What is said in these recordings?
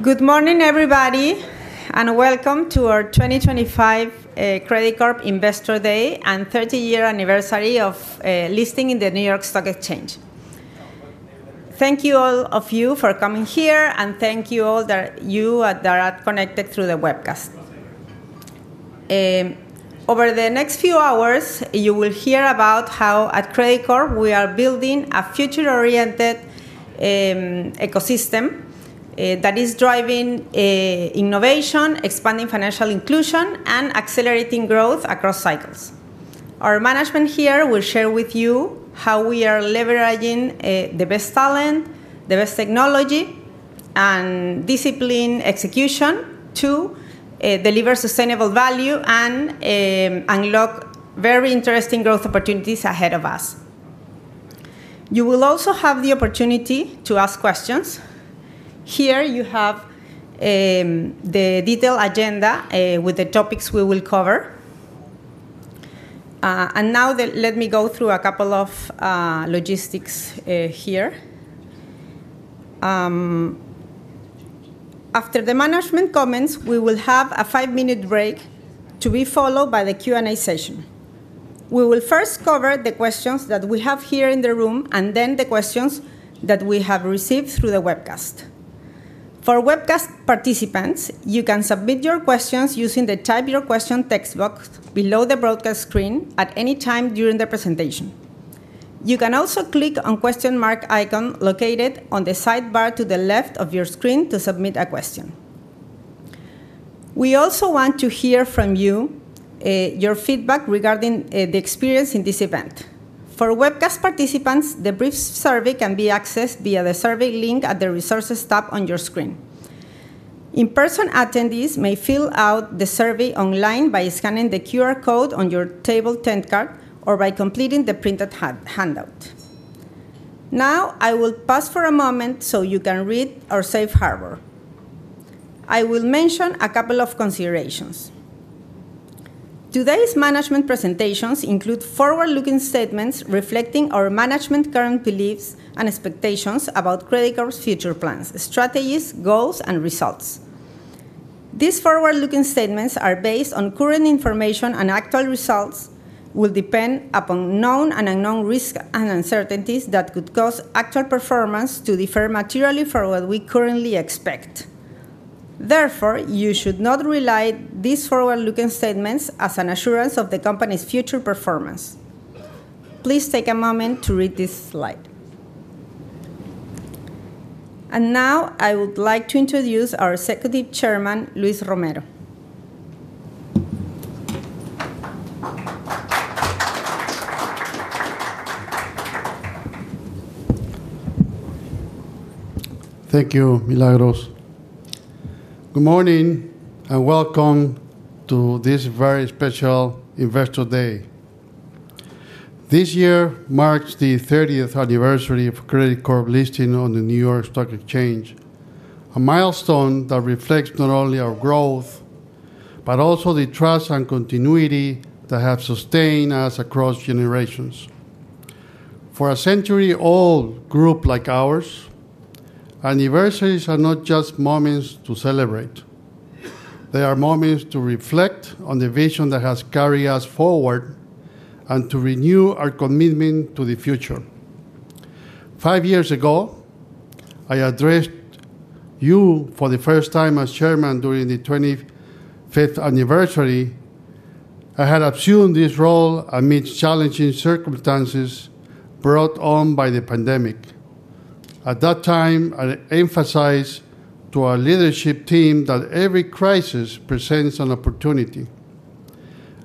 Good morning everybody and welcome to our 2025 Credicorp Investor Day and 30 year anniversary of listing in the New York Stock Exchange. Thank you all of you for coming here and thank you all of you that are connected through the webcast. Over the next few hours you will hear about how at Credicorp we are building a future-oriented ecosystem that is driving innovation, expanding financial inclusion, and accelerating growth across cycles. Our management here will share with you how we are leveraging the best talent, the best technology, and disciplined execution to deliver sustainable value and unlock very interesting growth opportunities ahead of us. You will also have the opportunity to ask questions. Here you have the detailed agenda with the topics we will cover. Now let me go through a couple of logistics here. After the management comments, we will have a five minute break to be followed by the Q&A session. We will first cover the questions that we have here in the room and then the questions that we have received through the webcast. For webcast participants, you can submit your questions using the "Type your question" text box below the broadcast screen at any time during the presentation. You can also click on the "?" icon located on the sidebar to the left of your screen to submit a question. We also want to hear from you, your feedback regarding the experience in this event for webcast participants. The brief survey can be accessed via the Survey link at the Resources tab on your screen. In-person attendees may fill out the survey online by scanning the QR code on your Table 10 card or by completing the printed handout. Now I will pause for a moment so you can read our Safe Harbor. I will mention a couple of considerations. Today's management presentations include forward-looking statements reflecting our management's current beliefs and expectations about Credicorp's future plans, strategies, goals, and results. These forward-looking statements are based on current information and actual results will depend upon known and unknown risks and uncertainties that could cause actual performance to differ materially from what we currently expect. Therefore, you should not rely on these forward-looking statements as an assurance of the company's future performance. Please take a moment to read this slide and now I would like to introduce our Executive Chairman, Luis Enrique Romero Belismelis. Thank you, Milagros. Good morning and welcome to this very special Investor Day. This year marks the 30th anniversary of Credicorp listing on the New York Stock Exchange, a milestone that reflects not only our growth but also the trust and continuity that have sustained us across generations. For a century-old group like ours, anniversaries are not just moments to celebrate, they are moments to reflect on the vision that has carried us forward and to renew our commitment to the future. Five years ago, I addressed you for the first time as Chairman during the 25th anniversary. I had assumed this role amidst challenging circumstances brought on by the pandemic. At that time, I emphasized to our leadership team that every crisis presents an opportunity,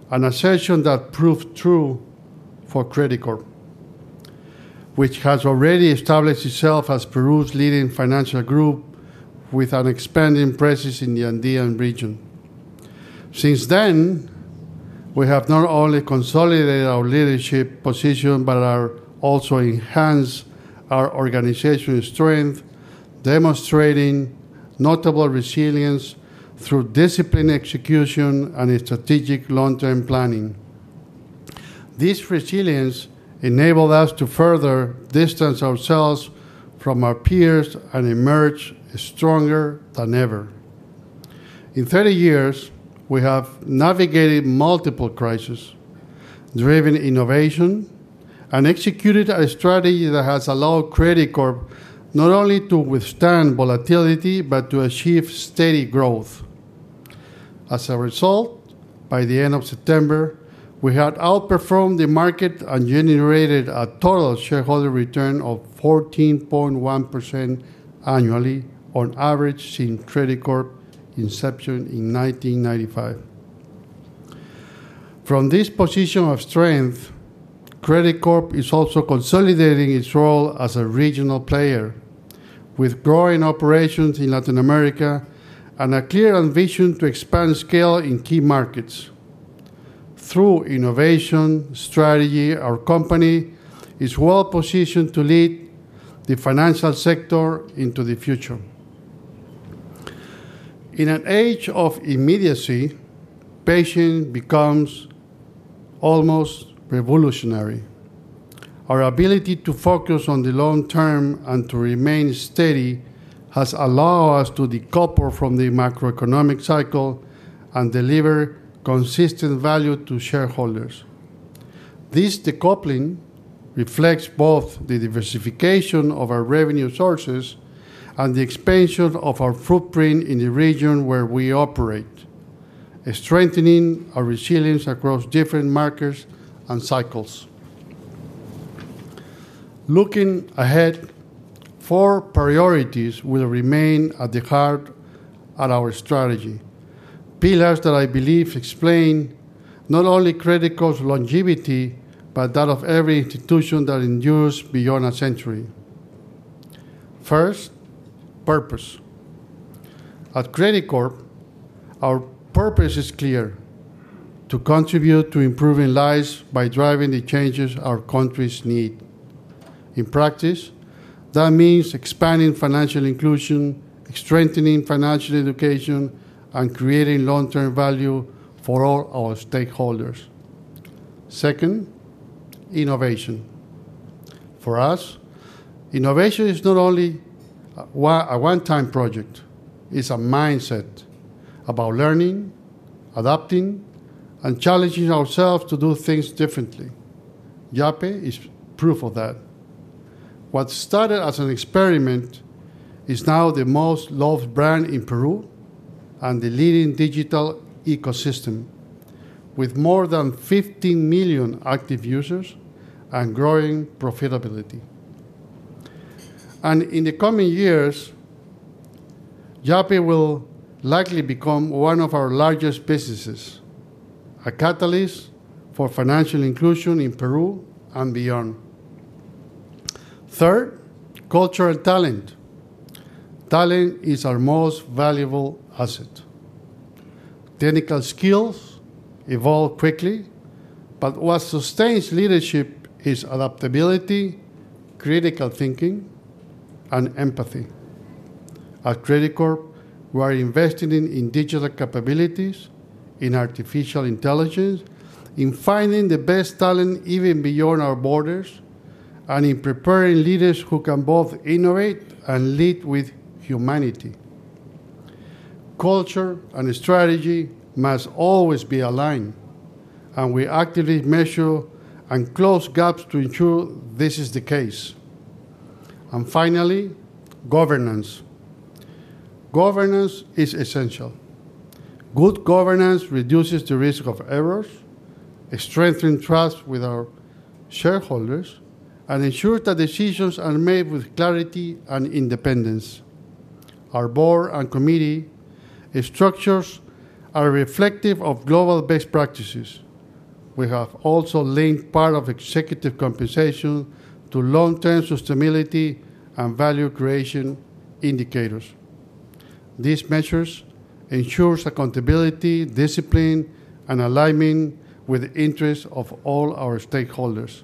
an assertion that proved true for Credicorp, which has already established itself as Peru's leading financial group with an expanding presence in the Andean region. Since then, we have not only consolidated our leadership position, but also enhanced our organizational strength, demonstrating notable resilience through disciplined execution and strategic long-term planning. This resilience enabled us to further distance ourselves from our peers and emerge stronger than ever. In 30 years, we have navigated multiple crises, driven innovation, and executed a strategy that has allowed Credicorp not only to withstand volatility, but to achieve steady growth. As a result, by the end of September, we had outperformed the market and generated a total shareholder return of 14.1% annually on average since Credicorp's inception in 1995. From this position of strength, Credicorp is also consolidating its role as a regional player. With growing operations in Latin America and a clear ambition to expand scale in key markets through innovation strategy, our company is well positioned to lead the financial sector into the future. In an age of immediacy, patience becomes almost revolutionary. Our ability to focus on the long term and to remain steady has allowed us to decouple from the macro-economic cycle and deliver consistent value to shareholders. This decoupling reflects both the diversification of our revenue sources and the expansion of our footprint in the region where we operate, strengthening our resilience across different markets and cycles. Looking ahead, four priorities will remain at the heart of our strategy. Pillars that I believe explain not only Credicorp's longevity, but that of every institution that endures beyond a century. First, purpose. At Credicorp, our purpose is to contribute to improving lives by driving the changes our countries need. In practice, that means expanding financial inclusion, strengthening financial education, and creating long-term value for all our stakeholders. Second, innovation. For us, innovation is not only a one-time project. It's a mindset about learning, adapting, and challenging ourselves to do things differently. Yape is proof of that. What started as an experiment is now the most loved brand in Peru and the leading digital ecosystem with more than 15 million active users and growing profitability. In the coming years, Yape will likely become one of our largest businesses, a catalyst for financial inclusion in Peru and beyond. Third, culture and talent. Talent is our most valuable asset. Technical skills evolve quickly, but what sustains leadership is adaptability, critical thinking, and empathy. At Credicorp, we are investing in digital capabilities, in artificial intelligence, in finding the best talent even beyond our borders, and in preparing leaders who can both innovate and lead with humanity. Culture and strategy must always be aligned, and we actively measure and close gaps to ensure this is the case. Finally, governance. Governance is essential. Good governance reduces the risk of errors, strengthens trust with our shareholders, and ensures that decisions are made with clarity and independence. Our board and committee structures are reflective of global best practices. We have also linked part of executive compensation to long-term sustainability and value creation indicators. These measures ensure accountability, discipline, and alignment with the interests of all our stakeholders.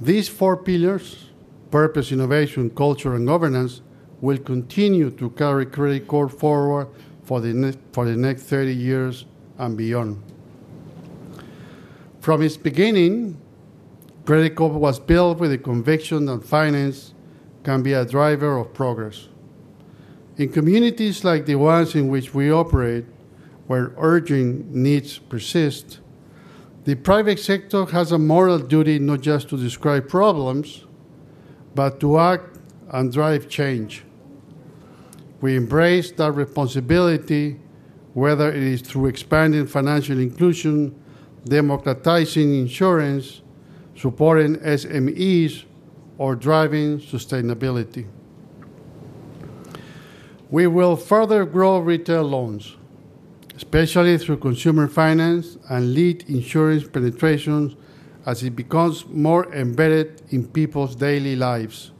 These four pillars—purpose, innovation, culture, and governance—will continue to carry Credicorp forward for the next 30 years and beyond. From its beginning, Credicorp was built with the conviction that finance can be a driver of progress in communities like the ones in which we operate, where urgent needs persist. The private sector has a moral duty not just to describe problems, but to act and drive change. We embrace that responsibility, whether it is through expanding financial inclusion, democratizing insurance, supporting SMEs, or driving sustainability. We will further grow retail loans, especially through consumer finance, and lead insurance penetration as it becomes more embedded in people's daily lives.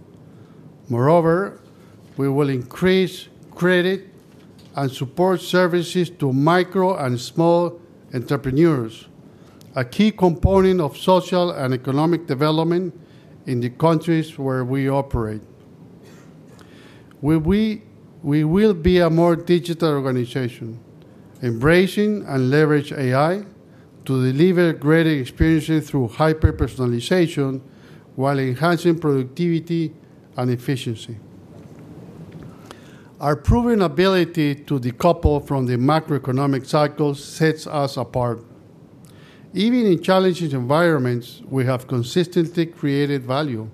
Moreover, we will increase credit and support services to micro and small entrepreneurs, a key component of social and economic development in the countries where we operate. We will be a more digital organization, embracing and leveraging AI to deliver greater experiences through hyper personalization while enhancing productivity and efficiency. Our proven ability to decouple from the macro-economic cycle sets us apart even in challenging environments. We have consistently created value,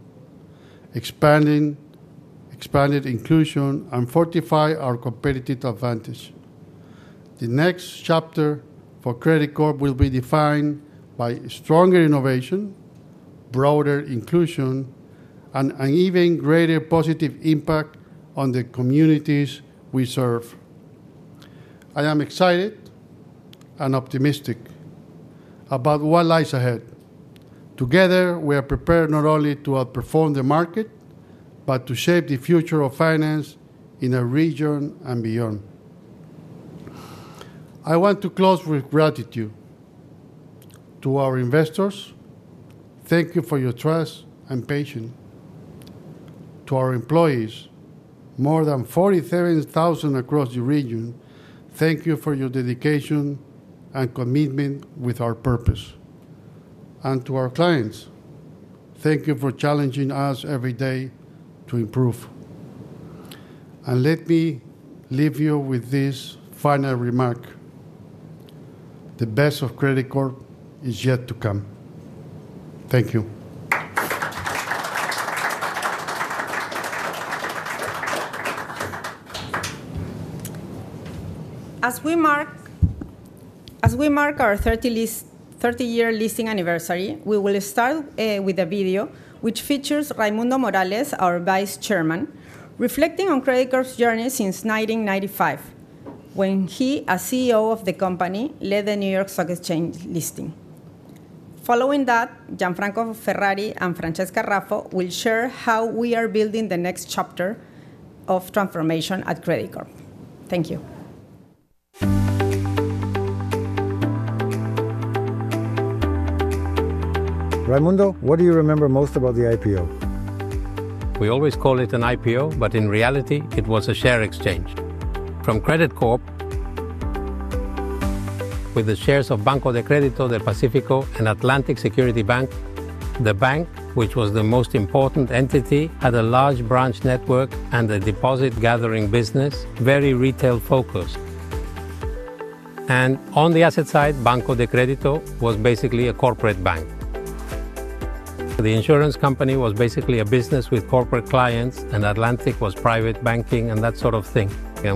expanded inclusion, and fortified our competitive advantage. The next chapter for Credicorp will be defined by stronger innovation, broader inclusion, and an even greater positive impact on the communities we serve. I am excited and optimistic about what lies ahead. Together we are prepared not only to outperform the market, but to shape the future of finance in our region and beyond. I want to close with gratitude to our investors. Thank you for your trust and patience. To our employees, more than 47,000 across the region, thank you for your dedication and commitment with our purpose. To our clients, thank you for challenging us every day to improve. Let me leave you with this final remark. The best of Credicorp is yet to come. Thank you. As we mark our 30 year listing anniversary, we will start with a video which features Raimundo Morales, our Vice Chairman, reflecting on Credicorp's journey since 1995 when he, as CEO of the company, led the New York Stock Exchange listing. Following that, Gianfranco Ferrari and Francesca Raffo Paine will share how we are building the next chapter of transformation at Credicorp. Thank you. Raimundo, what do you remember most about the IPO? We always call it an IPO, but in reality it was a share exchange from Credicorp with the shares of Banco de Crédito del Perú and Atlantic Security Bank. The bank, which was the most important entity, had a large branch network and a deposit-gathering business, very retail focused. On the asset side, Banco de Crédito del Perú was basically a corporate bank. The insurance company was basically a business with corporate clients, and Atlantic was private banking and that sort of thing.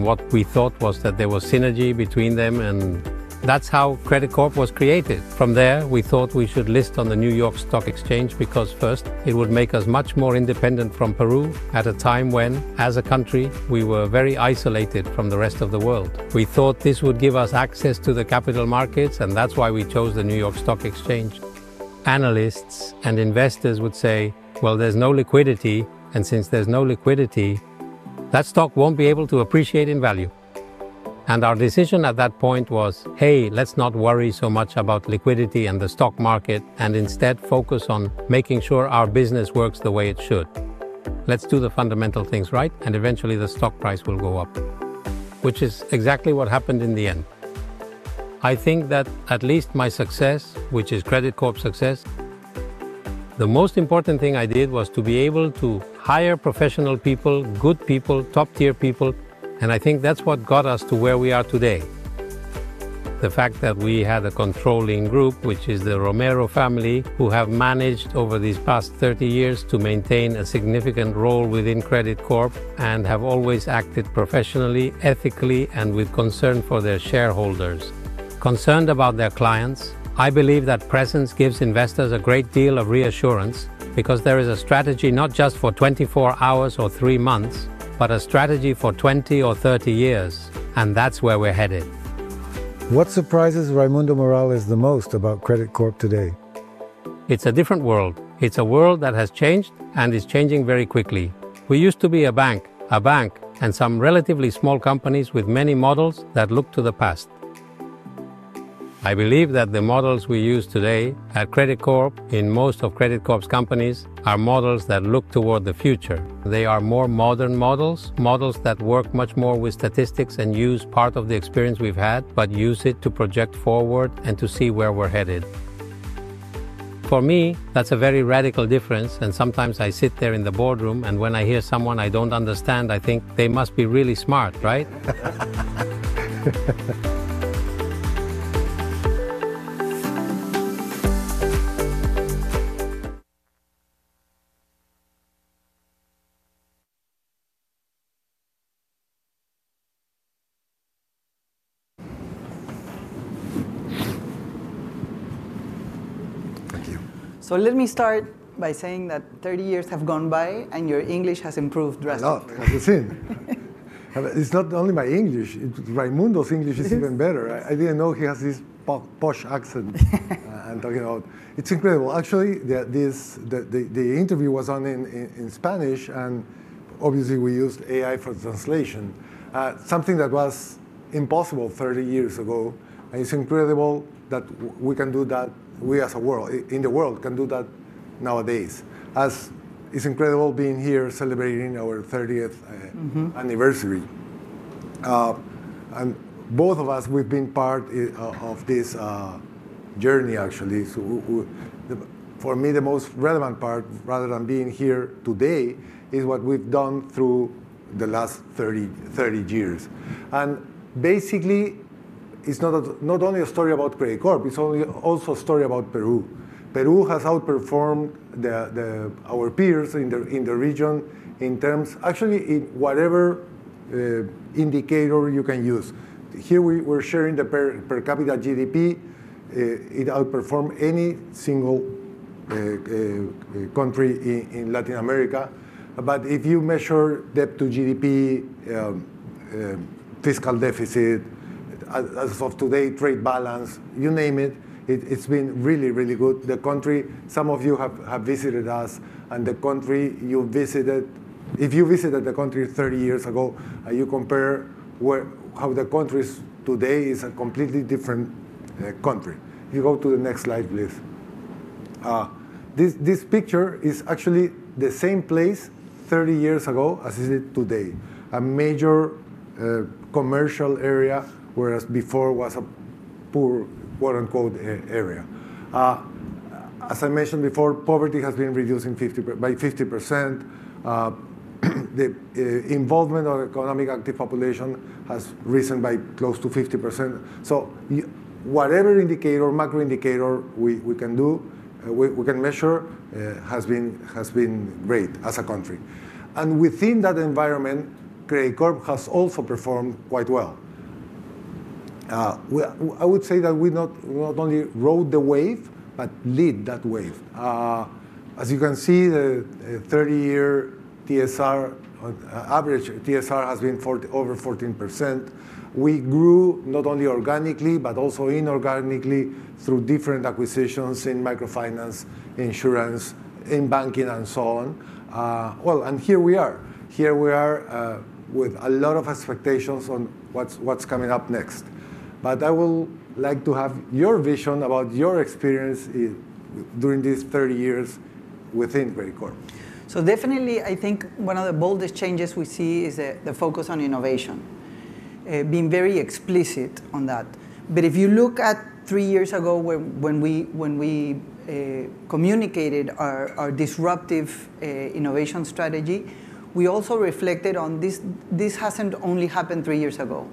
What we thought was that there was synergy between them, and that's how Credicorp was created. From there, we thought we should list on the New York Stock Exchange because first, it would make us much more independent from Peru at a time when, as a country, we were very isolated from the rest of the world. We thought this would give us access to the capital markets, and that's why we chose the New York Stock Exchange. Analysts and investors would say there's no liquidity, and since there's no liquidity, that stock won't be able to appreciate in value. Our decision at that point was, let's not worry so much about liquidity and the stock market and instead focus on making sure our business works the way it should. Let's do the fundamental things right, and eventually the stock price will go up, which is exactly what happened. In the end, I think that at least my success, which is Credicorp's success, the most important thing I did was to be able to hire professional people, good people, top-tier people. I think that's what got us to where we are today. The fact that we had a controlling group, which is the Romero family, who have managed over these past 30 years to maintain a significant role within Credicorp and have always acted professionally, ethically, and with concern for their shareholders, concerned about their clients. I believe that presence gives investors a great deal of reassurance because there is a strategy not just for 24 hours or three months, but a strategy for 20 or 30 years. That's where we're headed. What surprises Raimundo Morales the most about Credicorp today? It's a different world. It's a world that has changed and is changing very quickly. We used to be a bank, a bank and some relatively small companies with many models that look to the past. I believe that the models we use today at Credicorp, in most of Credicorp's companies, are models that look toward the future. They are more modern models, models that work much more with statistics and use part of the experience we've had, but use it to project forward and to see where we're headed. For me, that's a very radical difference. Sometimes I sit there in the boardroom and when I hear someone I don't understand, I think they must be really smart. Right? Thank you. Let me start by saying that 30 years have gone by and your English has improved drastically. As you see, hello. It's not only my English; Raimundo's English is even better. I didn't know he has this posh accent I'm talking about. It's incredible. Actually the interview was in Spanish and obviously we used AI for translation, something that was impossible 30 years ago. It's incredible that we can do that. We as a world, in the world can do that nowadays as it's incredible being here celebrating our 30th anniversary and both of us, we've been part of this journey actually. For me the most relevant part rather than being here today is what we've done through the last 30 years. Basically it's not only a story about Credicorp. It's also a story about Peru. Peru has outperformed our peers in the region in terms. Actually, whatever indicator you can use here, we're sharing the per capita GDP, it outperformed any single country in Latin America. If you measure debt to GDP, fiscal deficit as of today, trade balance, you name it, it's been really, really good. The country, some of you have visited us and the country you visited, if you visited the country 30 years ago and you compare how the country is today, it's a completely different country. If you go to the next slide, please. This picture is actually the same place 30 years ago as it is today. A major commercial area, whereas before was a poor, quote unquote, area. As I mentioned before, poverty has been reduced by 50%. The involvement of economic active population has risen by close to 50%. Whatever macro indicator we can measure has been great as a country and within that environment, Credicorp has also performed quite well. I would say that we not only rode the wave, but led that wave. As you can see, the 30-year average TSR has been over 14%. We grew not only organically but also inorganically through different acquisitions in microfinance, insurance, in banking and so on. Here we are with a lot of expectations on what's coming up next. I would like to have your vision about your experience during these 30 years within Credicorp. I think one of the boldest changes we see is the focus on innovation being very explicit on that. If you look at three years ago when we communicated our disruptive innovation strategy, we also reflected on this hasn't only happened three years ago.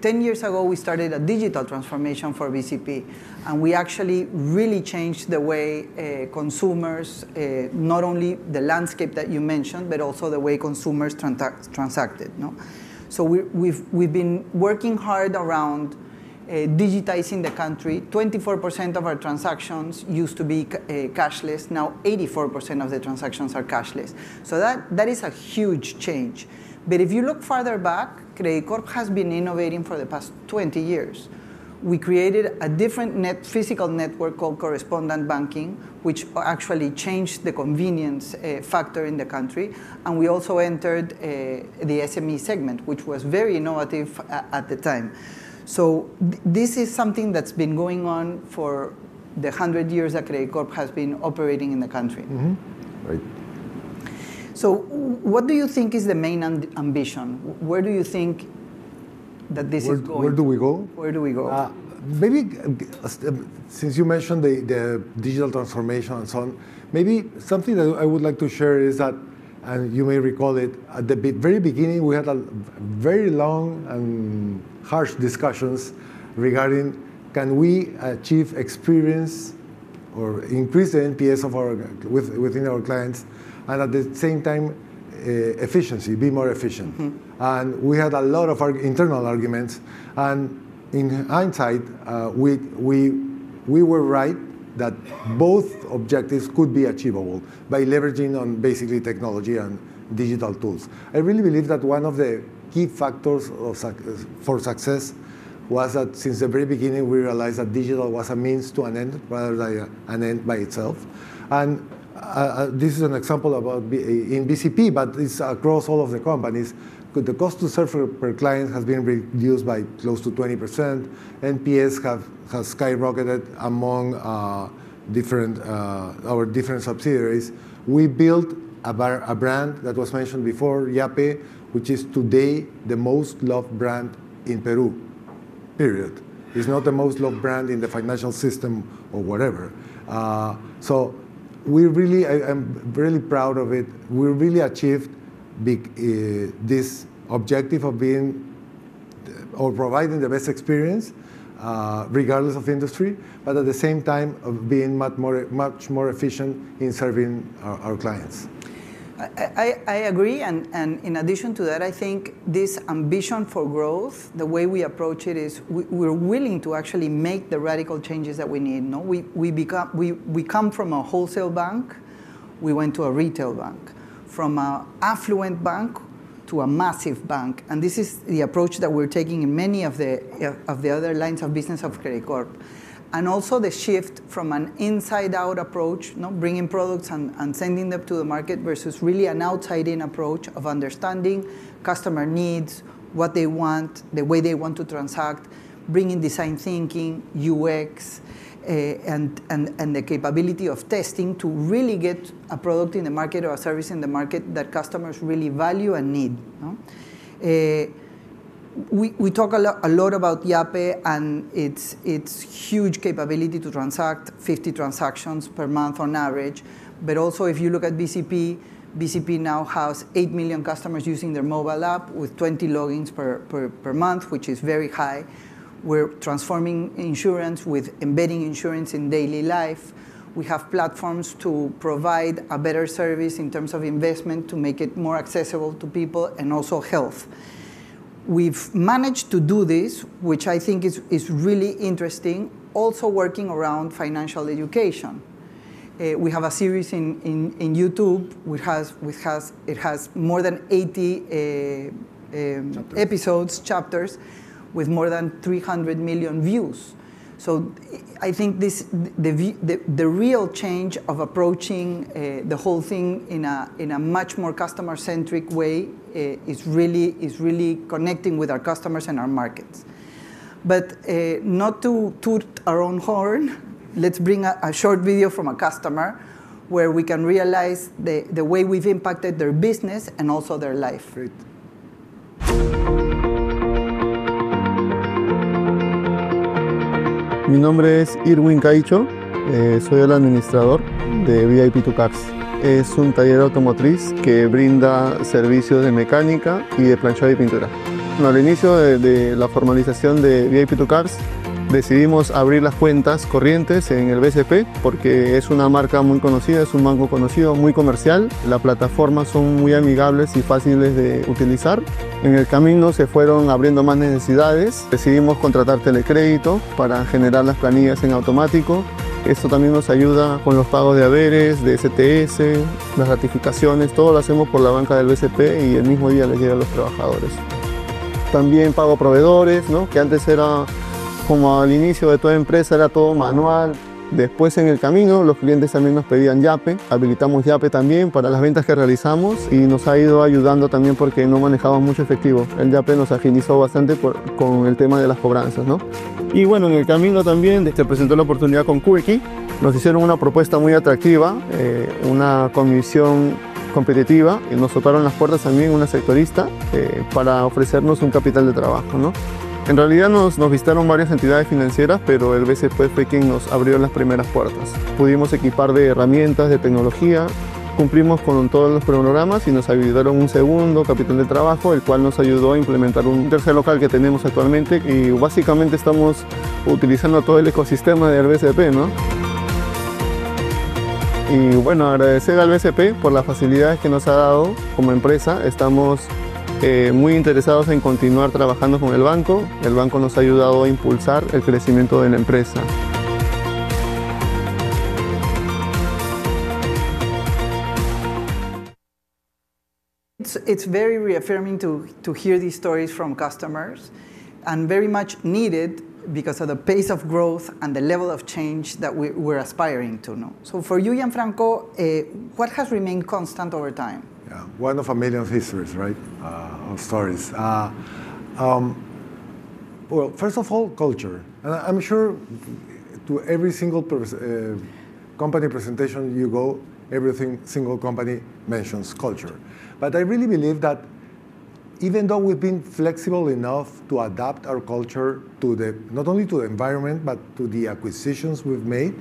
Ten years ago, we started a digital transformation for Banco de Crédito del Perú and we actually really changed the way consumers, not only the landscape that you mentioned, but also the way consumers transacted. We've been working hard around digitizing the country. 24% of our transactions used to be cashless. Now 84% of the transactions are cashless. That is a huge change. If you look farther back, Credicorp has been innovating for the past 20 years. We created a different physical network called correspondent banking, which actually changed the convenience factor in the country. We also entered the SME segment, which was very innovative at the time. This is something that's been going on for the hundred years that Credicorp has been operating in the country. What do you think is the main ambition? Where do you think that this is going? Where do we go? Where do we go? Maybe since you mentioned the digital transformation and so on, maybe something that I would like to share is that, and you may recall it, at the very beginning we had very long and harsh discussions regarding can we achieve experience or increase the NPS within our clients and at the same time efficiency, be more efficient. We had a lot of internal arguments and in hindsight we were right that both objectives could be achievable by leveraging on basically technology and digital tools. I really believe that one of the key factors for success was that since the very beginning we realized that digital was a means to an end rather than an end by itself. This is an example in Banco de Crédito del Perú, but it's across all of the companies, the cost to serve per client has been reduced by close to 20%. NPS has skyrocketed. Among our different subsidiaries, we built a brand that was mentioned before, Yape, which is today the most loved brand in Peru, period. It's not the most loved brand in the financial system or whatever. I'm really proud of it. We really achieved this objective of being or providing the best experience regardless of industry, but at the same time of being much more efficient in serving our clients. I agree. In addition to that, I think this ambition for growth, the way we approach it is we're willing to actually make the radical changes that we need. We come from a wholesale bank. We went to a retail bank, from an affluent bank to a massive bank. This is the approach that we're taking in many of the other lines of business of Credicorp. Also, the shift from an inside out approach, bringing products and sending them to the market versus really an outside in approach of understanding customer needs, what they want, the way they want to transact. Bringing design thinking, UX, and the capability of testing to really get a product in the market or a service in the market that customers really value and need. We talk a lot about Yape and its huge capability to transact 50 transactions per month on average. If you look at Banco de Crédito del Perú, Banco de Crédito del Perú now has 8 million customers using their mobile app with 20 logins per month, which is very high. We're transforming insurance with embedding insurance in daily life. We have platforms to provide a better service in terms of making it more accessible to people and also health. We've managed to do this, which I think is really interesting. Also working around financial education. We have a series in YouTube, it has more than 80 episodes, chapters with more than 300 million views. I think the real change of approaching the whole thing in a much more customer centric way is really connecting with our customers and our markets. Not to toot our own horn, let's bring a short video from a customer where we can realize the way we've impacted their business and also their life. It's very reaffirming to hear these stories from customers and very much needed because of the pace of growth and the level of change that we're aspiring to now. For you, Gianfranco, what has remained constant over time? Yeah, one of a million histories, right, of stories. First of all, culture. I'm sure at every single company presentation you go to, every single company mentions culture. I really believe that even though we've been flexible enough to adapt our culture not only to the environment, but to the acquisitions we've made,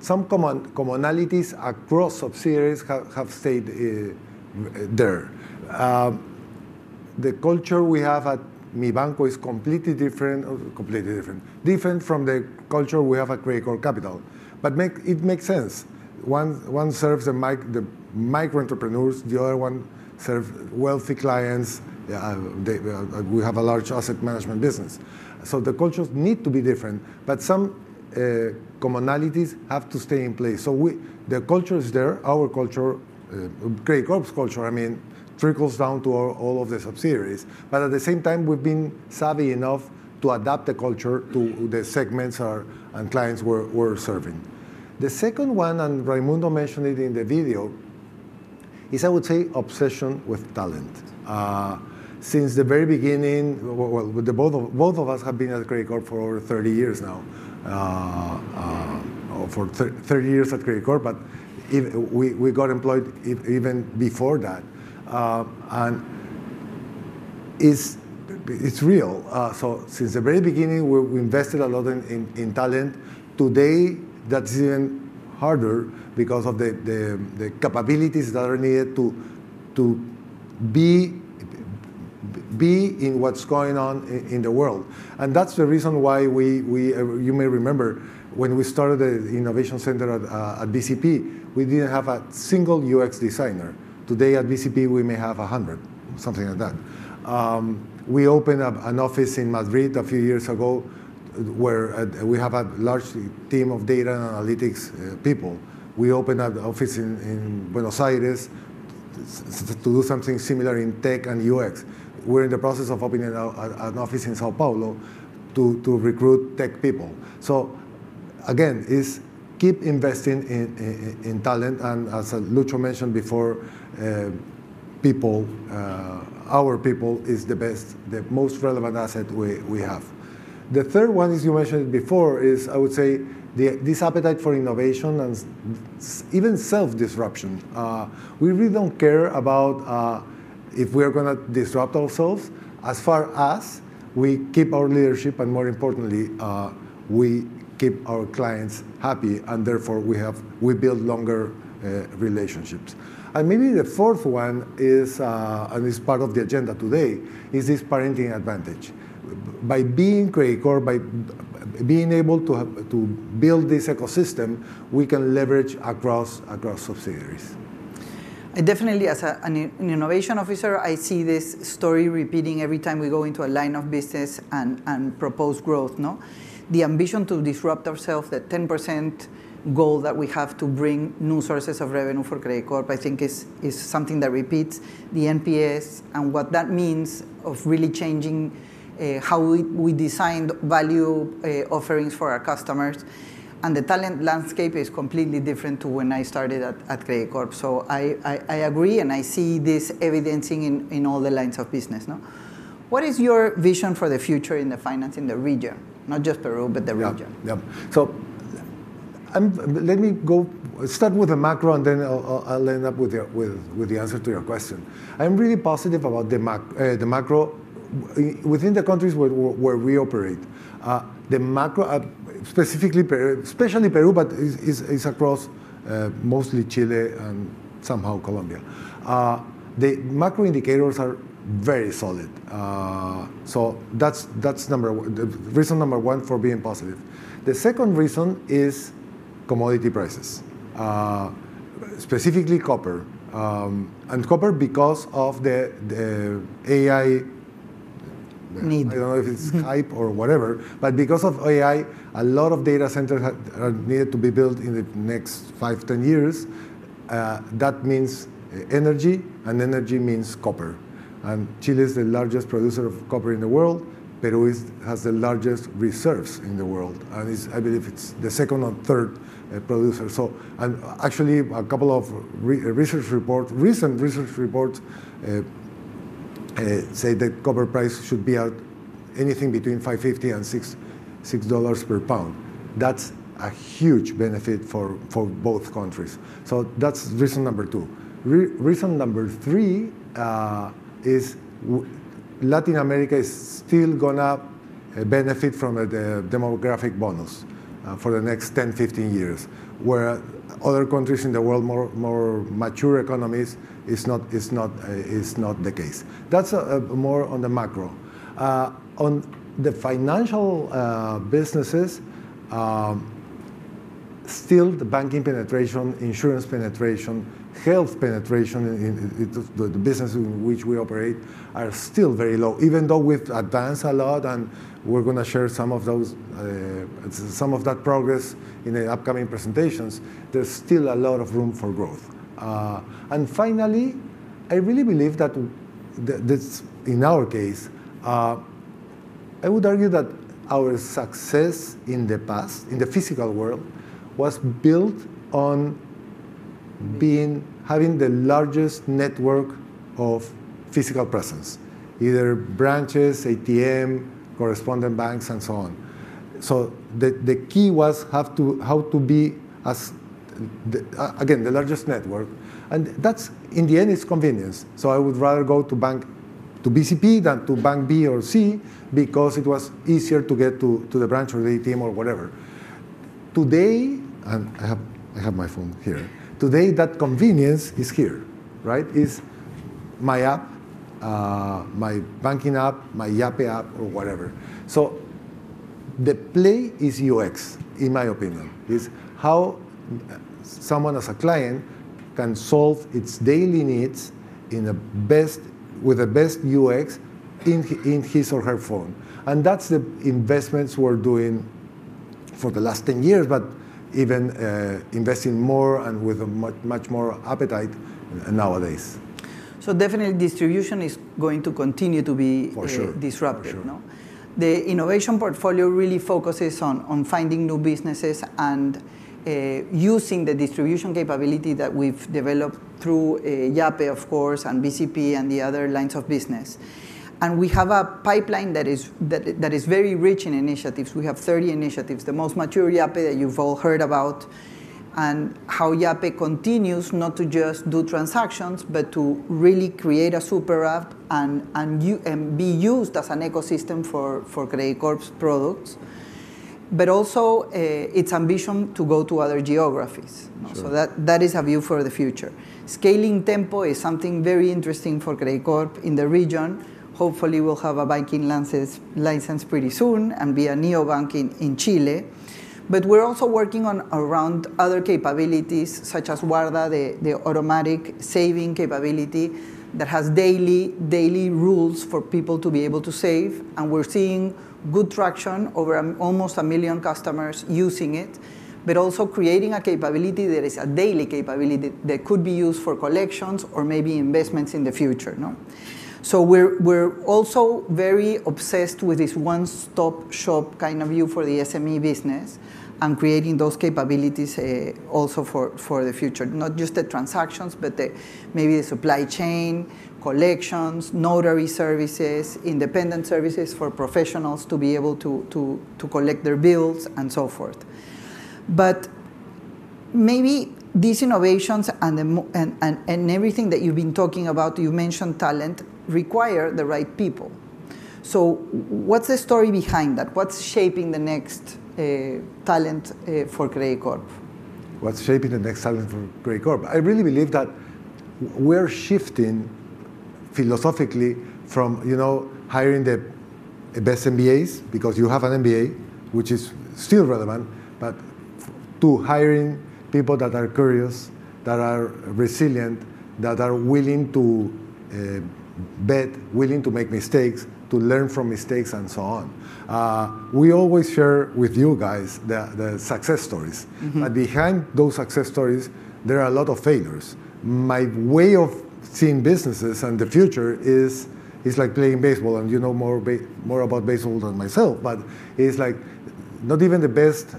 some commonalities across subsidiaries have stayed there. The culture we have at Mibanco is completely different. Completely different. Different from the culture we have at Credicorp Capital. It makes sense. One serves the micro entrepreneurs, the other one serves wealthy clients. We have a large asset management business, so the cultures need to be different. Some commonalities have to stay in place. The culture is there. Our culture, Credicorp's culture, trickles down to all of the subsidiaries. At the same time, we've been savvy enough to adapt the culture to the segments and clients we're serving. The second one, and Raimundo mentioned it in the video, is, I would say, obsession with talent since the very beginning. Both of us have been at Credicorp for over 30 years now. For 30 years at Credicorp, but we got employed even before that, and it's real. Since the very beginning, we invested a lot in talent. Today that's even harder because of the capabilities that are needed to be in what's going on in the world. That's the reason why you may remember when we started the Innovation Center at BCP, we didn't have a single UX designer. Today at BCP we may have 100, something like that. We opened up an office in Madrid a few years ago where we have a large team of data and analytics people. We opened an office in Buenos Aires to do something similar in tech and UX. We're in the process of opening an office in Sao Paulo to recruit tech people. Again, keep investing in talent. As Lucho mentioned before, our people is the best, the most relevant asset we have. The third one, as you mentioned before, is, I would say, this appetite for innovation and even self-disruption. We really don't care about if we are going to disrupt ourselves as far as we keep our leadership and, more importantly, we keep our clients happy and therefore we build longer relationships. Maybe the fourth one, and is part of the agenda today, is this parenting advantage by being Credicorp, by being able to build this ecosystem we can leverage across subsidiaries. Definitely. As an Innovation Officer, I see this story repeating every time we go into a line of business and propose growth. The ambition to disrupt ourselves. That 10% goal that we have to bring new sources of revenue for Credicorp. I think is something that repeats the NPS and what that means of really changing how we design value offerings for our customers. The talent landscape is completely different to when I started at Credicorp. I agree and I see this evidencing in all the lines of business. What is your vision for the future in the finance in the region? Not just Peru, but the region. Let me start with a macro and then I'll end up with the answer to your question. I'm really positive about the macro within the countries where we operate, especially Peru, but it's across mostly Chile and somehow Colombia. The macro indicators are very solid. That's reason number one for being positive. The second reason is commodity prices, specifically copper and copper because of the AI need. I don't know if it's hype or whatever, but because of AI a lot of data centers needed to be built in the next five, 10 years. That means energy and energy means copper. Chile is the largest producer of copper in the world. Peru has the largest reserves in the world and I believe it's the second or third producer. Actually, a couple of recent research reports say that copper price should be at anything between $5.50 and $6 per pound. That's a huge benefit for both countries. That's reason number two. Reason number three is Latin America is still going to benefit from the demographic bonus for the next 10, 15 years, where other countries in the world, more mature economies, is not the case. That's more on the macro, on the financial businesses. Still. The banking penetration, insurance penetration, health penetration, the business in which we operate are still very low even though we've advanced a lot. We're going to share some of that progress in the upcoming presentations. There's still a lot of room for growth. I really believe that in our case, I would argue that our success in the past in the physical world was built on having the largest network of physical presence, either branches, ATM, correspondent banks and so on. The key was how to be again the largest network. In the end, it's convenience. I would rather go to bank to BCP than to bank B or C because it was easier to get to the branch or the ATM or whatever. Today, I have my phone here. That convenience is here, right? It's my app, my banking app, my Yape app or whatever. The play is UX in my opinion. It's how someone as a client can solve its daily needs with the best UX in his or her phone. That's the investments we're doing for the last 10 years, but even investing more and with much more appetite nowadays. Distribution is going to continue to be disrupted. The innovation portfolio really focuses on finding new businesses and using the distribution capability that we've developed through Yape, of course, and Banco de Crédito del Perú and the other lines of business. We have a pipeline that is very rich in initiatives. We have 30 initiatives, the most mature Yape that you've all heard about and how Yape continues not to just do transactions, but to really create a super app and be used as an ecosystem for Credicorp's products, but also its ambition to go to other geographies. That is a view for the future. Scaling Tempo is something very interesting for Credicorp in the region. Hopefully we'll have a banking license pretty soon and be a neobank in Chile. We're also working around other capabilities such as Warda, the automatic saving capability that has daily rules for people to be able to save. We're seeing good traction, over almost a million customers using it, but also creating a capability that is a daily capability that could be used for collections or maybe investments in the future. We're also very obsessed with this one stop shop kind of view for the SME business and creating those capabilities also for the future. Not just the transactions, but maybe the supply chain, collections, notary services, independent services for professionals to be able to collect their bills and so forth. Maybe these innovations and everything that you've been talking about. You mentioned talent require the right people. What's the story behind that? What's shaping the next talent for Credicorp? What's shaping the next talent for Credicorp? I really believe that we're shifting philosophically from hiring the best MBAs because you have an MBA, which is still relevant, to hiring people that are curious, that are resilient, that are willing to bet, willing to make mistakes, to learn from mistakes and so on. We always share with you guys the success stories, but behind those success stories there are a lot of failures. My way of seeing businesses and the future is like playing baseball. You know more about baseball than myself, but it's like not even the best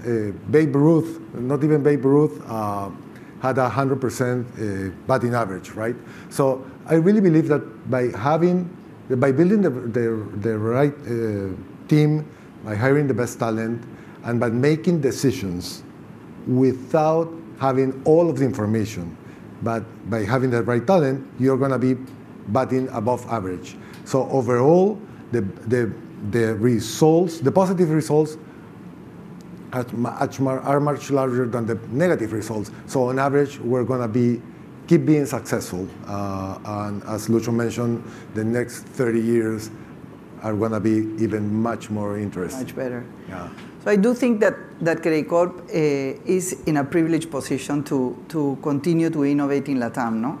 Babe Ruth, not even Babe Ruth had 100% batting average. Right. I really believe that by building the right team, by hiring the best talent and by making decisions without having all of the information, but by having the right talent, you're going to be batting above average. Overall, the results, the positive results are much larger than the negative results. On average we're going to keep being successful. As Lucho mentioned, the next 30 years are going to be even much more interesting, much better. Yeah. I do think that Credicorp is in a privileged position to continue to innovate in Latin America.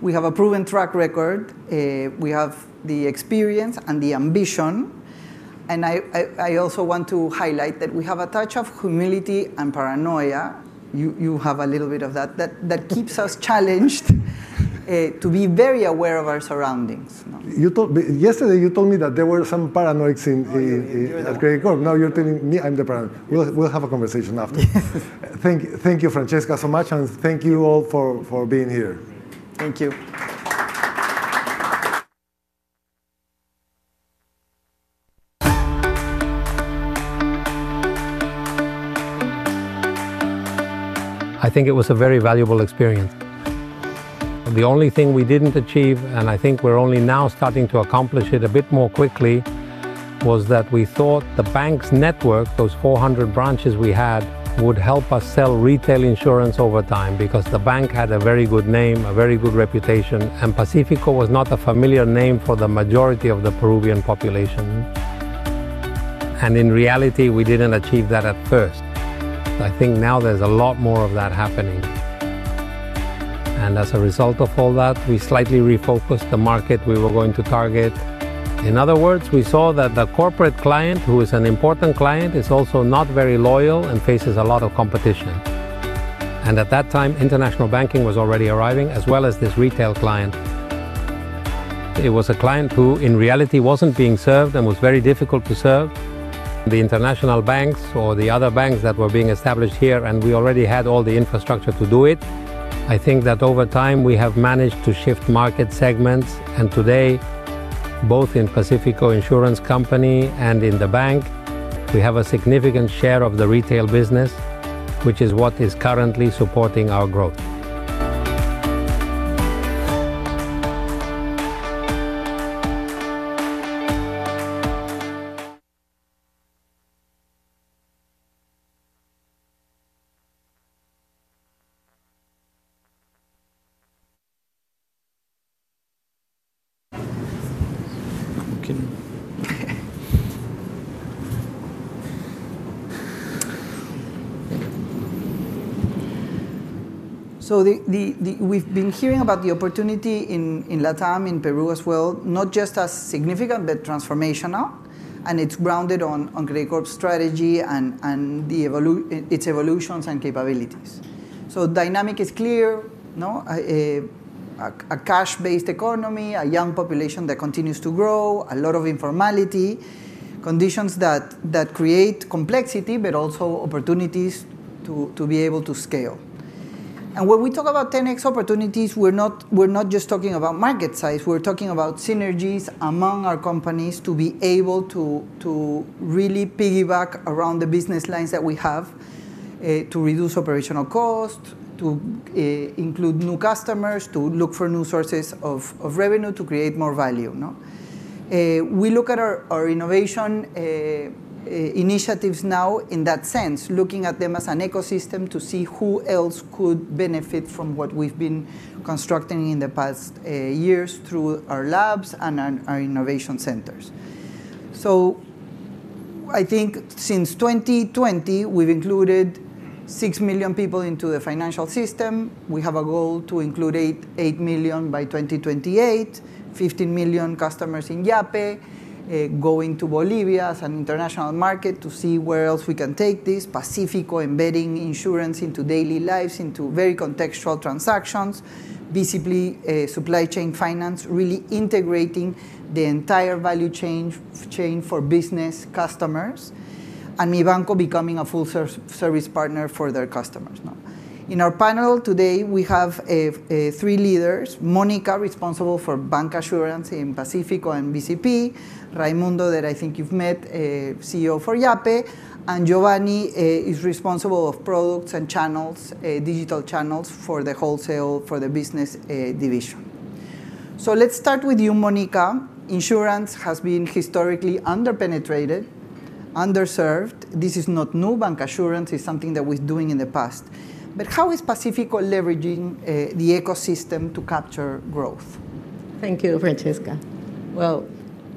We have a proven track record, we have the experience and the ambition. I also want to highlight that we have a touch of humility and paranoia. You have a little bit of that that keeps us challenged to be very aware of our surroundings. Yesterday you told me that there were some paranoics at Credicorp. Now you're telling me I'm the paranoid. We'll have a conversation after. Thank you, Francesca, so much, and thank you all for being here. Thank you. I think it was a very valuable experience. The only thing we didn't achieve, and I think we're only now starting to accomplish it a bit more quickly, was that we thought the bank's network, those 400 branches we had, would help us sell retail insurance over time because the bank had a very good name, a very good reputation, and Pacifico was not a familiar name for the majority of the Peruvian population. In reality, we didn't achieve that at first. I think now there's a lot more of that happening. As a result of all that, we slightly refocused the market we were going to target. In other words, we saw that the corporate client, who is an important client, is also not very loyal and faces a lot of competition. At that time, international banking was already arriving as well as this retail client. It was a client who in reality wasn't being served and was very difficult to serve for the international banks or the other banks that were being established here. We already had all the infrastructure to do it. I think that over time we have managed to shift market segments and today, both in Grupo Pacífico Seguros and in the bank, we have a significant share of the retail business, which is what is currently supporting our growth. We've been hearing about the opportunity in Latin America, in Peru as well. Not just as significant, but transformational, and it's grounded on Credicorp's strategy and its evolutions and capabilities. The dynamic is clear: a cash-based economy, a young population that continues to grow, a lot of informality, conditions that create complexity but also opportunities to be able to scale. When we talk about 10x opportunities, we're not just talking about market size, we're talking about synergies among our companies to be able to really piggyback around the business lines that we have to reduce operational cost, to include new customers, to look for new sources of revenue, to create more value. We look at our innovation initiatives now in that sense, looking at them as an ecosystem to see who else could benefit from what we've been constructing in the past years through our labs and our innovation centers. I think since 2020 we've included 6 million people into the financial system. We have a goal to include 8.8 million by 2028. 15 million customers in Yape, going to Bolivia as an international market to see where else we can take this. Pacifico embedding insurance into daily lives, into very contextual transactions, visibly supply chain finance, really integrating the entire value chain for business customers, and Mibanco becoming a full-service partner for their customers. In our panel today, we have three leaders: Monica, responsible for bancassurance in Pacifico and Banco de Crédito del Perú; Raymundo, that I think you've met, CEO for Yape; and Giovanni, responsible for products and digital channels for the wholesale, for the business division. Let's start with you, Monica. Insurance has been historically underpenetrated, underserved. This is not new bancassurance. It's something that we're doing in the past. How is Pacifico leveraging the ecosystem to capture growth? Thank you, Francesca.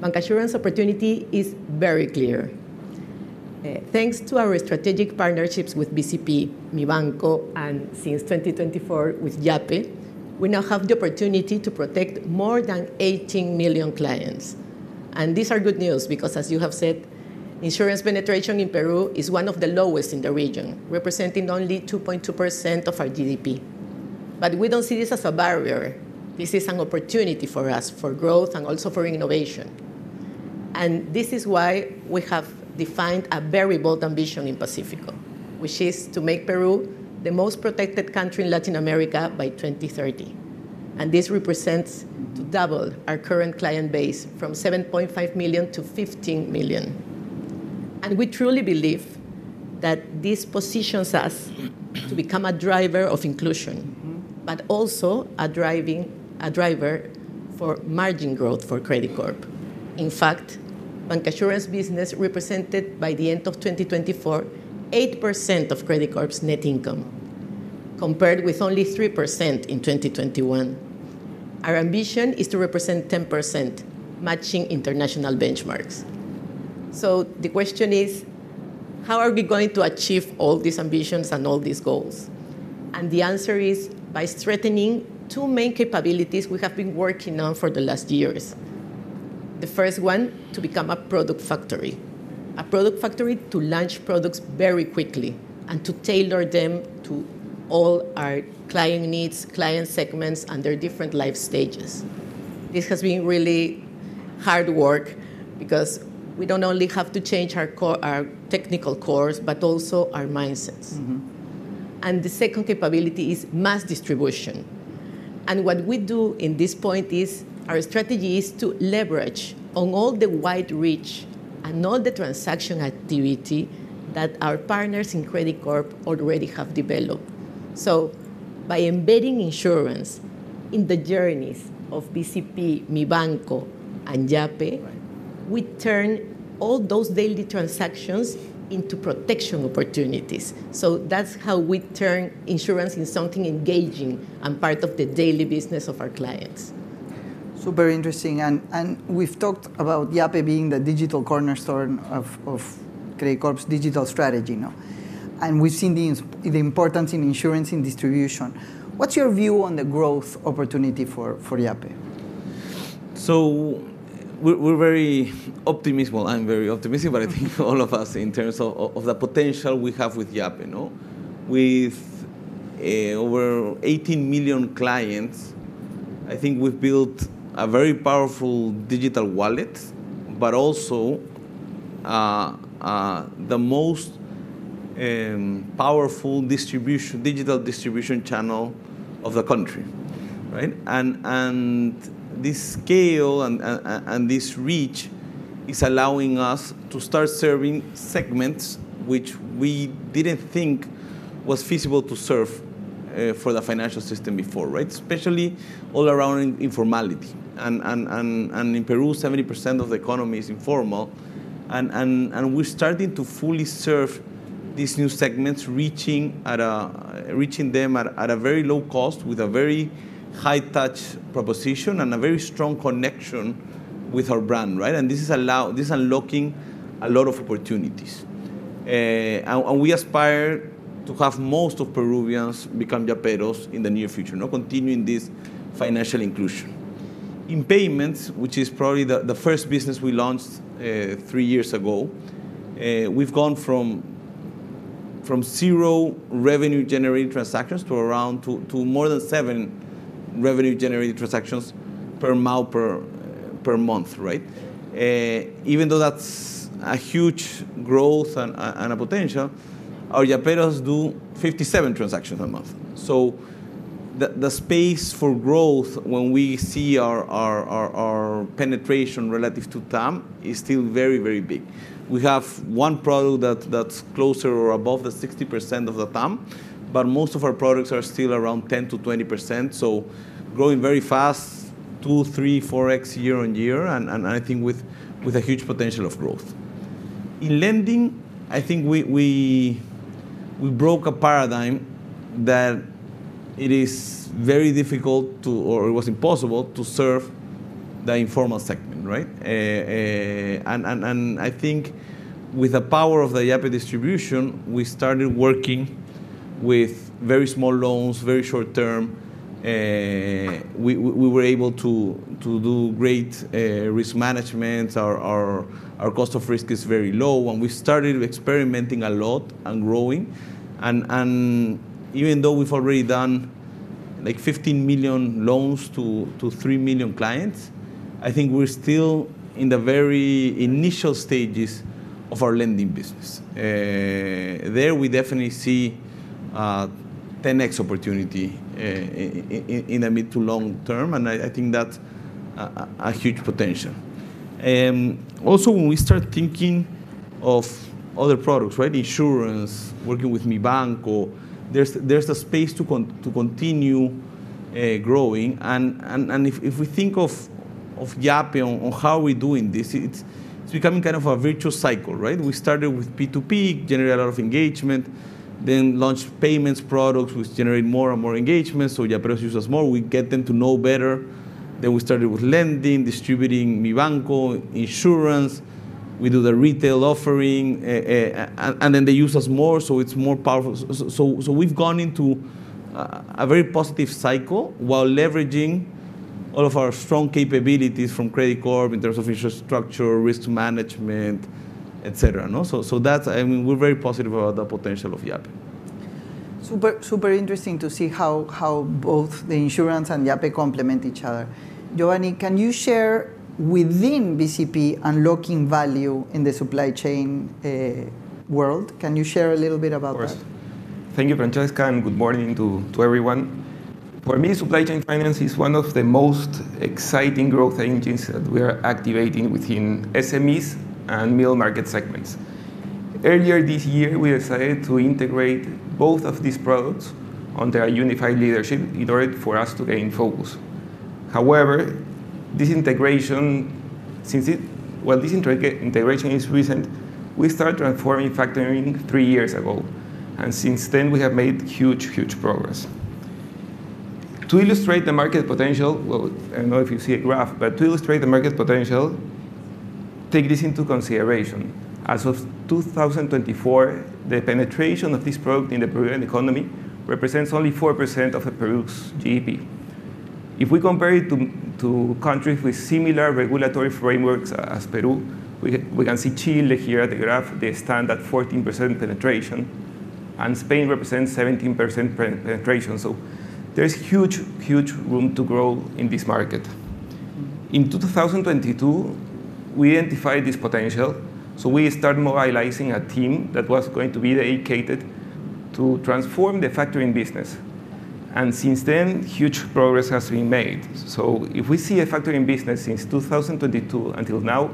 The insurance opportunity is very clear. Thanks to our strategic partnerships with Banco de Crédito del Perú, Mibanco, and since 2024 with Yape, we now have the opportunity to protect more than 18 million clients. These are good news because, as you have said, insurance penetration in Peru is one of the lowest in the region, representing only 2.2% of our GDP. We do not see this as a barrier. This is an opportunity for us, for growth and also for innovation. This is why we have defined a very bold ambition in Pacifico, which is to make Peru the most protected country in Latin America by 2030. This represents doubling our current client base from 7.5 million-15 million. We truly believe that this positions us to become a driver of inclusion, but also a driver for margin growth for Credicorp. In fact, Pacifico's business represented by the end of 2024, 8% of Credicorp's net income, compared with only 3% in 2021. Our ambition is to represent 10%, matching international benchmarks. The question is, how are we going to achieve all these ambitions and all these goals? The answer is by strengthening two main capabilities we have been working on for the last years. The first one, to become a product factory. A product factory to launch products very quickly and to tailor them to all our client needs, client segments, and their different life stages. This has been really hard work because we do not only have to change our technical cores, but also our mindsets. The second capability is mass distribution. What we do at this point is our strategy is to leverage all the wide reach and all the transaction activity that our partners in Credicorp already have developed. By embedding insurance in the journeys of Banco de Crédito del Perú, Mibanco, and Yape, we turn all those daily transactions into protection opportunities. That is how we turn insurance into something engaging and part of the daily business of our clients. Super interesting. We've talked about Yape being the digital cornerstone of Credicorp's digital strategy. We've seen the importance in insurance in distribution. What's your view on the growth opportunity for Yape? We are very optimistic. I am very optimistic, but I think all of us, in terms of the potential we have with Yape, with over 18 million clients, I think we've built a very powerful digital wallet, but also the most powerful digital distribution channel of the country. This scale and this reach is allowing us to start serving segments which we didn't think was feasible to serve for the financial system before, especially all around informality. In Peru, 70% of the economy is informal. We are starting to fully serve these new segments, reaching them at a very low cost with a very high touch proposition and a very strong connection with our brand. This is unlocking a lot of opportunities and we aspire to have most of Peruvians become yaperos in the near future. Continuing this financial inclusion in payments, which is probably the first business we launched three years ago, we've gone from zero revenue generated transactions to more than seven revenue generated transactions per mile per month. Even though that's a huge growth and a potential, our yaperos do 57 transactions a month. The space for growth when we see our penetration relative to TAM is still very, very big. We have one product that's closer or above the 60% of the TAM, but most of our products are still around 10%-20%. Growing very fast, 2x, 3x, 4x year on year. I think with a huge potential of growth in lending, I think we broke a paradigm that it is very difficult or it was impossible to serve the informal segment. I think with the power of the Yape distribution, we started working with very small loans, very short term. We were able to do great risk management. Our cost of risk is very low and we started experimenting a lot and growing. Even though we've already done like 15 million loans to 3 million clients, I think we're still in the very initial stages of our lending business there. We definitely see 10x opportunity in the mid to long term. I think that a huge potential also when we start thinking of other products, right? Insurance, working with Mibanco, there's a space to continue growing. If we think of Yape on how we're doing this, it's becoming kind of a virtuous cycle. Right. We started with P2P, generate a lot of engagement, then launch payments products which generate more and more engagements. Yape uses more, we get them to know better. We started with lending, distributing Mibanco insurance. We do the retail offering and then they use us more. It is more powerful. We have gone into a very positive cycle while leveraging all of our strong capabilities from Credicorp in terms of infrastructure, risk management, et cetera. We are very positive about the potential of Yape. Super interesting to see how both the insurance and Yape complement each other. Giovanni, can you share within Banco de Crédito del Perú unlocking value in the supply chain world? Can you share a little bit about that? Thank you, Francesca, and good morning to everyone. For me, supply chain finance is one of the most exciting growth engines that we are activating within SMEs and middle market segments. Earlier this year we decided to integrate both of these products under unified leadership in order for us to gain focus. However, this integration is recent. We started transforming factoring three years ago, and since then we have made huge, huge progress. To illustrate the market potential, take this into consideration. As of 2024, the penetration of this product in the Peruvian economy represents only 4% of Peru's GDP. If we compare it to countries with similar regulatory frameworks as Peru, we can see Chile here at the graph, they stand at 14% penetration, and Spain represents 17% penetration. There is huge, huge room to grow in this market. In 2022, we identified this potential. We started mobilizing a team that was going to be dedicated to transform the factoring business, and since then, huge progress has been made. If we see a factoring business since 2022 until now,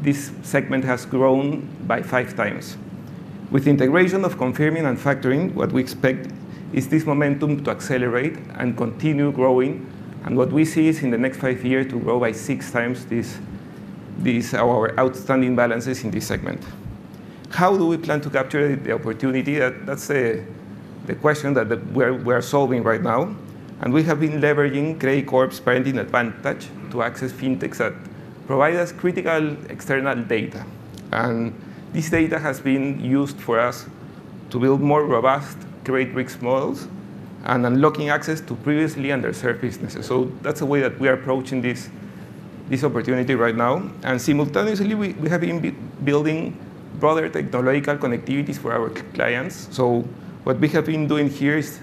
this segment has grown by five times with integration of confirming and factoring. What we expect is this momentum to accelerate and continue growing. What we see is in the next five years to grow by six times our outstanding balances in this segment. How do we plan to capture the opportunity? That's the question that we are solving right now. We have been leveraging Credicorp's parenting advantage to access fintechs that provide us critical external data, and this data has been used for us to build more robust, create risk models and unlocking access to previously underserved businesses. That's the way that we are approaching this opportunity right now. Simultaneously, we have been building broader technological connectivities for our clients. What we have been doing here is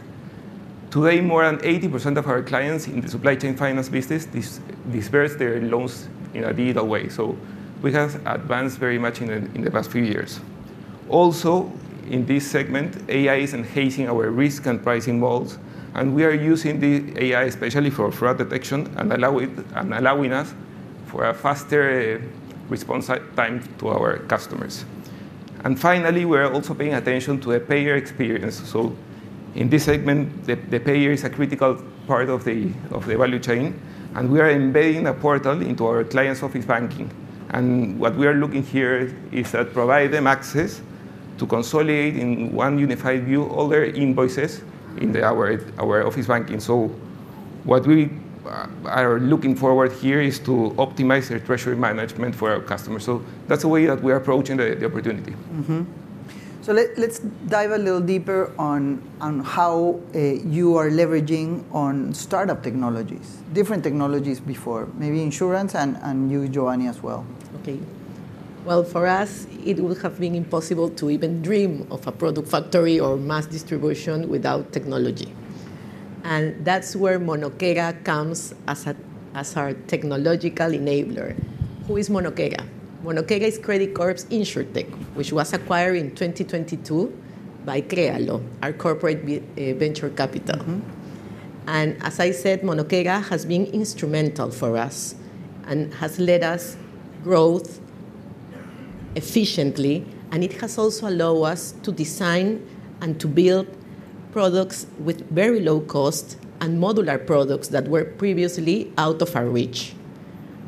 today more than 80% of our clients in the supply chain finance business disperse their loans in a digital way. We have advanced very much in the past few years. Also in this segment, AI is enhancing our risk and pricing models, and we are using the AI especially for fraud detection and allowing us for a faster response time to our customers. Finally, we are also paying attention to the payer experience. In this segment the payer is a critical part of the value chain, and we are embedding a portal into our client's office banking. What we are looking here is that provide them access to consolidate in one unified view all their invoices in our office banking. What we are looking forward here is to optimize their treasury management for our customers. That's the way that we are approaching the opportunity. Let's dive a little deeper on how you are leveraging on startup technologies, different technologies before maybe insurance and you, Giovanni, as well. Okay. For us it would have been impossible to even dream of a product factory or mass distribution without technology. That's where Monokera comes as our technological enabler. Who is Monokera? Monokera is Credicorp's insurtech which was acquired in 2022 by Krealo, our corporate venture capital. As I said, Monokera has been instrumental for us and has led us to grow efficiently and it has also allowed us to design and to build products with very low cost and modular products that were previously out of our reach.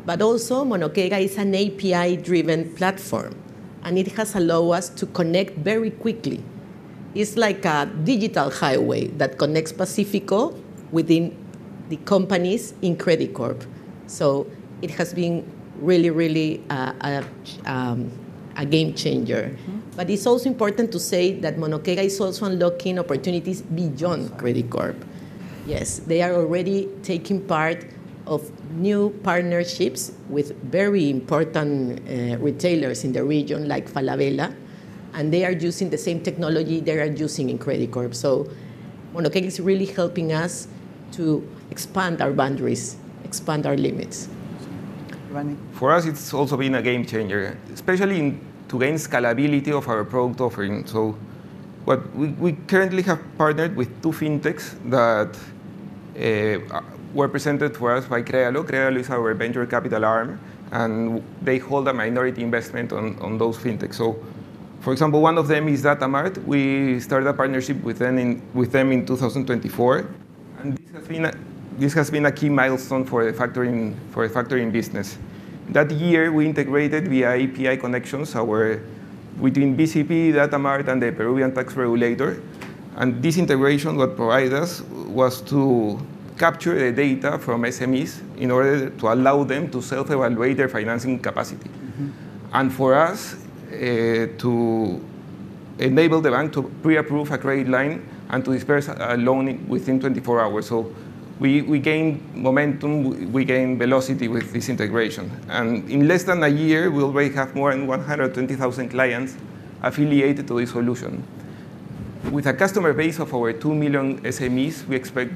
Monokera is an API-driven platform and it has allowed us to connect very quickly. It is like a digital highway that connects Pacifico within the companies in Credicorp. It has been really, really a game changer. It's also important to say that Monokera is also unlocking opportunities beyond Credicorp. Yes, they are already taking part in new partnerships with very important retailers in the region like Falabella and they are using the same technology they are using in credit card. Monokera is really helping us to expand our boundaries, expand our limits. For us it's also been a game changer, especially to gain scalability of our product offering. We currently have partnered with two fintechs that were presented for us by Crealo, who's our venture capital arm, and they hold a minority investment in those fintechs. For example, one of them is Datamart. We started a partnership with them in 2024, and this has been a key milestone for the factoring business. That year we integrated via API connections between Banco de Crédito del Perú, Datamart, and the Peruvian tax regulator. This integration provided us the ability to capture the data from SMEs in order to allow them to self-evaluate their financing capacity and for us to enable the bank to pre-approve a credit line and to disburse a loan within 24 hours. We gained momentum, we gained velocity with this integration. In less than a year, we already have more than 120,000 clients affiliated to this solution. With a customer base of over 2 million SMEs, we expect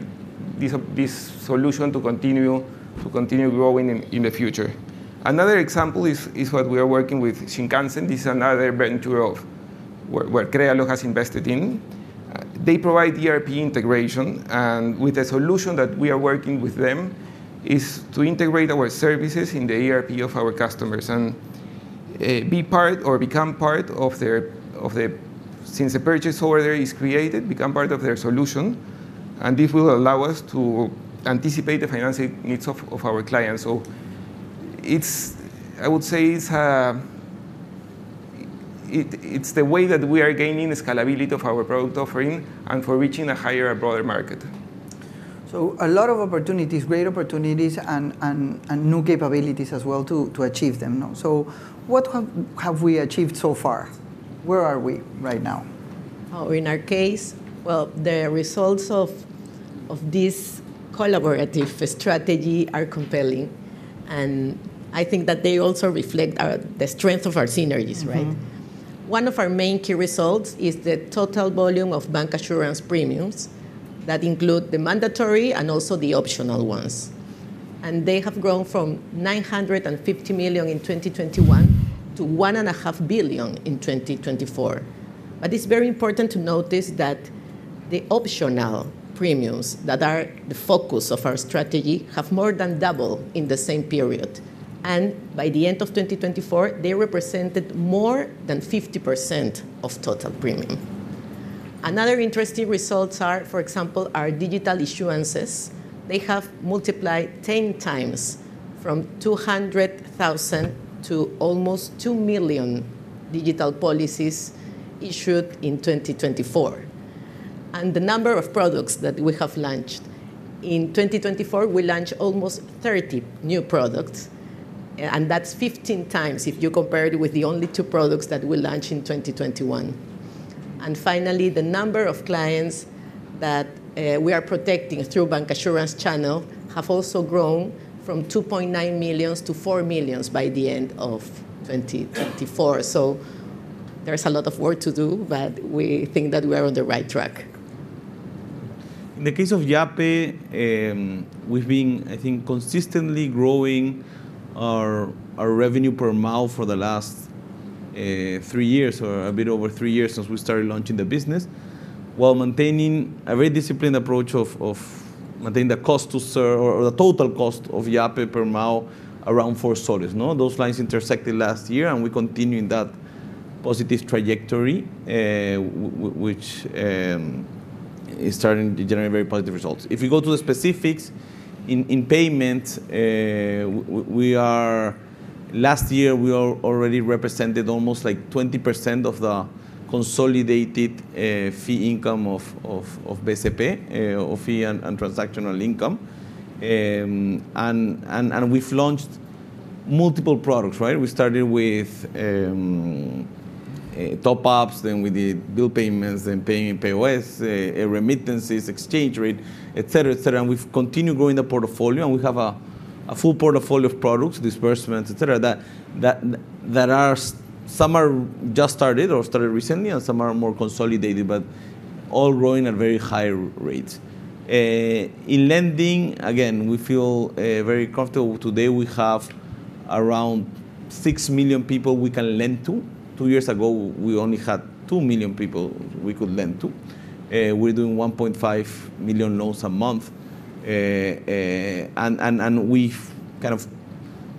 this solution to continue growing in the future. Another example is what we are working with Shinkansen. This is another venture that Crealo has invested in. They provide ERP integration, and with a solution that we are working with them, we are integrating our services in the ERP of our customers and become part of their process since the purchase order is created, become part of their solution. This will allow us to anticipate the financing needs of our clients. I would say it's the way that we are gaining the scalability of our product offering and reaching a higher and broader market. are a lot of opportunities, great opportunities and new capabilities as well to achieve them. What have we achieved so far? Where are we right now? in our case? The results of this collaborative strategy are compelling, and I think that they also reflect the strength of our synergies. Right. One of our main key results is the total volume of bancassurance premiums that include the mandatory and also the optional ones. They have grown from $950 million in 2021 to $1.5 billion in 2024. It is very important to notice that the optional premiums that are the focus of our strategy have more than doubled in the same period. By the end of 2024, they represented more than 50% of total premium. Another interesting result is, for example, our digital issuances. They have multiplied 10 times from 200,000 to almost 2 million digital policies issued in 2024. The number of products that we have launched in 2024, we launched almost 30 new products. That's 15 times if you compare it with the only two products that we launched in 2021. Finally, the number of clients that we are protecting through the Bancassurance Channel has also grown from 2.9 million to 4 million by the end of 2024. There is a lot of work to do, but we think that we are on the right track. In the case of Yape, we've been, I think, consistently growing our revenue per mile for the last three years, or a bit over three years since we started launching the business while maintaining a very disciplined approach of maintaining the cost to serve or the total cost of Yape per mile around S/4. No, those lines intersected last year. We continue in that positive trajectory, which is starting to generate very positive results. If you go to the specifics in payment, we are. Last year we already represented almost like 20% of the consolidated fee income of Banco de Crédito del Perú or fee and transactional income. We've launched multiple products, right? We started with top ups, then we did bill payments and paying POS, remittances, exchange rate, etc., etc. We've continued growing the portfolio and we have a full portfolio of products, disbursements, etc. Some are just started or started recently and some are more consolidated, but all growing at very high rates. In lending again, we feel very comfortable. Today we have around 6 million people we can lend to. Two years ago we only had 2 million people we could lend to. We're doing 1.5 million loans a month and we kind of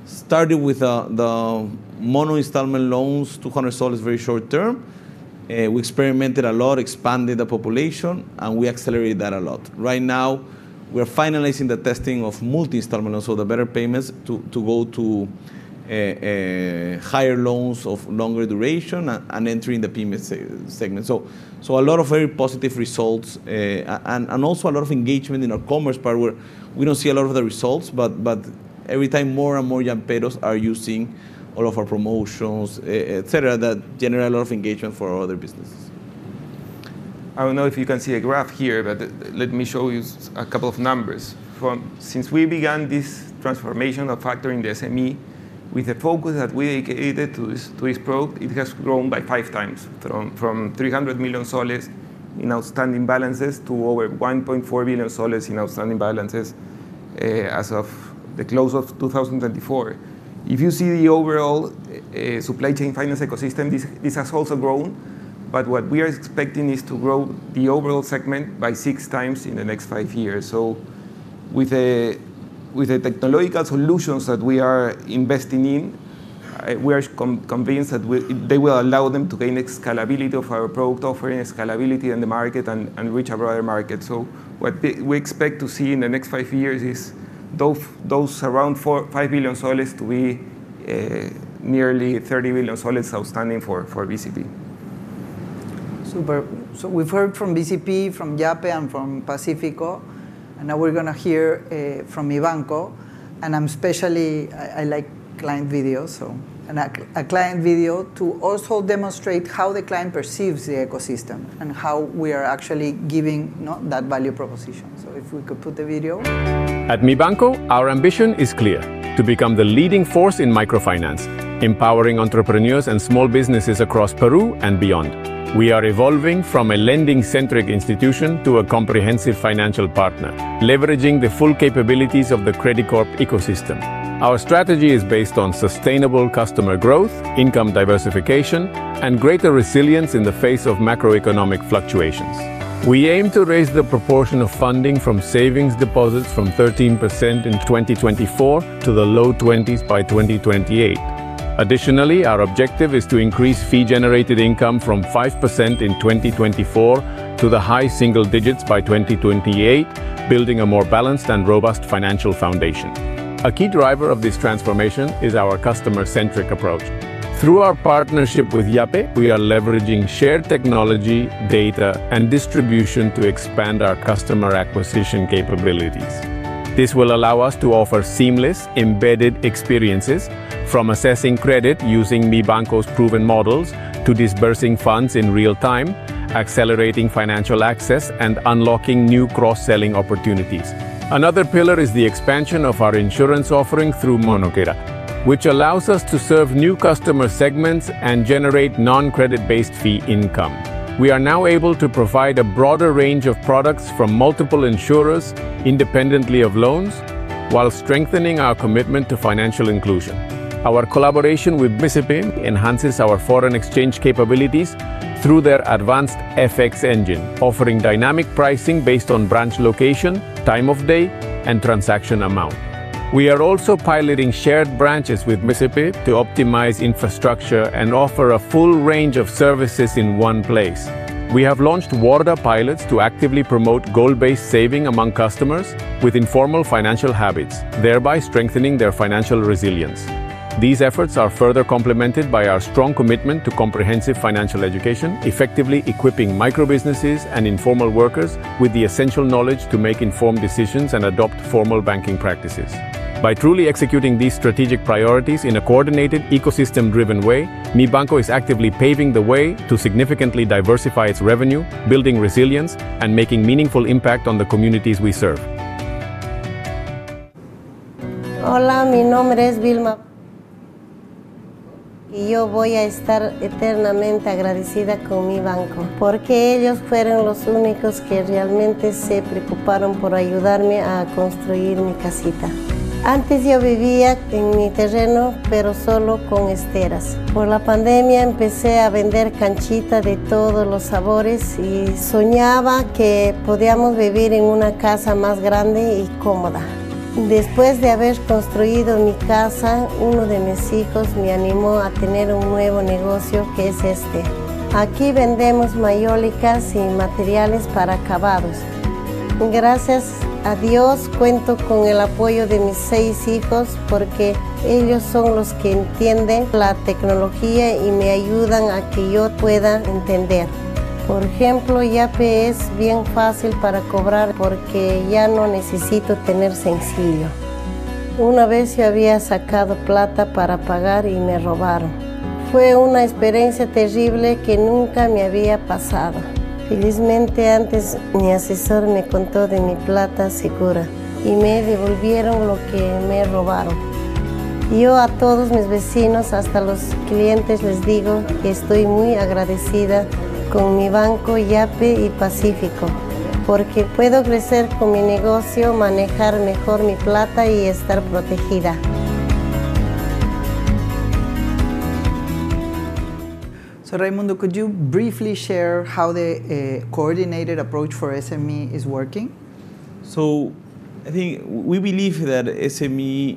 started with the mono installment loans. S/200 is very short term. We experimented a lot, expanded the population and we accelerated that a lot. Right now we're finalizing the testing of multi installment loans or the better payments to go to higher loans of longer duration and entering the PMS segment. A lot of very positive results and also a lot of engagement in our commerce part where we don't see a lot of the results, but every time more and more jumperos are using all of our promotions, etc., that generate a lot of engagement for our other businesses. I don't know if you can see a graph here, but let me show you a couple of numbers. Since we began this transformation of factoring the SME with the focus that we dedicated to this probe, it has grown by 5 times from PEN 300 million in outstanding balances to over PEN 1.4 billion in outstanding balances as of the close of 2024. If you see the overall supply chain finance ecosystem, this has also grown. What we are expecting is to grow the overall segment by 6 times in the next 5 years. With the technological solutions that we are investing in, we are convinced that they will allow them to gain scalability of our product, offering scalability in the market and reach a broader. What we expect to see in the next 5 years is those around PEN 5 billion to be nearly PEN 30 billion outstanding for Banco de Crédito del Perú Super. We've heard from BCP, from Yape, and from Pacifico, and now we're going to hear from Mibanco. I especially like client videos and a client video to also demonstrate how the client perceives the ecosystem and how we are actually giving that value proposition. If we could put the video. At Mibanco, our ambition is clear. To become the leading force in microfinance. Empowering entrepreneurs and small businesses across Peru and beyond. We are evolving from a lending-centric. Institution to a comprehensive financial partner, leveraging. The full capabilities of the Credicorp ecosystem. Our strategy is based on sustainable customer. Growth, income diversification, and greater resilience in the face of macro-economic fluctuations. We aim to raise the proportion of funding from savings deposits from 13% in. 2024 to the low 20s by 2028. Additionally, our objective is to increase fee-generated income from 5% in 2024 to the high single digits by 2028, building. A more balanced and robust financial foundation. A key driver of this transformation is our customer-centric approach. Through our partnership with Yape, we are. Leveraging shared technology, data, and distribution to expand our customer acquisition capabilities. This will allow us to offer seamless. Embedded experiences from assessing credit using Mibanco's proven models to disbursing funds in real time, accelerating financial access and unlocking. New cross-selling opportunities. Another pillar is the expansion of our insurance offering through Monokera, which allows us. To serve new customer segments and generate non-credit-based fee income. We are now able to provide a broader range of products from multiple insurers. Independently of loans, while strengthening our commitment to financial inclusion. Our collaboration with Bisipin enhances our foreign exchange capabilities through their advanced FX engine. Offering dynamic pricing based on branch location. Time of day and transaction amount. We are also piloting shared branches with. MSAPI to optimize infrastructure and offer a full range of services in one place. We have launched Warda Pilots to actively promote goal-based saving among customers with informal financial habits, thereby strengthening their financial resilience. These efforts are further complemented by our strong commitment to comprehensive financial education, effectively equipping micro businesses and informal workers with the essential knowledge to make informed decisions and adopt formal banking practices. By truly executing these strategic priorities in a coordinated, ecosystem-driven way, Mibanco. Is actively paving the way to significantly diversify its revenue, building resilience and making. Meaningful impact on the communities we serve. Hola, mi nombre es Vilmark. Raimundo, could you briefly share how the coordinated approach for SME is working? I think we believe that SME,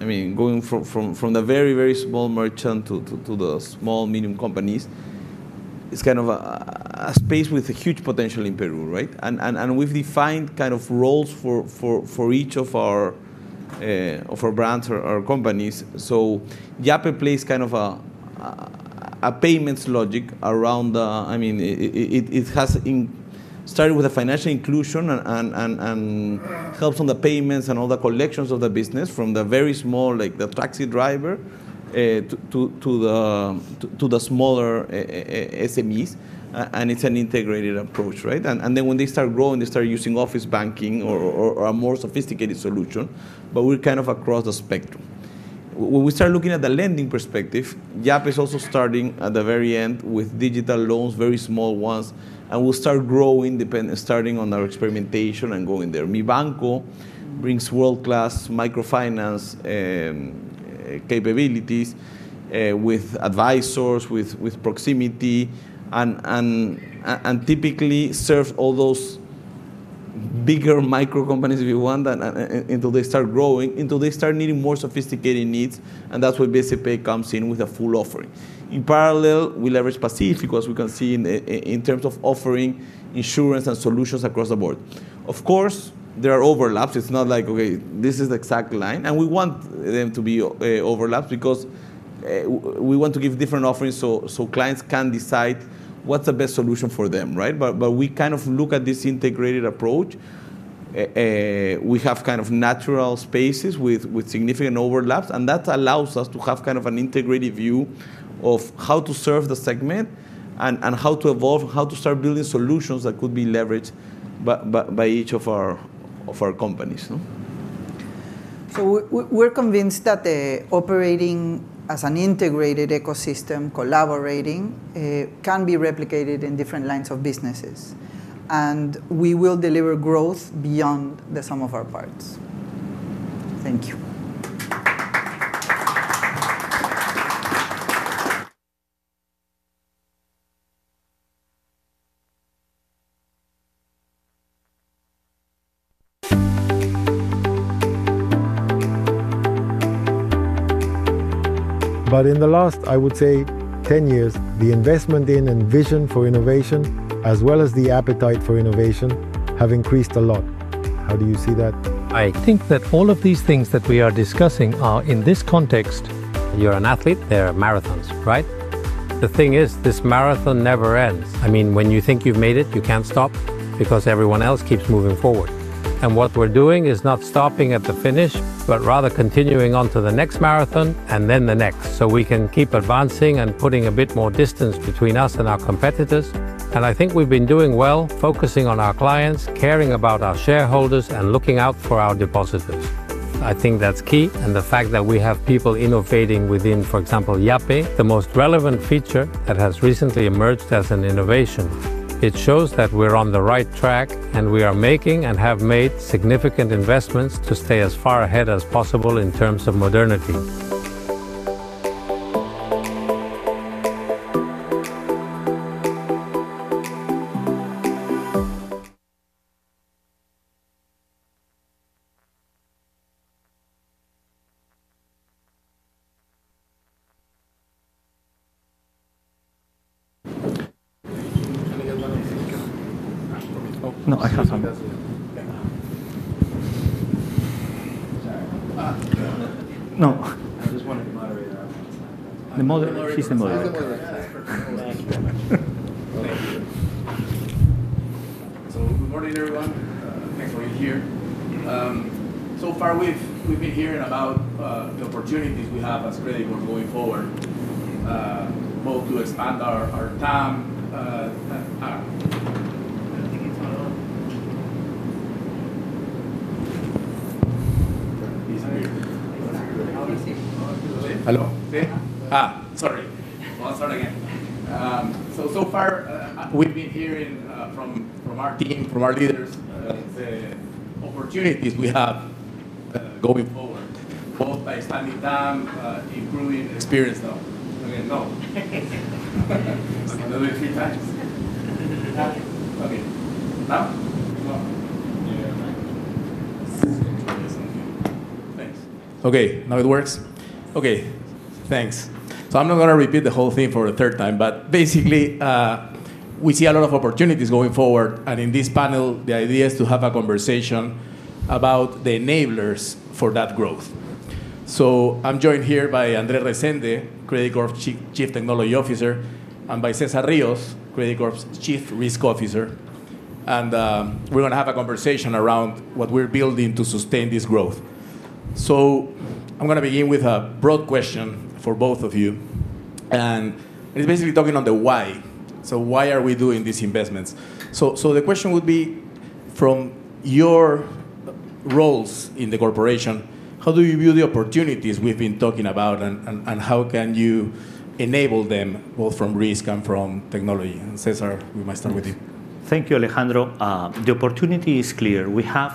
I mean going from the very, very small merchant to the small medium companies, is kind of a space with a huge potential in Peru. We've defined kind of roles for each of our brands or companies. Yape plays kind of a payments logic around. I mean, it has started with the financial inclusion and helps on the payments and all the collections of the business, from the very small, like the taxi driver, to the smaller SMEs. It's an integrated approach. When they start growing, they start using office banking or a more sophisticated solution. We're kind of across the spectrum when we start looking at the lending perspective. Yape is also starting at the very end with digital loans, very small ones, and we'll start growing, starting on our experimentation and going there. Mibanco brings world-class microfinance capabilities with advisors, with proximity, and typically serves all those bigger micro companies, if you want, until they start growing, until they start needing more sophisticated needs. That's where Banco de Crédito del Perú comes in with a full offering. In parallel, we leverage Pacífico because we can see in terms of offering insurance and solutions across the board. Of course, there are overlaps. It's not like, okay, this is the exact line, and we want them to be overlaps because we want to give different offerings so clients can decide what's the best solution for them. We kind of look at this integrated approach. We have kind of natural spaces with significant overlaps, and that allows us to have kind of an integrated view of how to serve the segment and how to evolve, how to start building solutions that could be leveraged by each of our companies. We are convinced that operating as an integrated ecosystem, collaborating, can be replicated in different lines of businesses, and we will deliver growth beyond the sum of our parts. Thank you. In the last, I would say. 10 years, the investment in and vision for innovation, as well as the appetite for innovation, have increased a lot. How do you see that? I think that all of these things that we are discussing are in this context. You're an athlete, they're marathons. Right. The thing is, this marathon never ends. I mean, when you think you've made it, you can't stop because everyone else keeps moving forward. What we're doing is not stopping at the finish, but rather continuing on to the next marathon and then the next, so we can keep advancing and putting a bit more distance between us and our competitors. I think we've been doing well, focusing on our clients, caring about our shareholders and looking out for our depositors. I think that's key. The fact that we have people innovating within, for example, Yape, the most relevant feature that has recently emerged as an innovation, shows that we're on the right track and we are making and have made significant investments to stay as far ahead as possible in terms of modernity. Oh, no, I can't. No, I just wanted, moderator. She's a mother. So. Good morning, everyone. Thanks for being here. So far we've been hearing from our team, from our leaders, the opportunities we have going forward, both by standing down, improving experience. Though I can do it three times. Okay. Thanks. Okay, now it works. Okay, thanks. I'm not going to repeat the whole thing for the third time, but basically we see a lot of opportunities going forward. In this panel, the idea is to have a conversation about the enablers for that growth. I'm joined here by Andre Resende, Credicorp's Chief Technology Officer, and by Cesar Rios, Credicorp's Chief Risk Officer. We're going to have a conversation around what we're building to sustain this growth. I'm going to begin with a broad question for both of you and basically talking on the why. Why are we doing these investments? The question would be from your roles in the corporation, how do you view the opportunities we've been talking about and how can you enable them both from risk and from technology? Cesar, we might start with you. Thank you, Alejandro. The opportunity is clear. We have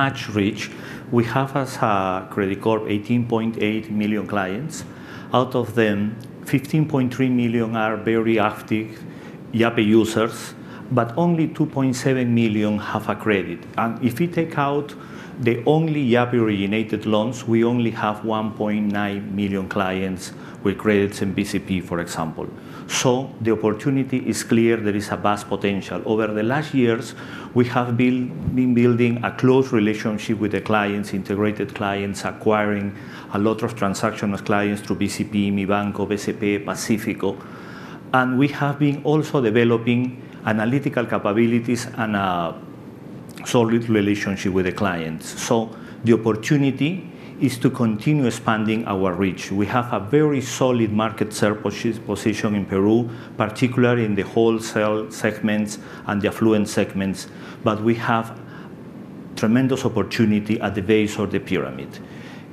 much reach. We have, as Credicorp, 18.8 million clients. Out of them, 15.3 million are very active Yape users, but only 2.7 million have a credit. If we take out the only Yape-originated loans, we only have 1.9 million clients with credits in Banco de Crédito del Perú, for example. The opportunity is clear. There is a vast potential. Over the last years, we have been building a close relationship with the clients, integrated clients, acquiring a lot of transactional clients through Banco de Crédito del Perú, Mibanco, Banco de Crédito del Perú, Grupo Pacífico Seguros. We have been also developing analytical capabilities and a solid relationship with the clients. The opportunity is to continue expanding our reach. We have a very solid market share position in Peru, particularly in the wholesale segments and the affluent segments. There is tremendous opportunity at the base of the pyramid.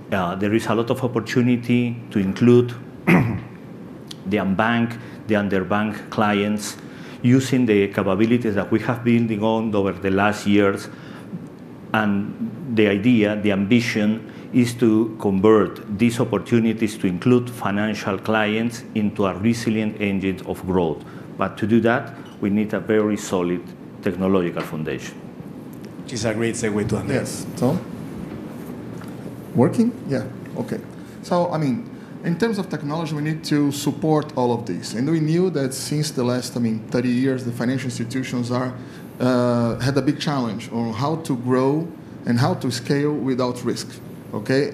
There is a lot of opportunity to include the unbanked, the underbanked clients using the capabilities that we have been building over the last years. The idea, the ambition is to convert these opportunities to include financial clients into a resilient engine of growth. To do that, we need a very solid technological foundation, which is a great segue to. Yes, Tom? Working. Yeah. Okay. In terms of technology, we need to support all of this. We knew that since the last, I mean, 30 years. The financial institutions had a big challenge on how to grow and how to scale without risk. Okay.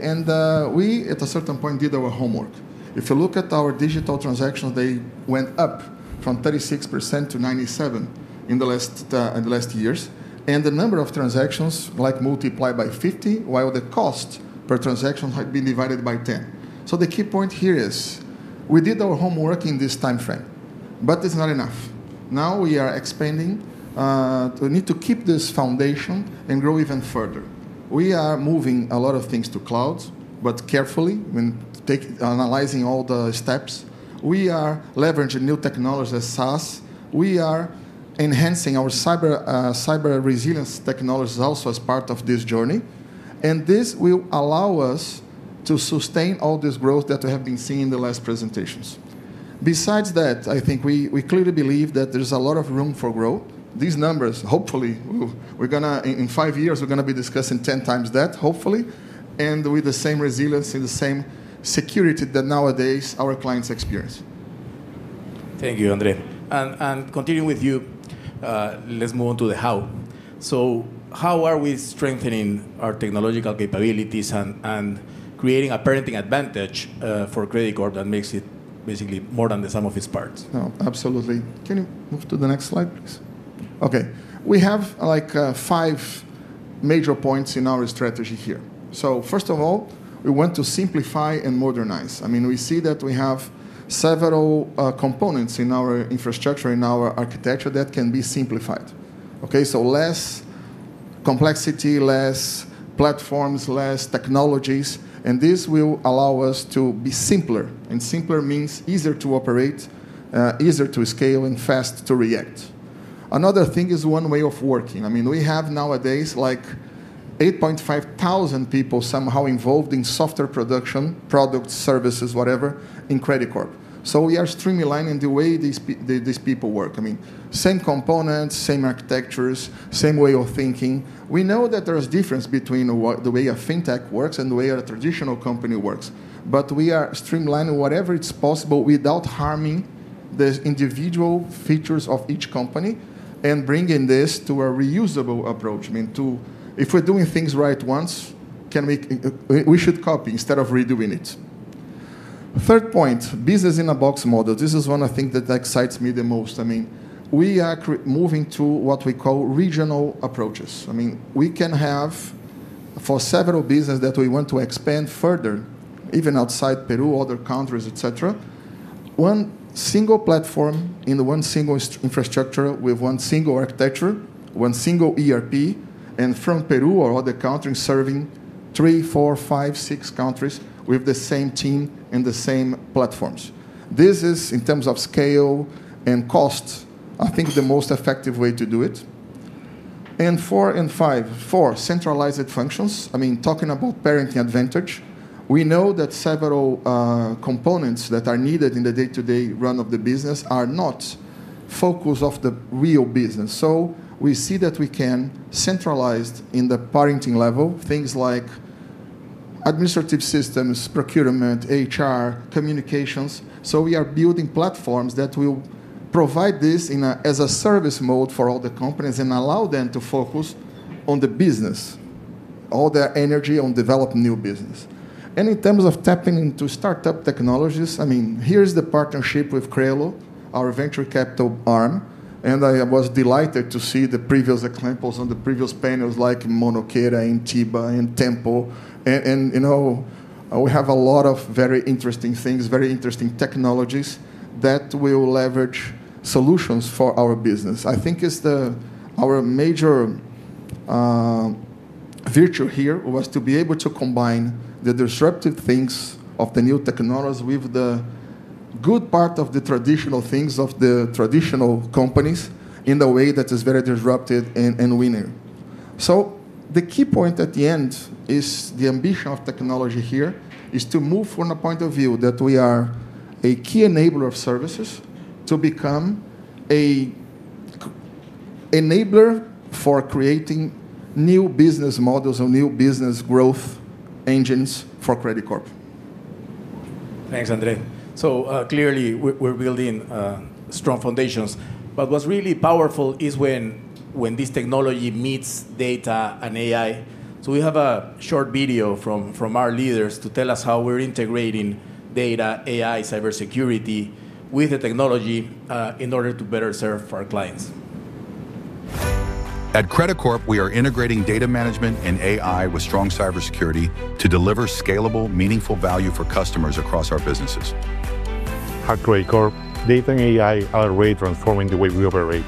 We at a certain point did our homework. If you look at our digital transactions, they went up from 36% to 97% in the last years. The number of transactions multiplied by 50 while the cost per transaction had been divided by 10. The key point here is we did our homework in this time frame, but it's not enough now. We are expanding. We need to keep this foundation and grow even further. We are moving a lot of things to clouds, but carefully when analyzing all the steps. We are leveraging new technologies as SaaS. We are enhancing our cyber resilience technologies also as part of this journey. This will allow us to sustain all this growth that we have been seeing in the last presentations. Besides that, I think we clearly believe that there's a lot of room for growth. These numbers, hopefully in five years we're going to be discussing 10 times that, hopefully, and with the same resilience and the same security that nowadays our clients experience. Thank you, Andre. Continuing with you, let's move on to the how. How are we strengthening our technological capabilities and creating a parenting advantage for Credicorp that makes it basically more than the sum of its parts? No, absolutely. Can you move to the next slide please? Okay, we have like five major points in our strategy here. First of all, we want to simplify and modernize. I mean, we see that we have several components in our infrastructure, in our architecture that can be simplified. Less complexity, less platforms, less technologies. This will allow us to be simpler, and simpler means easier to operate, easier to scale, and fast to react. Another thing is one way of working. We have nowadays like 8.5 thousand people somehow involved in software production, products, services, whatever in Credicorp. We are streamlined in the way these people work. Same components, same architectures, same way of thinking. We know that there is difference between the way a fintech works and the way a traditional company works. We are streamlining whatever it's possible without harming the individual features of each company and bringing this to a reusable approach. If we're doing things right once, we should copy instead of redoing it. Third point, business in a box model. This is one I think that excites me the most. We are moving to what we call regional approaches. We can have for several business that we want to expand further, even outside Peru, other countries, etc. One single platform in one single infrastructure, with one single architecture, one single ERP, and from Peru or other countries serving 3, 4, 5, 6 countries with the same team and the same platforms. This is, in terms of scale and cost, I think the most effective way to do it. Four and five, four centralized functions. Talking about parenting advantage, we know that several components that are needed in the day-to-day run of the business are not focus of the real business. We see that we can centralize at the parenting level things like administrative systems, procurement, HR, communications. We are building platforms that will provide this as a service mode for all the companies and allow them to focus on the business, all their energy on developing new business. In terms of tapping into startup technologies, here's the partnership with Crello, our venture capital arm, and I was delighted to see the previous examples on the previous panels like Monokera and Tiva and Tempo. We have a lot of very interesting things, very interesting technologies that will leverage solutions for our business. I think it's our major. Virtue. here was to be able to combine the disruptive things of the new technologies with the good part of the traditional things of the traditional companies in a way that is very disruptive and winning. The key point at the end is the ambition of technology here is to move from the point of view that we are a key enabler of services to become an enabler for creating new business models or new business growth engines for Credicorp. Thanks, Andre. Clearly we're building strong foundations, but what's really powerful is when this technology meets data and AI. We have a short video from our leaders to tell us how we're integrating data, AI, and cybersecurity with the technology in order to better serve our clients. At Credicorp, we are integrating data management and AI with strong cybersecurity to deliver scalable, meaningful value for customers across our businesses. Hard Credicorp. Data and AI are. Really transforming the way we operate,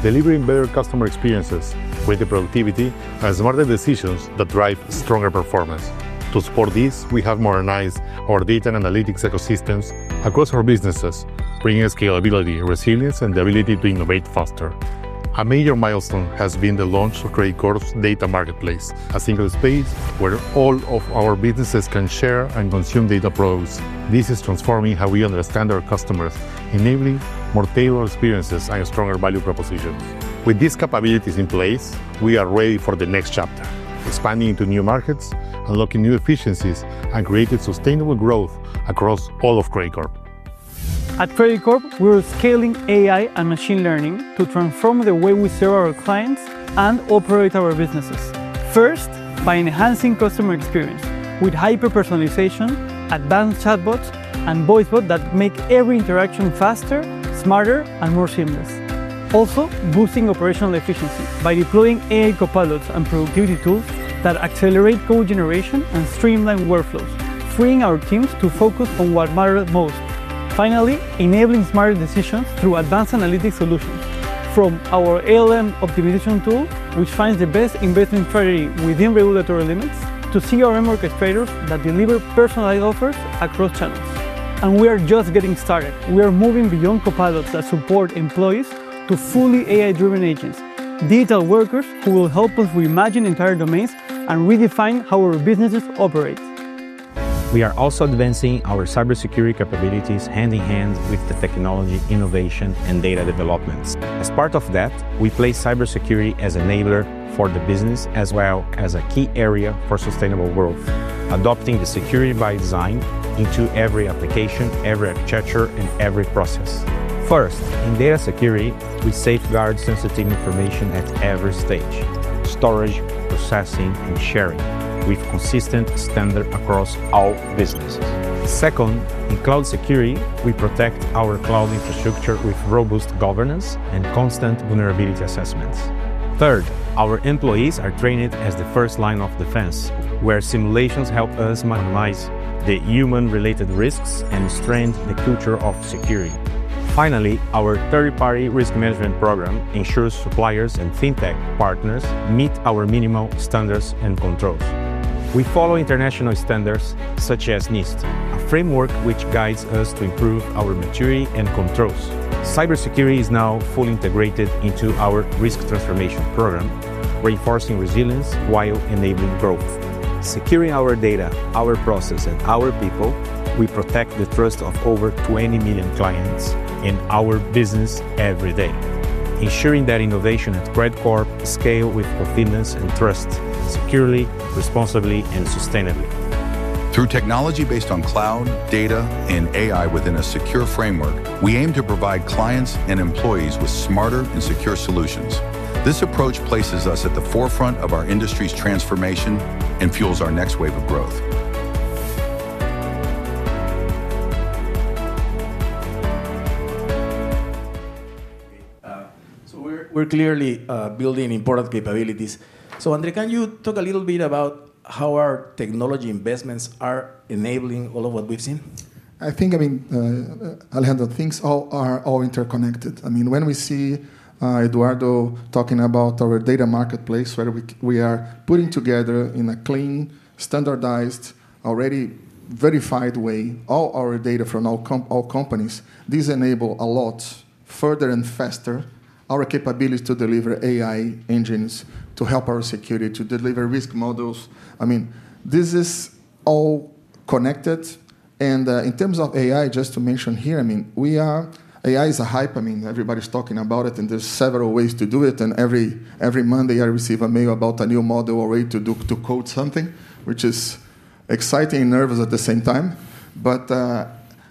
delivering better customer experiences, greater productivity, and smarter decisions that drive stronger performance. To support this, we have modernized our. Data and analytics ecosystems across our businesses, bringing scalability, resilience, and the ability to innovate faster. A major milestone has been the launch. Of Credicorp's data marketplace, a single space where all of our businesses can share and consume data products. This is transforming how we understand our customers, enabling more tailored experiences and stronger value propositions. With these capabilities in place, we are ready for the next chapter. Expanding into new markets, unlocking new efficiencies. Creating sustainable growth across all of Credicorp. At Credicorp we're scaling AI and machine. Learning to transform the way we serve. Our clients and operate our businesses. First by enhancing customer experience with Hyper. Personalization, advanced chatbots, and Voicebot that make every interaction faster, smarter, and more seamless. Also boosting operational efficiency by deploying AI. Copilots and productivity tools that accelerate co. Generation and streamline workflows, freeing our teams. To focus on what matters most. Finally, enabling smarter decisions through advanced analytics solutions. From our ALM optimization tool, which finds. The best investment query within regulatory limits. To CRM orchestrators that deliver personalized offers across channels, and we are just getting started. We are moving beyond copilot that support. Employees to fully AI-driven agents, digital. Workers who will help us reimagine entire. Domains and redefine how our businesses operate. We are also advancing our cybersecurity capabilities. Hand in hand with the technology, innovation, and data developments, as part of that, we place cybersecurity as an enabler for the business as well. As a key area for sustainable world growth. Adopting the security by design into every application, every architecture, and every process. First, in data security, we safeguard sensitive. Information at every stage, storage, processing, and. Sharing with consistent standards across all businesses. Second, in cloud security, we protect our. Cloud infrastructure with robust governance and constant vulnerability assessments. Third, our employees are trained as the. First line of defense, where simulations help us minimize the human-related risks. Strengthen the culture of security. Finally, our third party risk management program ensures suppliers and fintech partners meet our. Minimal standards and controls. We follow international standards such as NIST, a framework which guides us to improve. Our maturity and controls. Cybersecurity is now fully integrated into our risk transformation program, reinforcing resilience while enabling growth, securing our data, our process, and our people. We protect the trust of over 20. Million clients in our business every day. Ensuring that innovation at Credicorp scale with. Confidence and trust securely, responsibly, and sustainably. Through technology based on cloud, data, and AI. Within a secure framework, we aim to. Provide clients and employees with smarter and secure solutions. This approach places us at the forefront. Of our industry's transformation and fuels our next wave of growth. We're clearly building important capabilities. Andrei, can you talk a little bit about how our technology investments are enabling all of what we've seen? I think, I mean Alejandro, things are all interconnected. When we see Eduardo talking about our data marketplace where we are putting together in a clean, standardized, already verified way all our data from all companies, these enable a lot further and faster our capabilities to deliver AI engines to help our security to deliver risk models. This is all connected. In terms of AI, just to mention here, AI is a hype. Everybody's talking about it and there's several ways to do it. Every Monday I receive a mail about a new model, a way to do code. Something which is exciting and nervous at the same time.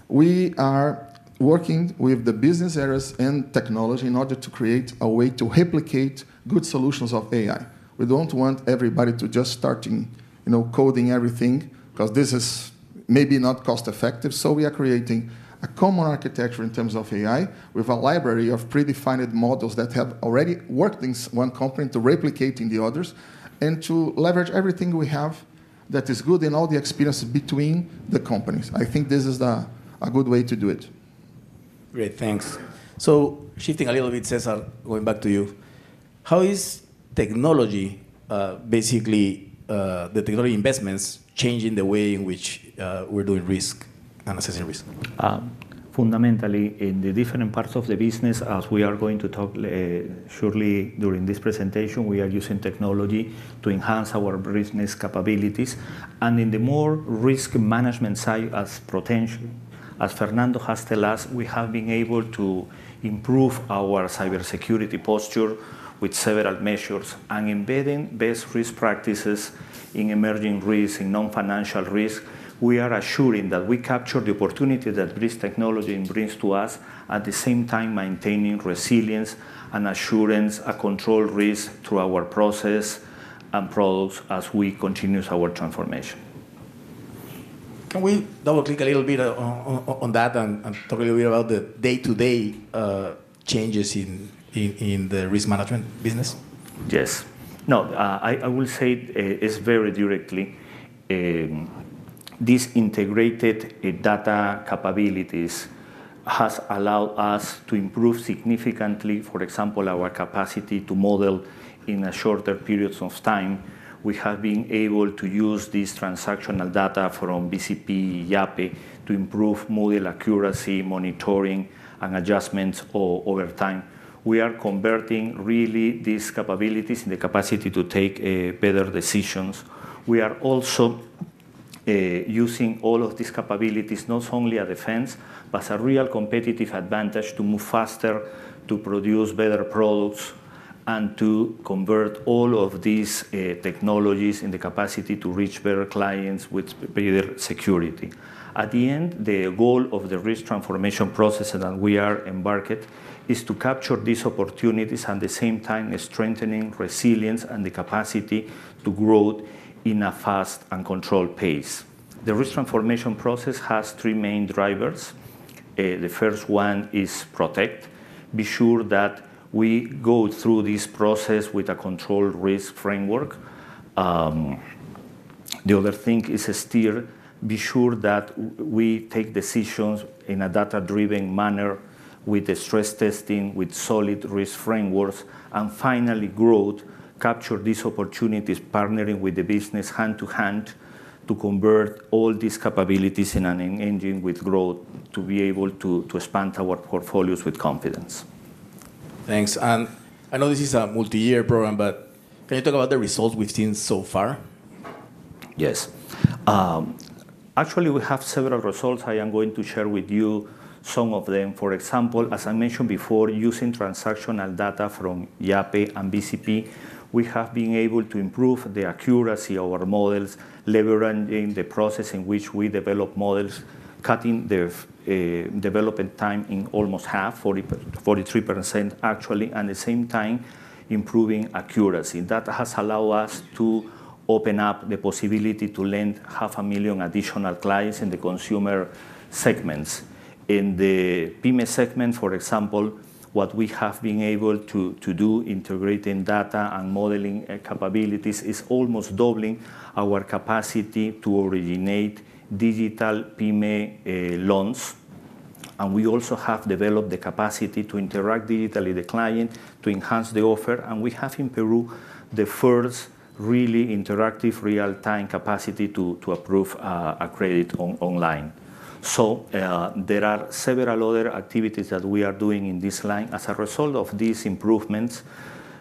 We are working with the business areas and technology in order to create a way to replicate good solutions of AI. We don't want everybody to just start, you know, coding everything because this is maybe not cost effective. We are creating a common architecture in terms of AI with a library of predefined models that have already worked in one component to replicate in the others and to leverage everything we have that is good in all the experiences between the companies. I think this is a good way to do it. Great, thanks. Shifting a little bit, Cesar, going back to you. How is technology, basically the technology investments, changing the way in which we're doing? Risk and assessing risk fundamentally in the different parts of the business. As we are going to talk shortly during this presentation, we are using technology to enhance our business capabilities, and in the more risk management side as potential as Fernando has told us. We have been able to improve our cybersecurity posture with several measures and embedding best risk practices in emerging risks. In non-financial risks, we are assuring that we capture the opportunity that risk technology brings to us, at the same time maintaining resilience and assurance, a controlled risk to our process and pros as we continue our transformation. Can we double click a little bit on that and talk a little bit about the day-to-day changes in the risk management business? Yes. No, I will say it's very directly this integrated data capabilities has allowed us to improve significantly. For example, our capacity to model in shorter periods of time. We have been able to use this transactional data from Banco de Crédito del Perú Yape to improve model accuracy, monitoring, and adjustments over time. We are converting really these capabilities and the capacity to take better decisions. We are also using all of these capabilities, not only as defense, but a real competitive advantage to move faster, to produce better products, and to convert all of these technologies and the capacity to reach better clients with better security at the end. The goal of the risk transformation process that we are embarking on is to capture these opportunities, at the same time strengthening resilience and the capacity to grow in a fast and controlled pace. The risk transformation process has three main drivers. The first one is protect, be sure that we go through this process with a controlled risk framework. The other thing is steer, be sure that we take decisions in a data-driven manner with stress testing, with solid risk frameworks, and finally growth, capture these opportunities, partnering with the business hand to hand to convert all these capabilities in an engine with growth to be able to expand our portfolios with confidence. Thank you. I know this is a multi-year program, but can you talk about the results we've seen so far? Yes, actually we have several results. I am going to share with you some of them. For example, as I mentioned before, using transactional data from Yape and BCP we have been able to improve the accuracy of our models, leveraging the process in which we develop models, cutting the development time in almost half, 43% actually, and at the same time improving accuracy. That has allowed us to open up the possibility to lend to half a million additional clients in the consumer segments. In the PYME segment, for example, what we have been able to do integrating data and modeling capabilities is almost doubling our capacity to originate digital PYME loans. We also have developed the capacity to interact digitally with the client to enhance the offer. We have in Peru the first really interactive real-time capacity to approve a credit online. There are several other activities that we are doing in this line. As a result of these improvements,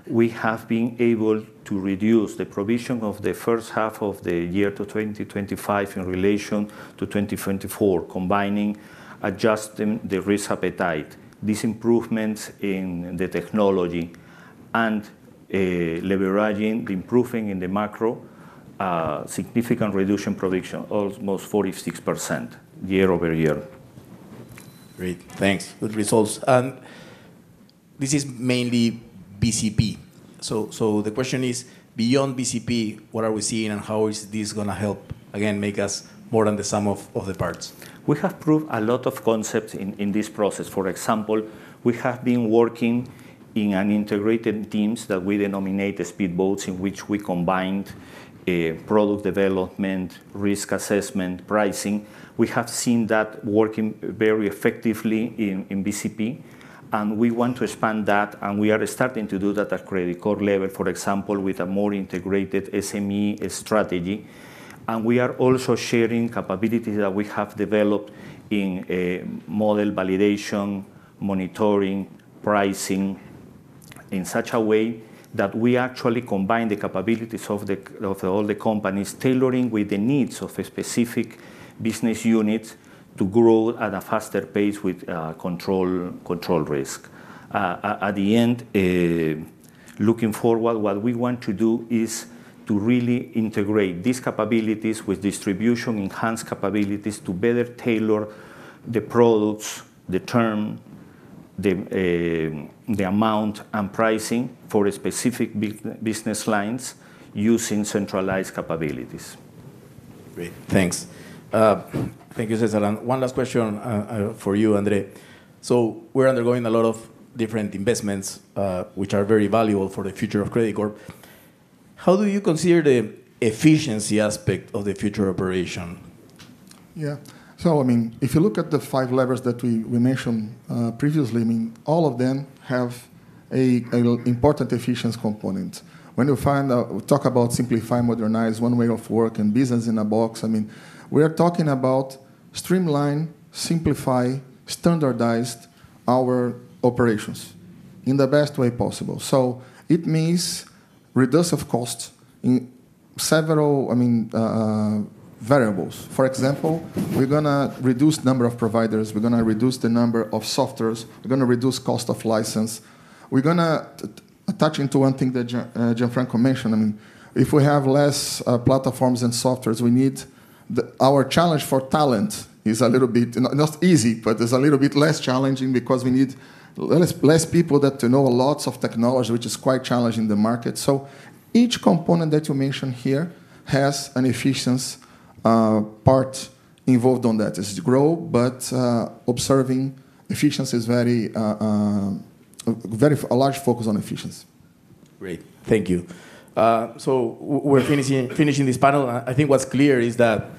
we have been able to reduce the provision of the first half of the year to 2025 in relation to 2020, combining adjusting the risk appetite, these improvements in the technology, and leveraging the improvement in the macro, significant reduction, production almost 46% year over year. Great, thanks. Good results. This is mainly BCP. The question is beyond BCP, what are we seeing and how is this going to help again make us more than the sum of the parts. We have proved a lot of concepts in this process. For example, we have been working in integrated teams that we denominated speedboats, in which we combined product development, risk assessment, and pricing. We have seen that working very effectively in Banco de Crédito del Perú, and we want to expand that. We are starting to do that at Credicorp Ltd. level, for example, with a more integrated SME strategy. We are also sharing capabilities that we have developed in model validation, monitoring, and pricing in such a way that we actually combine the capabilities of all the companies, tailoring with the needs of specific business units to grow at a faster pace with controlled risk at the end. Looking forward, what we want to do is to really integrate these capabilities with distribution enhanced capabilities to better tailor the products, the term, the amount, and pricing for specific business lines using centralized capabilities. Great, thanks. Thank you. Cesar, one last question for you, Andre, so we're undergoing a lot of different investments which are very valuable for the future of Credicorp. How do you consider the efficiency aspect of the future operation? Yeah, so I mean if you look at the five levers that we mentioned previously, I mean all of them have an important efficiency component. When you find out, talk about simplify, modernize one way of work and business in a box, we are talking about streamline, simplify, standardized our operations in the best way possible. It means reduce of cost in several variables. For example, we're going to reduce number of providers, we're going to reduce the number of softwares, we're going to reduce cost of license, we're going to touch into one thing that Gianfranco mentioned. If we have less platforms and softwares we need, our challenge for talent is a little bit not easy, but it's a little bit less challenging because we need less people that know lots of technology which is quite challenging the market. Each component that you mentioned here has an efficiency part involved on that as it grow. Observing efficiency is very, a large focus on efficiency. Great, thank you. We're finishing this panel. I think what's clear is that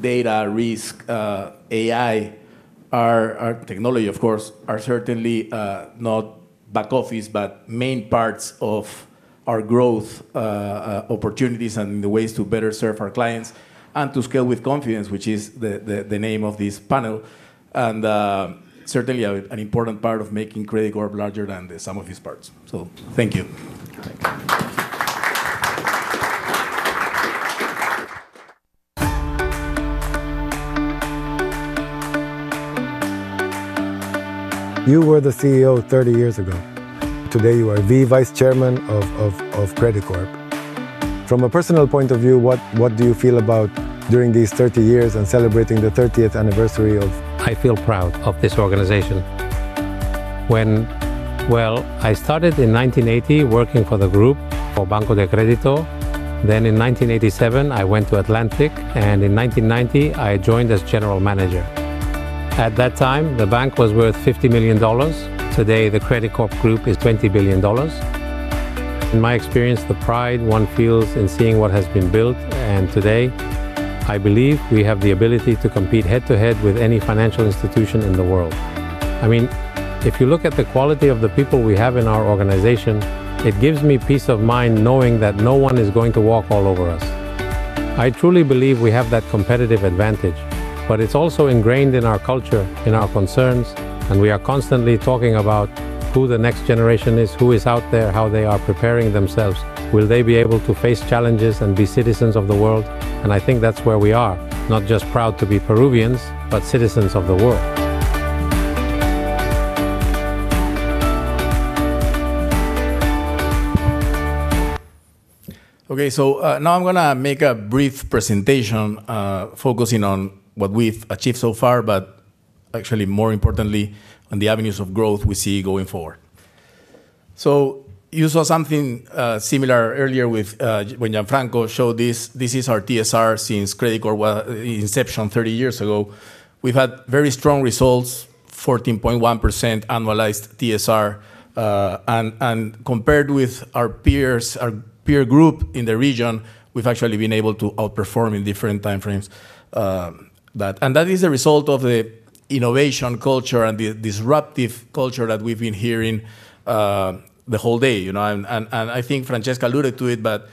data, risk, AI, and technology, of course, are certainly not back office but main parts of our growth opportunities and the ways to better serve our clients and to scale with confidence, which is the name of this panel and certainly an important part of making Credicorp larger than the sum of its parts. Thank you. You were the CEO 30 years ago. Today you are the Vice Chairman of Credicorp. From a personal point of view, what do you feel about during these 30 years and celebrating the 30th anniversary of. I feel proud of this organization. I started in 1980 working for the group for Banco de Crédito del Perú. In 1987 I went to Atlantic, and in 1990 I joined as General Manager. At that time the bank was worth $50 million. Today the Credicorp Group is $20 billion. In my experience, the pride one feels in seeing what has been built, and today I believe we have the ability to compete head to head with any financial institution in the world. I mean, if you look at the quality of the people we have in our organization, it gives me peace of mind knowing that no one is going to walk all over us. I truly believe we have that competitive advantage. It's also ingrained in our culture, in our concerns. We are constantly talking about who the next generation is, who is out there, how they are preparing themselves. Will they be able to face challenges and be citizens of the world? I think that's where we are not just proud to be Peruvians, but citizens of the world. Okay, so now I'm going to make a brief presentation focusing on what we've achieved so far, but actually more importantly on the avenues of growth we see going forward. You saw something similar earlier when Gianfranco showed this. This is our TSR. Since Credicorp inception 30 years ago, we've had very strong results. 14.1% annualized TSR. Compared with our peers, our peer group in the region, we've actually been able to outperform in different timeframes. That is a result of the innovation culture and the disruptive culture that we've been hearing the whole day. I think Francesca alluded to it, but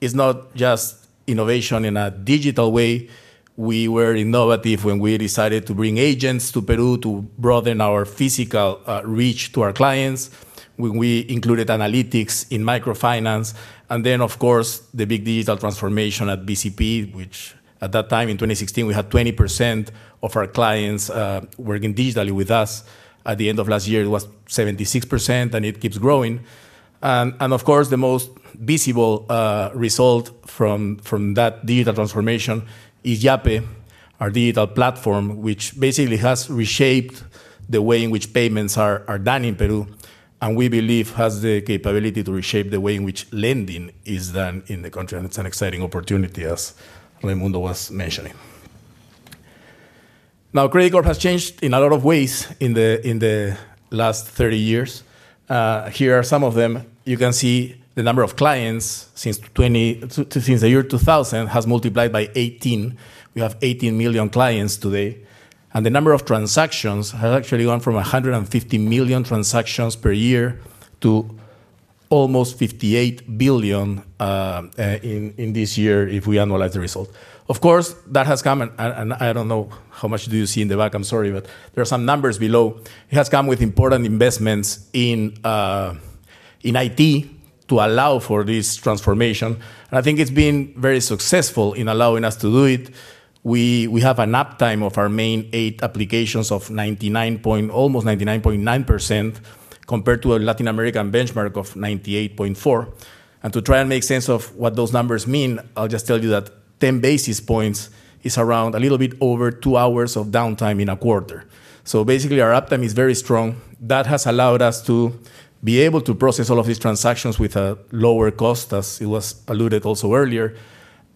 it's not just innovation in a digital way. We were innovative when we decided to bring agents to Peru to broaden our physical reach to our clients, when we included analytics in microfinance. Then of course the big digital transformation at Banco de Crédito del Perú, which at that time in 2016, we had 20% of our clients working digitally with us. At the end of last year, it was 76%, and it keeps growing. Of course, the most visible result from that digital transformation is Yape, our digital platform, which basically has reshaped the way in which payments are done in Peru and we believe has the capability to reshape the way in which lending is done in the country. It's an exciting opportunity, as Mundo was mentioning. Now, Credicorp has changed in a lot of ways in the last 30 years. Here are some of them. You can see the number of clients since the year 2000 has multiplied by 18. We have 18 million clients today. The number of transactions has actually gone from 150 million transactions per year to almost 58 billion in this year. If we analyze the result, of course that has come. I don't know how much you see in the back. I'm sorry, but there are some numbers below. It has come with important investments in IT to allow for this transformation and I think it's been very successful in allowing us to do it. We have an uptime of our main eight applications of almost 99.9% compared to a Latin American benchmark of 98.4%. To try and make sense of what those numbers mean, I'll just tell you that 10 basis points is around a little bit over two hours of downtime in a quarter. Basically, our uptime is very strong. That has allowed us to be able to process all of these transactions with a lower cost, as it was alluded to earlier,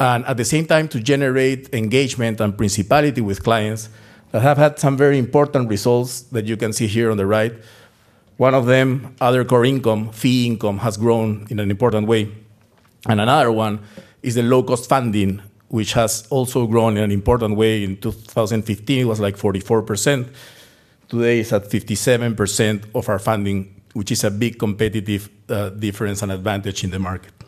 and at the same time to generate engagement and principality with clients that have had some very important results that you can see here on the right. One of them, other core income, fee income has grown in an important way. Another one is the low-cost funding, which has also grown in an important way. In 2015, it was like 44%. Today, it's at 57% of our funding, which is a big competitive difference and advantage in the market. It.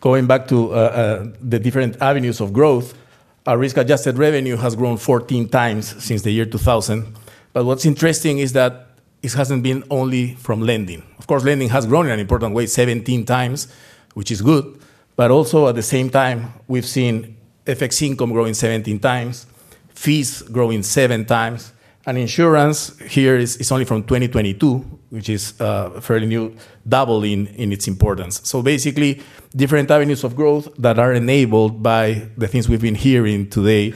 Going back to the different avenues of growth, our risk-adjusted revenue has grown 14 times since the year 2000. What's interesting is that it hasn't been only from lending. Of course, lending has grown in an important way, 17 times, which is good. At the same time, we've seen FX income growing 17 times, fees growing 7 times, and insurance here is only from 2022, which is a fairly new double in its importance. Basically, different avenues of growth are enabled by the things we've been hearing today: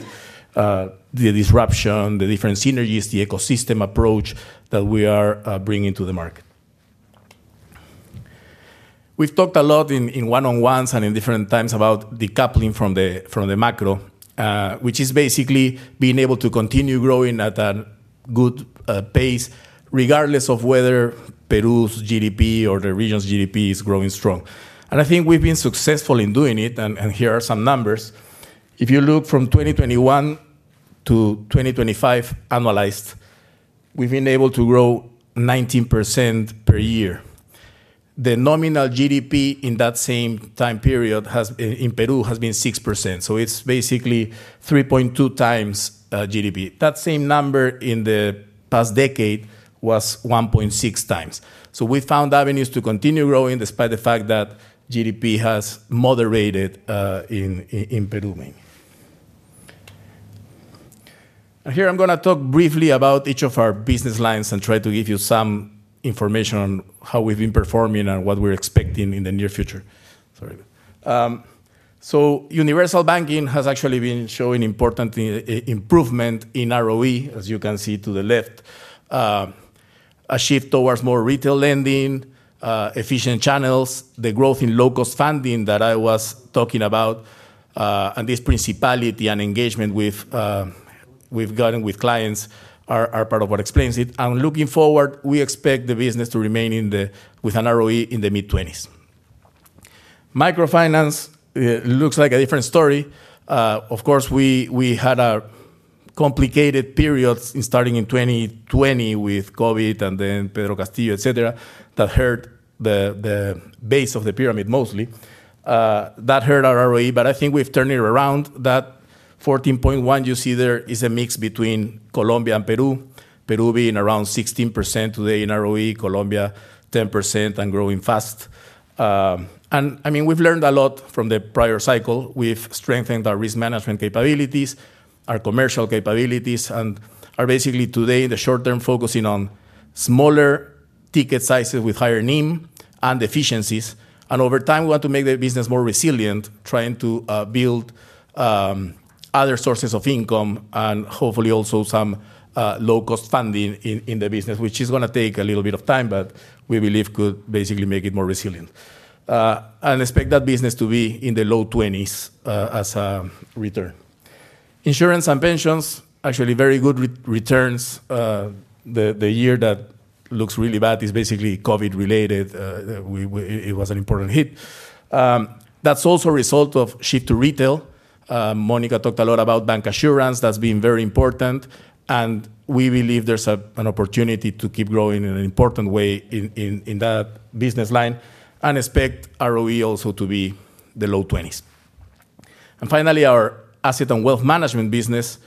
the disruption, the different synergies, the ecosystem approach that we are bringing to the market. We've talked a lot in one-on-ones and at different times about decoupling from the macro, which is basically being able to continue growing at a good pace regardless of whether Peru's GDP or the region's GDP is growing strong. I think we've been successful in doing it. Here are some numbers. If you look from 2021 to 2025 analyzed, we've been able to grow 19% per year. The nominal GDP in that same time period in Peru has been 6%, so it's basically 3x GDP. That same number in the past decade was 1.6x. We found avenues to continue growing despite the fact that GDP has moderated in Peru. Here, I'm going to talk briefly about each of our business lines and try to give you some information on how we've been performing and what we're expecting in the near future. Universal banking has actually been showing important improvement in ROE. As you can see to the left, a shift towards more retail lending, efficient channels, the growth in low-cost funding that I was talking about, and this principality and engagement we've gotten with clients are part of what explains it. Looking forward, we expect the business to remain with an ROE in the mid-20s. Microfinance looks like a different story. We had a complicated period starting in 2020 with COVID and Pedro Castillo, et cetera, that hurt the base of the pyramid mostly, that hurt our ROE. I think we've turned it around. That 14.1 you see there is a mix between Colombia and Peru, Peru being around 16% today in ROE, Colombia 10% and growing fast. We've learned a lot from the prior cycle. We've strengthened our risk management capabilities, our commercial capabilities, and are basically today in the short term focusing on smaller ticket sizes with higher NIM and efficiencies. Over time we want to make the business more resilient, trying to build other sources of income and hopefully also some low-cost funding in the business, which is going to take a little bit of time, but we believe could basically make it more resilient and expect that business to be in the low 20s as a return. Insurance and pensions actually have very good returns. The year that looks really bad is basically COVID-related. It was an important hit that's also a result of shift to retail. Monica talked a lot about bancassurance. That's been very important, and we believe there's an opportunity to keep growing in an important way in that business line and expect ROE also to be in the low 20s. Finally, our asset and wealth management business.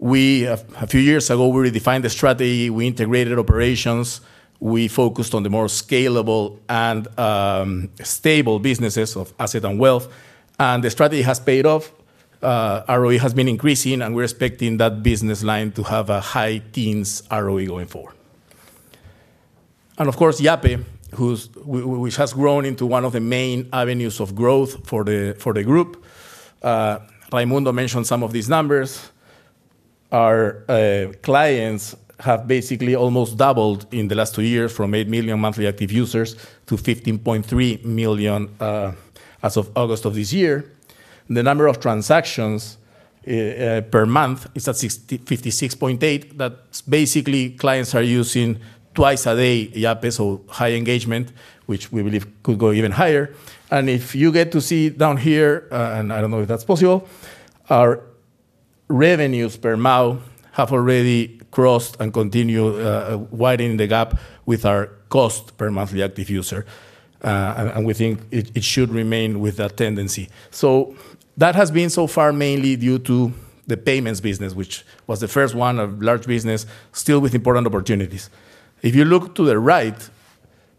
A few years ago we redefined the strategy, we integrated operations, we focused on the more scalable and stable businesses of asset and wealth. The strategy has paid off. ROE has been increasing, and we're expecting that business line to have a high teens ROE going forward. Of course, Yape, which has grown into one of the main avenues of growth for the group. Raimundo mentioned some of these numbers. Our clients have basically almost doubled in the last two years from 8 million monthly active users to 15.3 million as of August of this year. The number of transactions per month is at 56.8 million. That basically means clients are using it twice a day. High engagement, which we believe could go even higher. If you get to see down here, and I don't know if that's possible, our revenues per mile have already crossed and continue widening the gap with our cost per monthly active user. We think it should remain with that tendency. That has been so far mainly due to the payments business, which was the first one, a large business still with important opportunities. If you look to the right,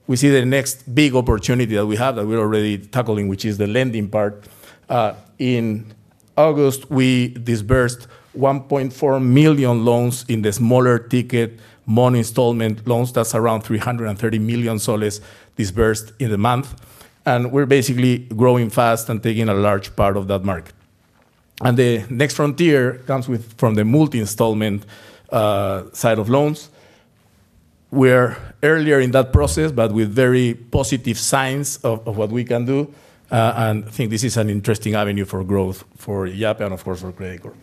we see the next big opportunity that we have that we're already tackling, which is the lending part. In August we disbursed 1.4 million loans in the smaller ticket money installment loans. That's around PEN 330 million disbursed in the month, and we're basically growing fast and taking a large part of that market. The next frontier comes from the multi-installment side of loans. We're earlier in that process but with very positive signs of what we can do. I think this is an interesting avenue for growth for Yape, of course, for Credicorp.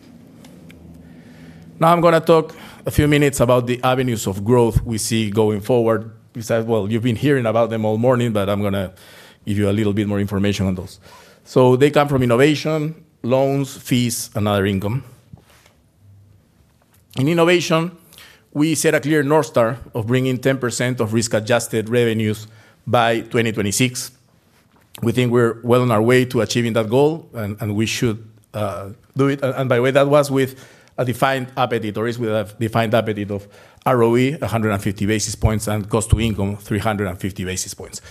Now I'm going to talk a few minutes about the avenues of growth we see going forward. You've been hearing about them all morning, but I'm going to give you a little bit more information on those. They come from innovation, loans, fees, and other income. In innovation, we set a clear north star of bringing 10% of risk-adjusted revenue by 2026. We think we're well on our way to achieving that goal and we should do it. By the way, that is with a defined appetite of ROE 150 basis points and cost-to-income 350 basis points.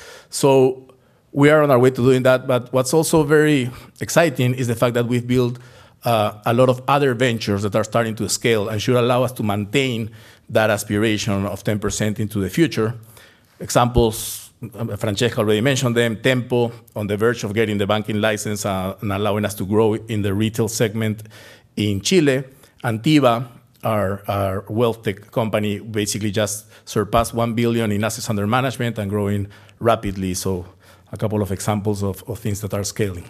We are on our way to doing that. What's also very exciting is the fact that we've built a lot of other ventures that are starting to scale and should allow us to maintain that aspiration of 10% into the future. Examples, Francesca already mentioned them. Tempo, on the verge of getting the banking license and allowing us to grow in the retail segment in Chile. Tiva, our wealthtech company, basically just surpassed $1 billion in assets under management and is growing rapidly. A couple of examples of things that are scaling.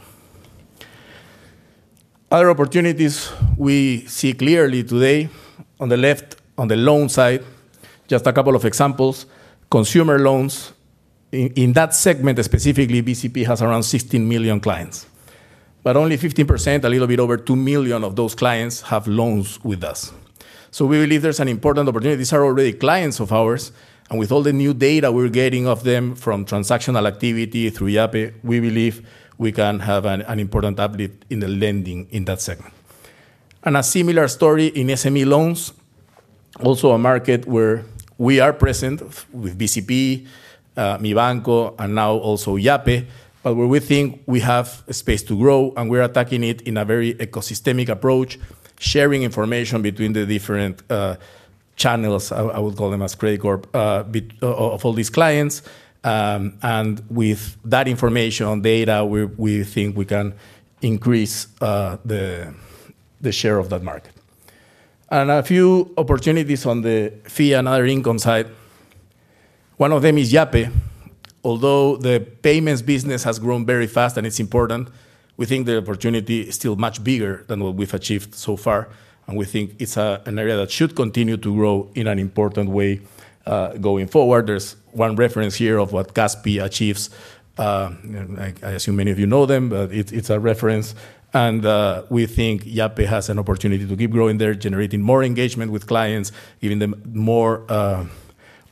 Other opportunities we see clearly today on the left on the loan side, just a couple of examples. Consumer loans in that segment specifically, Banco de Crédito del Perú has around 16 million clients, but only 15%, a little bit over 2 million of those clients, have loans with us. We believe there's an important opportunity. These are already clients of ours, and with all the new data we're getting from their transactional activity through Yape, we believe we can have an important update in the lending in that segment. A similar story in SME loans, also a market where we are present with Banco de Crédito del Perú, Mibanco, and now also Yape, but where we think we have space to grow and we're attacking it in a very ecosystemic approach, sharing information between the different channels. I would call them as Credicorp. Of all these clients and with that information on data, we think we can increase the share of that market. A few opportunities on the fee and other income side. One of them is Yape. Although the payments business has grown very fast and it's important, we think the opportunity is still much bigger than what we've achieved so far. We think it's an area that should continue to grow in an important way going forward. There's one reference here of what CASPI achieves. I assume many of you know them, but it's a reference and we think Yape has an opportunity to keep growing there, generating more engagement with clients, giving them more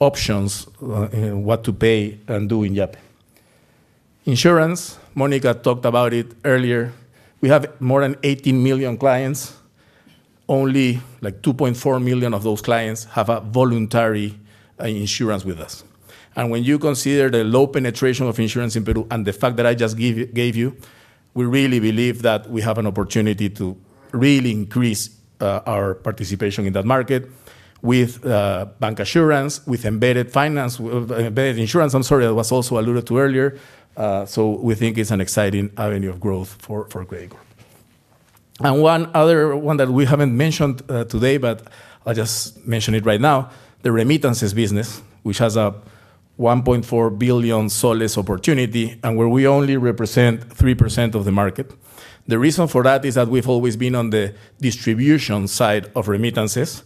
options what to pay and do in Yape insurance. Monica talked about it earlier. We have more than 18 million clients. Only like 2.4 million of those clients have a voluntary insurance with us. When you consider the low penetration of insurance in Peru and the fact that I just gave you, we really believe that we have an opportunity to really increase our participation in that market with bancassurance, with embedded finance, embedded insurance. I'm sorry, that was also alluded to earlier. We think it's an exciting avenue of growth for Credicorp. One other one that we haven't mentioned today, but I'll just mention it right now, the remittances business, which has a $1.4 billion opportunity and where we only represent 3% of the market. The reason for that is that we've always been on the distribution side of remittances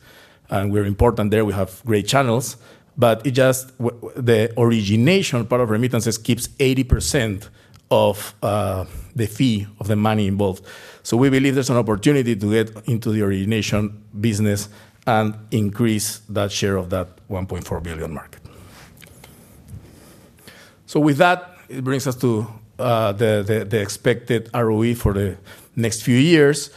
and we're important there. We have great channels, but the origination part of remittances keeps 80% of the fee of the money involved. We believe there's an opportunity to get into the origination business and increase that share of that $1.4 billion mark. With that it brings us to the expected ROE for the next few years.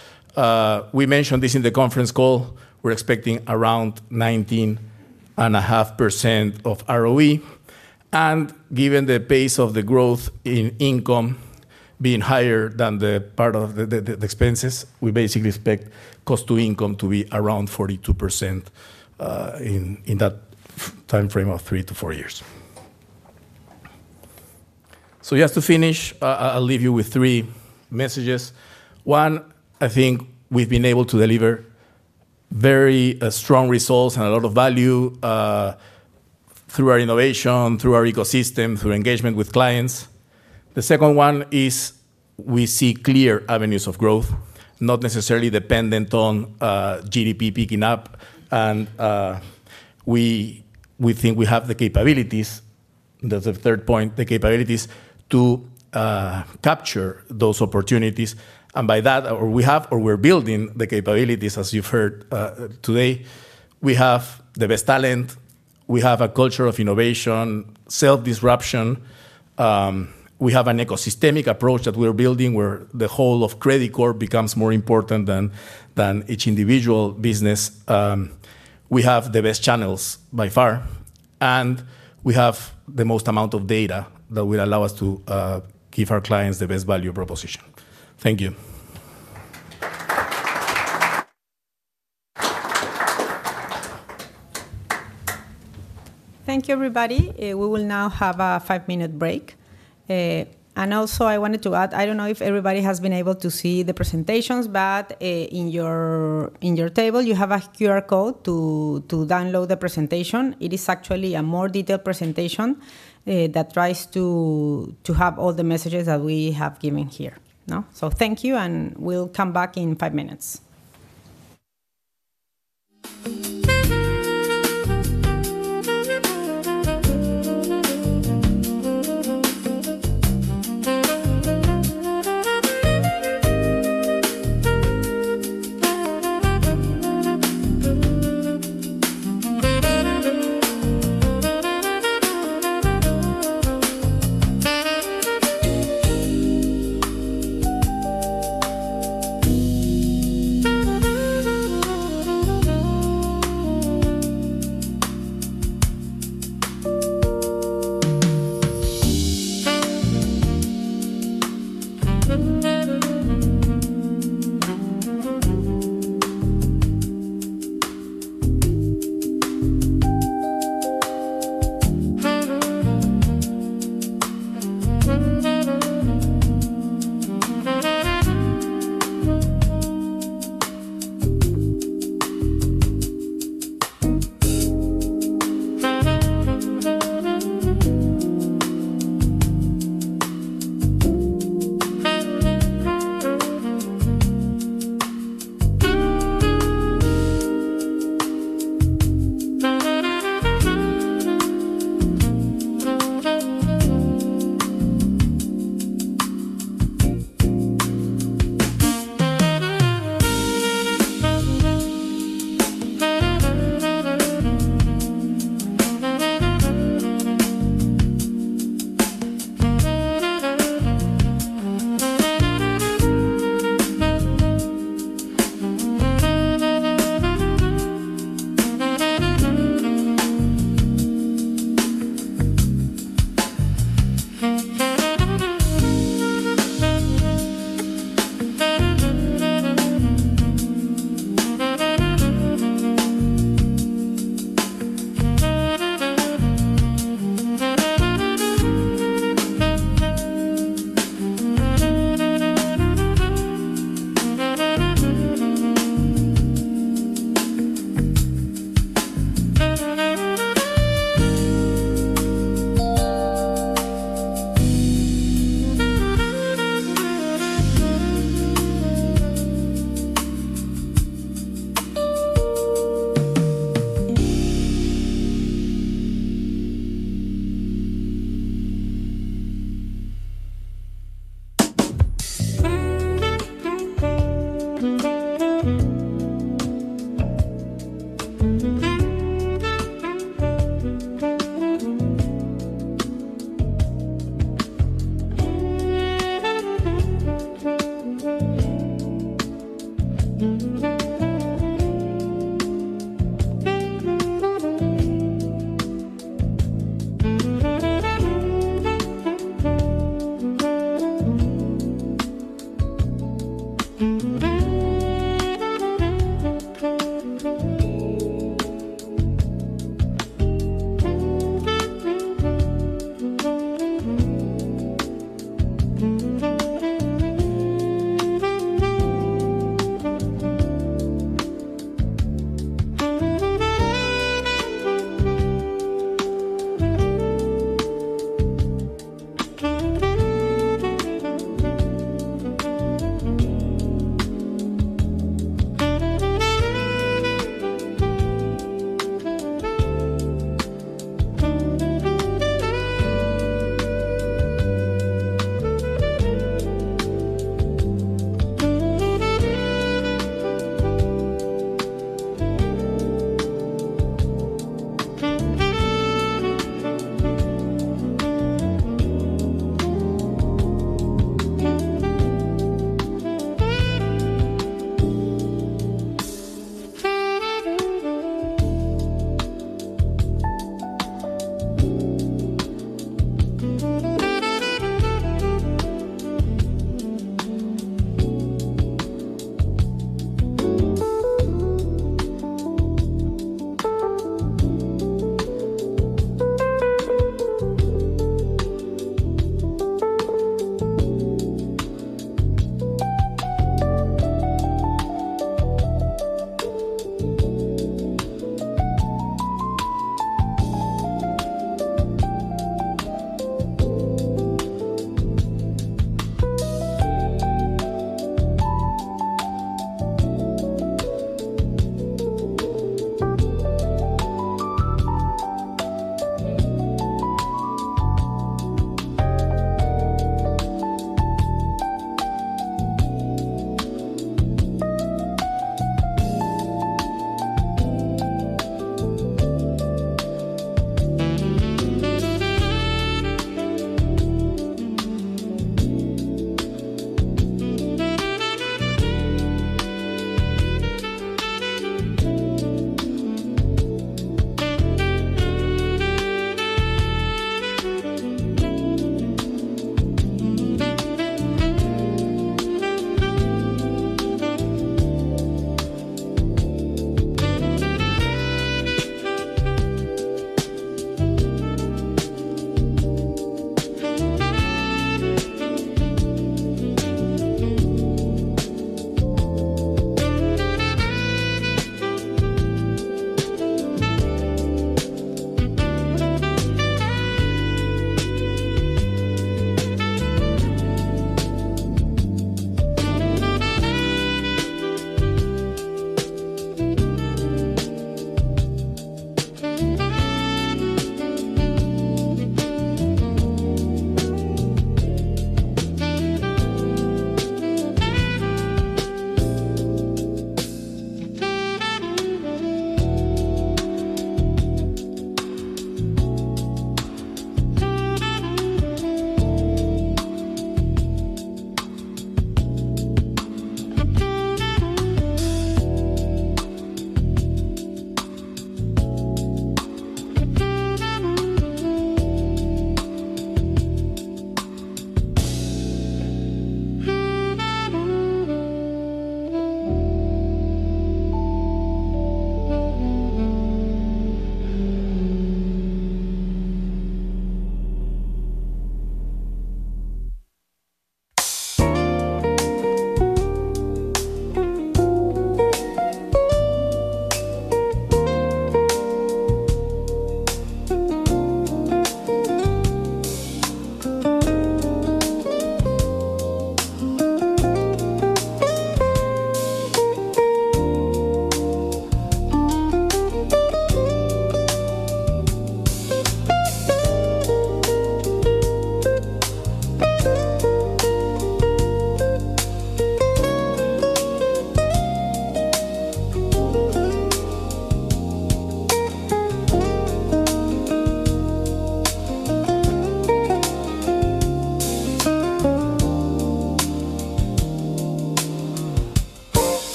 We mentioned this in the conference call. We're expecting around 19.5% of ROE. Given the pace of the growth in income being higher than the part of the expenses, we basically expect cost-to-income to be around 42% in that timeframe of three to four years. Just to finish, I'll leave you with three messages. One, I think we've been able to deliver very strong results and a lot of value through our innovation, through our ecosystem, through engagement with clients. The second one is we see clear avenues of growth not necessarily dependent on GDP picking up. We think we have the capabilities. That's the third point, the capabilities to capture those opportunities. By that we have, or we're building the capabilities. As you've heard today, we have the best talent, we have a culture of innovation, self-disruption. We have an ecosystemic approach that we're building where the whole of Credicorp becomes more important than each individual business. We have the best channels by far and we have the most amount of data that will allow us to give our clients the best value proposition. Thank you. Thank you, everybody. We will now have a five-minute break, and also I wanted to add, I don't know if everybody has been able to see the presentations, but in your table you have a QR code to download the presentation. It is actually a more detailed presentation that tries to have all the messages that we have given here. Thank you, and we'll come back in five minutes.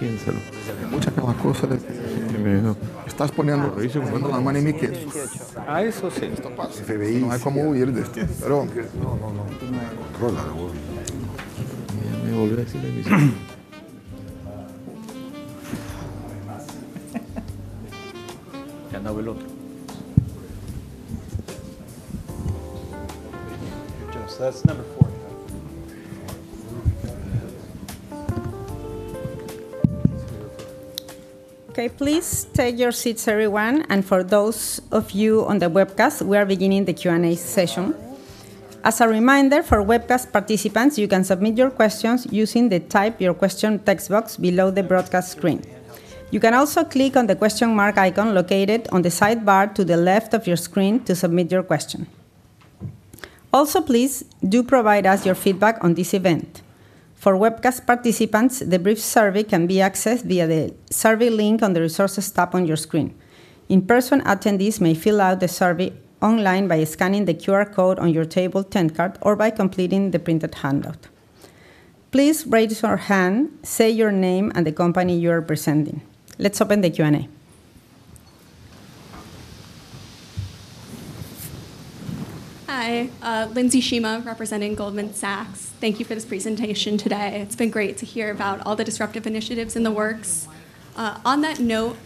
Sa Sam. Sa. That's number four. Okay, please take your seats everyone. For those of you on the webcast, we are beginning the Q&A session. As a reminder for webcast participants, you can submit your questions using the type your question text box below the broadcast screen. You can also click on the question mark icon located on the sidebar to the left of your screen to submit your question. Also, please do provide us your feedback on this event. For webcast participants, the brief survey can be accessed via the survey link on the Resources tab on your screen. In-person attendees may fill out the survey online by scanning the QR code on your Table 10 card or by completing the printed handout. Please raise your hand, say your name and the company you are representing. Let's open the Q&A. Hi, Lindsey Marie Shema representing Goldman Sachs. Thank you for this presentation today. It's been great to hear about all. The disruptive initiatives in the world work. On that note,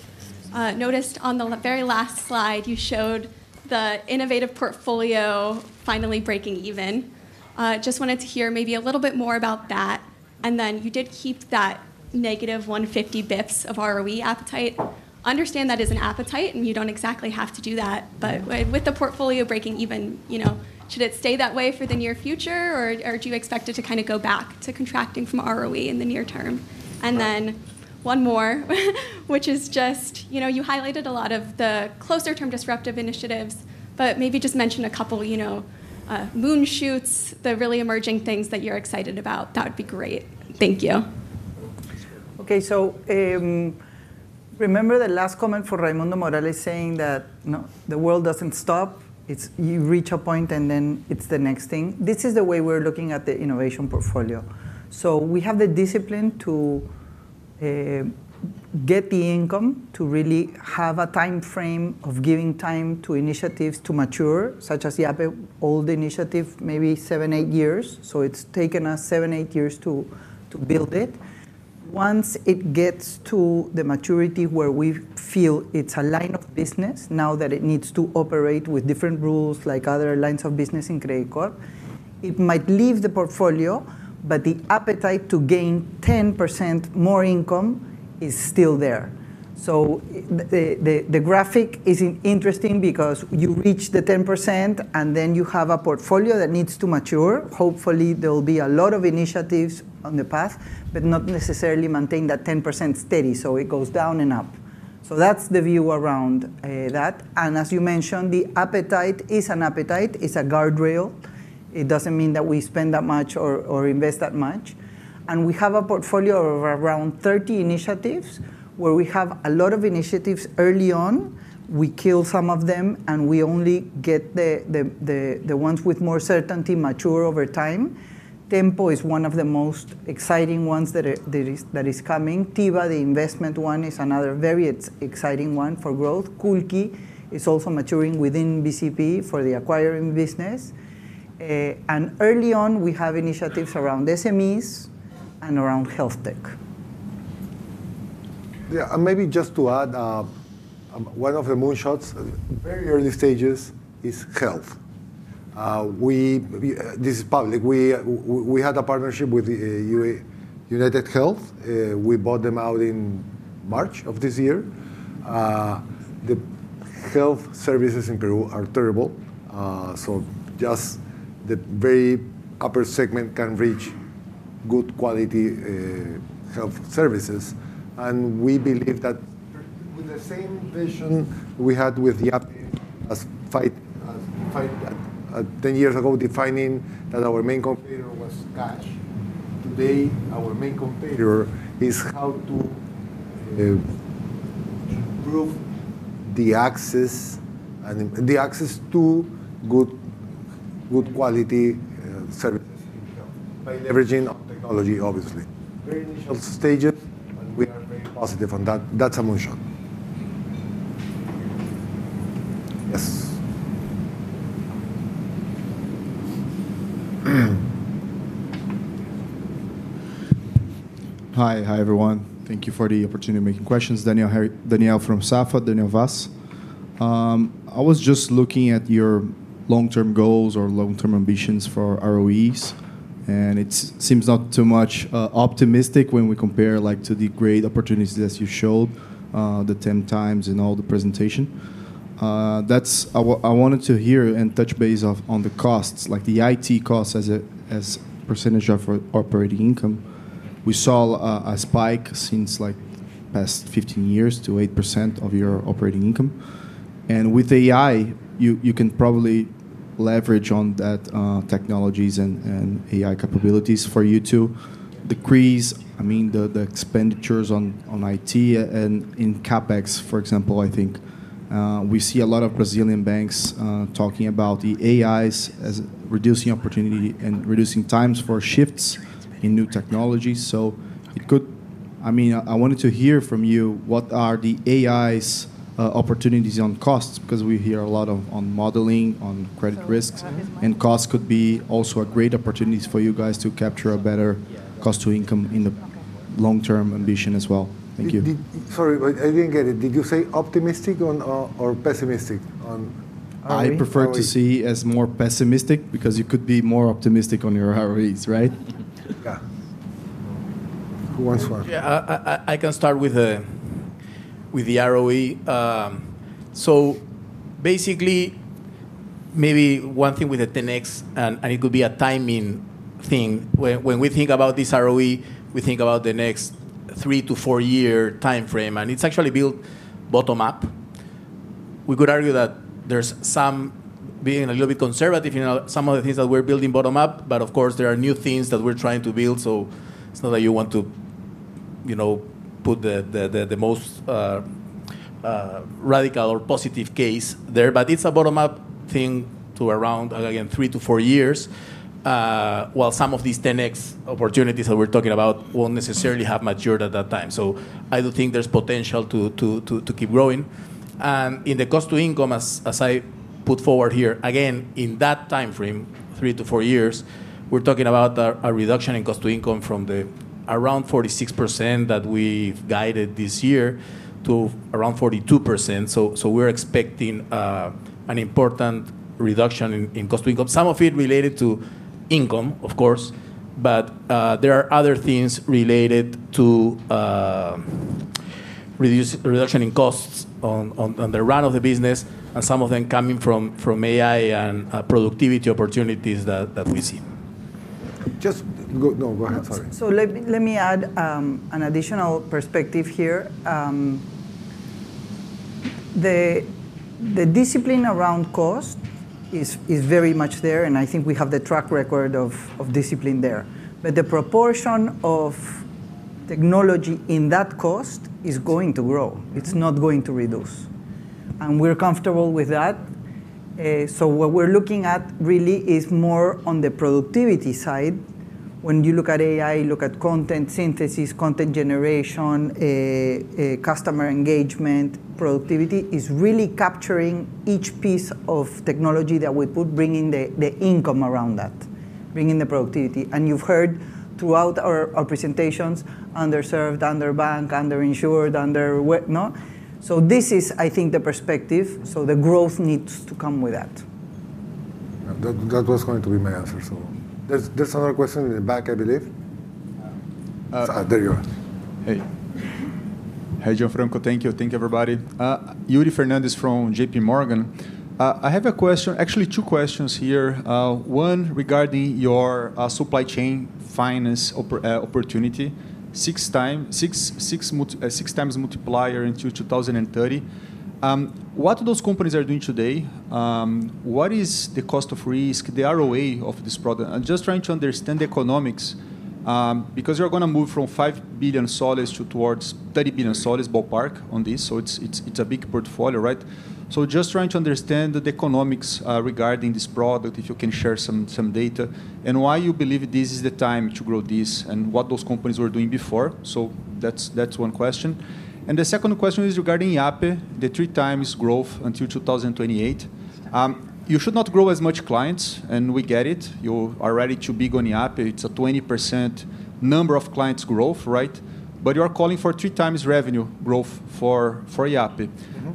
I noticed on the very last slide you showed the innovative portfolio finally breaking even. I just wanted to hear maybe a little bit more about that. You did keep that negative 150 bps of ROE appetite. Understand that is an appetite and you. Don't exactly have to do that. With the portfolio breaking even, you. Should it stay that way? The near future, or do you expect it to kind of go back to? Contracting from ROE in the near term? One more, which is just you highlighted a lot of the closer term disruptive initiatives, but maybe just mention. A couple moon shots, the really emerging. Things that you're excited about. That would be great. Thank you. Okay, so remember the last comment for Raimundo Morales saying that the world doesn't stop. You reach a point and then it's the next thing. This is the way we're looking at the innovation portfolio. We have the discipline to get the income, to really have a time frame of giving time to initiatives to mature, such as the Yape old initiative, maybe seven, eight years. It's taken us seven, eight years to build it. Once it gets to the maturity where we feel it's a line of business now that it needs to operate with different rules like other lines of business in Credicorp, it might leave the portfolio, but the appetite to gain 10% more income is still there. The graphic is interesting because you reach the 10% and then you have a portfolio that needs to mature. Hopefully there will be a lot of initiatives on the path, but not necessarily maintain that 10% steady, so it goes down and up. That's the view around that. As you mentioned, the appetite is an appetite, it's a guardrail. It doesn't mean that we spend that much or invest that much. We have a portfolio of around 30 initiatives where we have a lot of initiatives early on, we kill some of them, and we only get the ones with more certainty mature over time. Tempo is one of the most exciting ones that is coming. Tiva, the investment one, is another very exciting one for growth. Kulki is also maturing within Banco de Crédito del Perú for the acquiring business. Early on, we have initiatives around SMEs and around health tech. Maybe just to add, one of the moonshots, very early stages, is health. This is public. We had a partnership with United Health. We bought them out in March of this year. The health services in Peru are terrible. Just the very upper segment can reach good quality health services. We believe that with the same vision we had with the app. Ten. Years ago, defining that our main competitor was cash. Today, our main competitor is how to. To. Improve the access and the access to good quality service by leveraging technology, obviously, stages with positive, and that's a motion. Yes. Hi everyone. Thank you for the opportunity, making questions. Daniel from Safa Daniel Vaas I was. Just looking at your long term goals or long term ambitions for ROEs, it seems not too much optimistic when. We compare to the great opportunities as you showed, the 10 times and all. The presentation. I wanted to hear and touch base on the costs, like the IT costs as a percentage of operating. Income, we saw a spike since the past 15 years to 8% of your operating income. With AI, you can probably leverage on that technology and AI capabilities for you to decrease, I mean, the expenditures on IT and in CapEx, for example. I think we see a lot of Brazilian banks talking about AI as reducing opportunity and reducing times for shifts in new technologies. It could, I mean, I wanted to hear from you what are the AI's opportunities on. Costs, because we hear a lot of. On modeling on credit risks and costs. Could be also a great opportunity for you guys to capture a better cost. To income in the long term, ambition as well. Thank you. Sorry, I didn't get it. Did you say optimistic or pessimistic? I prefer to see as more pessimistic. Because you could be more optimistic on your ROEs, right? Yeah, who wants one? Yeah, I can start with the ROE. So basically maybe one thing with the 10x and it could be a timing thing. When we think about this ROE, we think about the next three to four year time frame and it's actually built bottom up. We could argue that there's some being a little bit conservative in some of the things that we're building bottom up. Of course there are new things that we're trying to build. It's not that you want to put the most radical or positive case there, but it's a bottom up thing to around again, three to four years. While some of these 10x opportunities that we're talking about won't necessarily have matured at that time. I do think there's potential to keep growing, growing. In the cost-to-income, as I put forward here again in that time frame, three to four years, we're talking about a reduction in cost-to-income from the around 46% that we've guided this year to around 42%. We're expecting an important reduction in cost-to-income, some of it related to income of course, but there are other things related to reduction in costs on the run of the business and some of them coming from AI and productivity opportunities that we see. Go ahead. Sorry. Let me add an additional perspective here. The discipline around cost is very much there, and I think we have the track record of discipline. The proportion of technology in that cost is going to grow, it's not going to reduce, and we're comfortable with that. What we're looking at really is more on the productivity side. When you look at AI, look at content synthesis, content generation, customer engagement, productivity is really capturing each piece of technology that we put, bringing the income around that, bringing the productivity. You've heard throughout our presentations, underserved, underbanked, underinsured, under whatnot. I think the perspective is that the growth needs to come with that. That was going to be my answer. There's just another question in the back, I believe. There you are. Hey. Hi Gianfranco. Thank you. Thank you everybody. Yuri Rocha Fernandes from JP Morgan. I have a question. Actually, two questions here. One regarding your supply chain finance opportunity. Six times multiplier into 2030. What are those companies doing today? What is the cost of risk, the ROA of this product? I'm just trying to understand the economics because you're going to move from S/5 billion to towards S/30 billion. Ballpark on this. It's a big portfolio. Right? Right. Just trying to understand the economics regarding this product. If you can share some data and why you believe this is the time to grow this and what those companies were doing before. That's one question. The second question is regarding Yape. The three times growth until 2028, you should not grow as much clients. We get it, you are already too big on it. It's a 20% number of clients growth, right? You are calling for three times revenue growth for Yape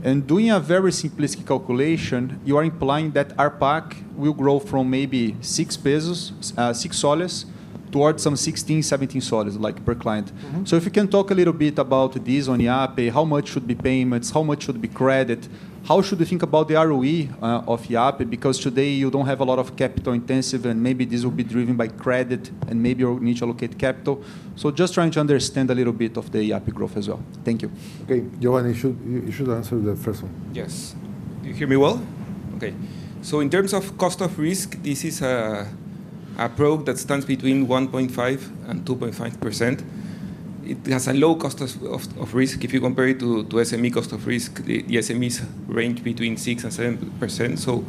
and doing a very simplistic calc, you are implying that ARPAC will grow from maybe S/6 towards some S/16, S/17 per client. If you can talk a little bit about these on Yape. How much should be payments, how much should be credit? How should you think about the ROE of Yape? Because today you don't have a lot of capital intensive and maybe this will be driven by credit and maybe you'll need to allocate capital. Just trying to understand a little. Bit of the EAP growth as well. Thank you. Okay, Johan, you should answer the first. Yes, you hear me well. Okay. In terms of cost of risk, this is a product that stands between 1.5% and 2.5%. It has a low cost of risk. If you compare it to SME cost of risk, the SMEs range between 6% and 7%.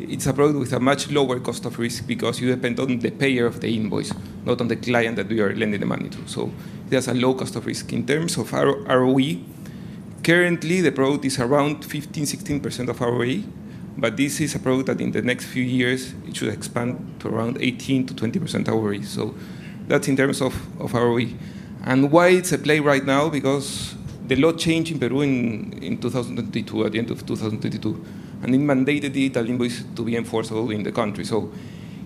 It's a product with a much lower cost of risk because you depend on the payer of the invoice, not on the client that you are lending the money to. There's a low cost of risk. In terms of ROE, currently the product is around 15%, 16% of ROE. This is a product that in the next few years should expand to around 18%-20% ROE. That's in terms of ROE and why it's a play right now, because the law changed in Peru in 2022, at the end of 2022, and it mandated the Italian invoice to be enforceable in the country.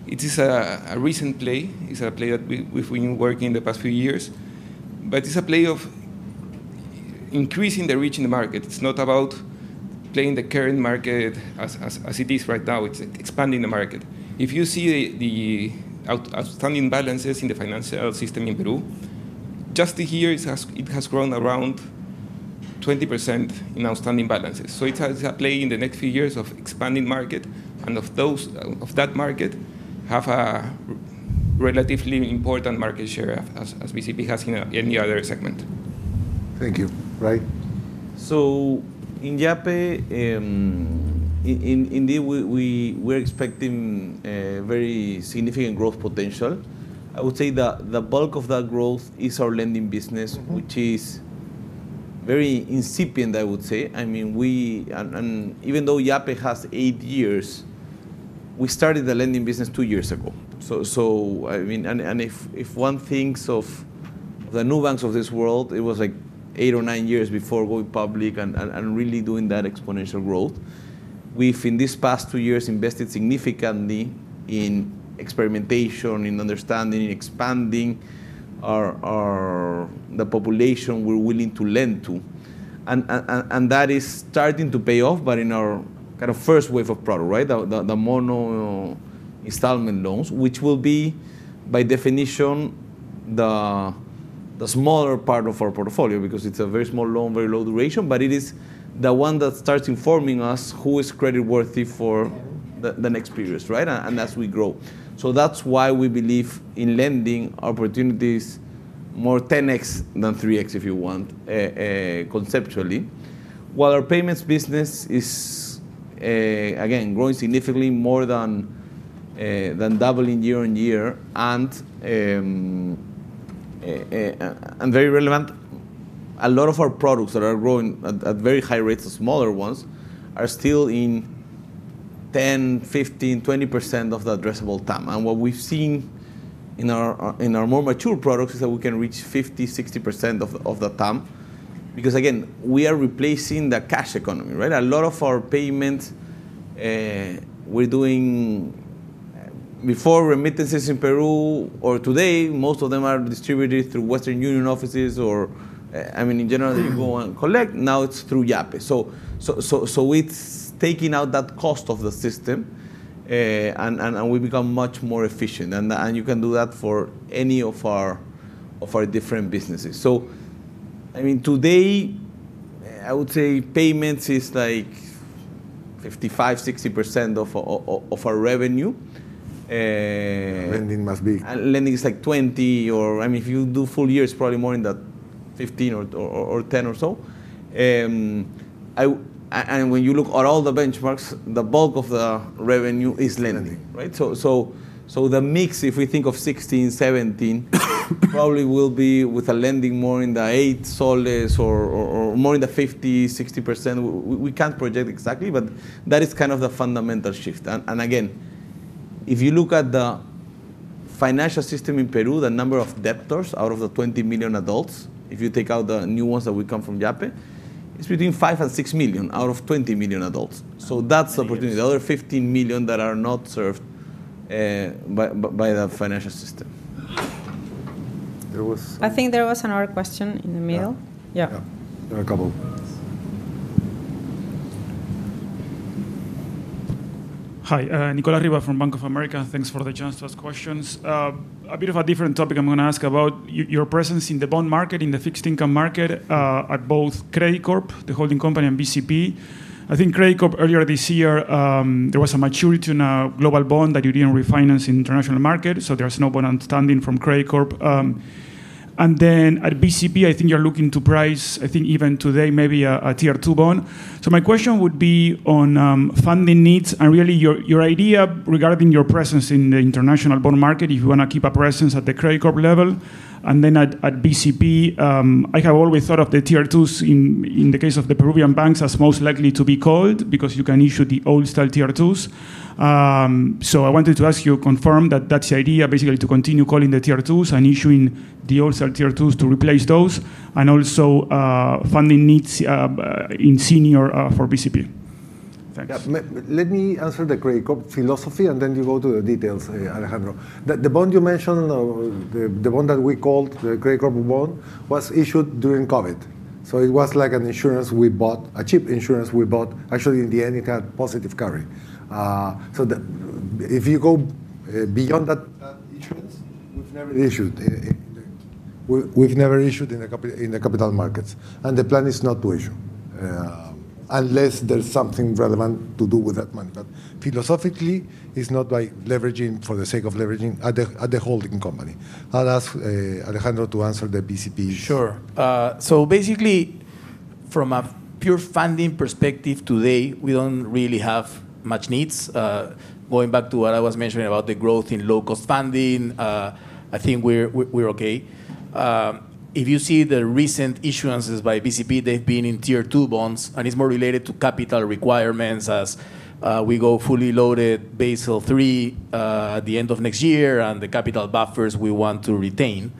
It is a recent play. It's a play that we've been working the past few years. It's a play of increasing the reach in the market. It's not about playing the current market as it is right now. It's expanding the market. If you see the outstanding balances in the financial system in Peru just this year, it has grown around 20% in outstanding balances. It has a play in the next few years of expanding market and of that market have a relatively important market share as Banco de Crédito del Perú has in any other segment. Thank you. Right. In Yape, indeed we're expecting very significant growth potential. I would say that the bulk of that growth is our lending business, which is very incipient, I would say. Even though Yape has eight years, we started the lending business two years ago and if one thinks of the neobanks of this world, it was like eight or nine years before going public and really doing that exponential growth. We've in these past two years invested significantly in experimentation, in understanding, in expanding the population we're willing to lend to and that is starting to pay off. In our kind of first wave of product, the mono installment loans, which will be by definition the smaller part of our portfolio because it's a very small loan, very low duration, but it is the one that starts informing us who is creditworthy for the next period and as we grow. That's why we believe in lending opportunities, more 10x than 3x if you want conceptually, while our payments business is again growing significantly, more than doubling year on year and very relevant. A lot of our products that are growing at very high rates, the smaller ones, are still in 10%, 15%, 20% of the addressable time. What we've seen in our more mature products is that we can reach 50%, 60% of the time, some because we are replacing the cash economy. Right. A lot of our payments we were doing before remittances in Peru or today, most of them are distributed through Western Union offices or, I mean, in general you go and collect. Now it's through Yape. It's taking out that cost of the system and we become much more efficient. You can do that for any of our different businesses. Today I would say payments is like 55-60% of our revenue. Lending must be. Lending is like 20 or, I mean, if you do full year, it's probably more in that 15 or 10 or so. When you look at all the benchmarks, the bulk of the revenue is lending. The mix, if we think of 16, 17, probably will be with lending more in the S/8 or more in the 50, 60% range. We can't project exactly, but that is kind of the fundamental shift. Again, if you look at the financial system in Peru, the number of debtors out of the 20 million adults, if you take out the new ones that we come from Yape, it's between 5 and 6 million out of 20 million adults. That's opportunity, the other 15 million that are not served by the financial system. I think there was another question in the middle. Yeah, there are a couple. Hi, Nicola Arriba from Bank of America. Thanks for the chance to ask questions. A bit of a different topic. I'm going to ask about your presence in the bond market, in the fixed income market, at both Credicorp Ltd., the holding company, and Banco de Crédito del Perú. I think Credicorp. Earlier this year there was a maturity in a global bond that you didn't. Refinance in international market. There's no bond outstanding from Credicorp. At BCP, I think. You're looking to price, I think even today maybe a Tier 2 bond. My question would be on funding needs and really your idea regarding your. Presence in the international bond market. If you want to keep a presence. At the Credicorp Ltd. level and then at Banco de Crédito del Perú. I have always thought of the TR2s in the case of the Peruvian banks as most likely to be called, because you can issue the old style TR2s. I wanted to ask you, confirmed. That's the idea, basically, to continue calling the Tier 2s and issuing the ORSAL Tier 2s to replace those, and also funding needs in senior for BCP. Thank you. Let me answer the credit corporate philosophy and then you go to the details. Alejandro, the bond you mentioned, the bond that we called the credit corporate bond, was issued during COVID. It was like an insurance we bought, a cheap insurance we bought. Actually, in the end it had positive carry. If you go beyond that issuance, we've never issued, we've never issued in the capital markets, and the plan is not to issue unless there's something relevant to do with that money. Philosophically, it's not by leveraging for the sake of leveraging at the holding company. I'll ask Alejandro to answer the BCP. Sure. Basically, from a pure funding perspective, today we don't really have much needs. Going back to what I was mentioning about the growth in local funding, I think we're okay. If you see the recent issuances by Banco de Crédito del Perú, they've been in Tier 2 bonds and it's more related to capital requirements as we go fully loaded Basel 3 at the end of next year. The capital buffers we want to retain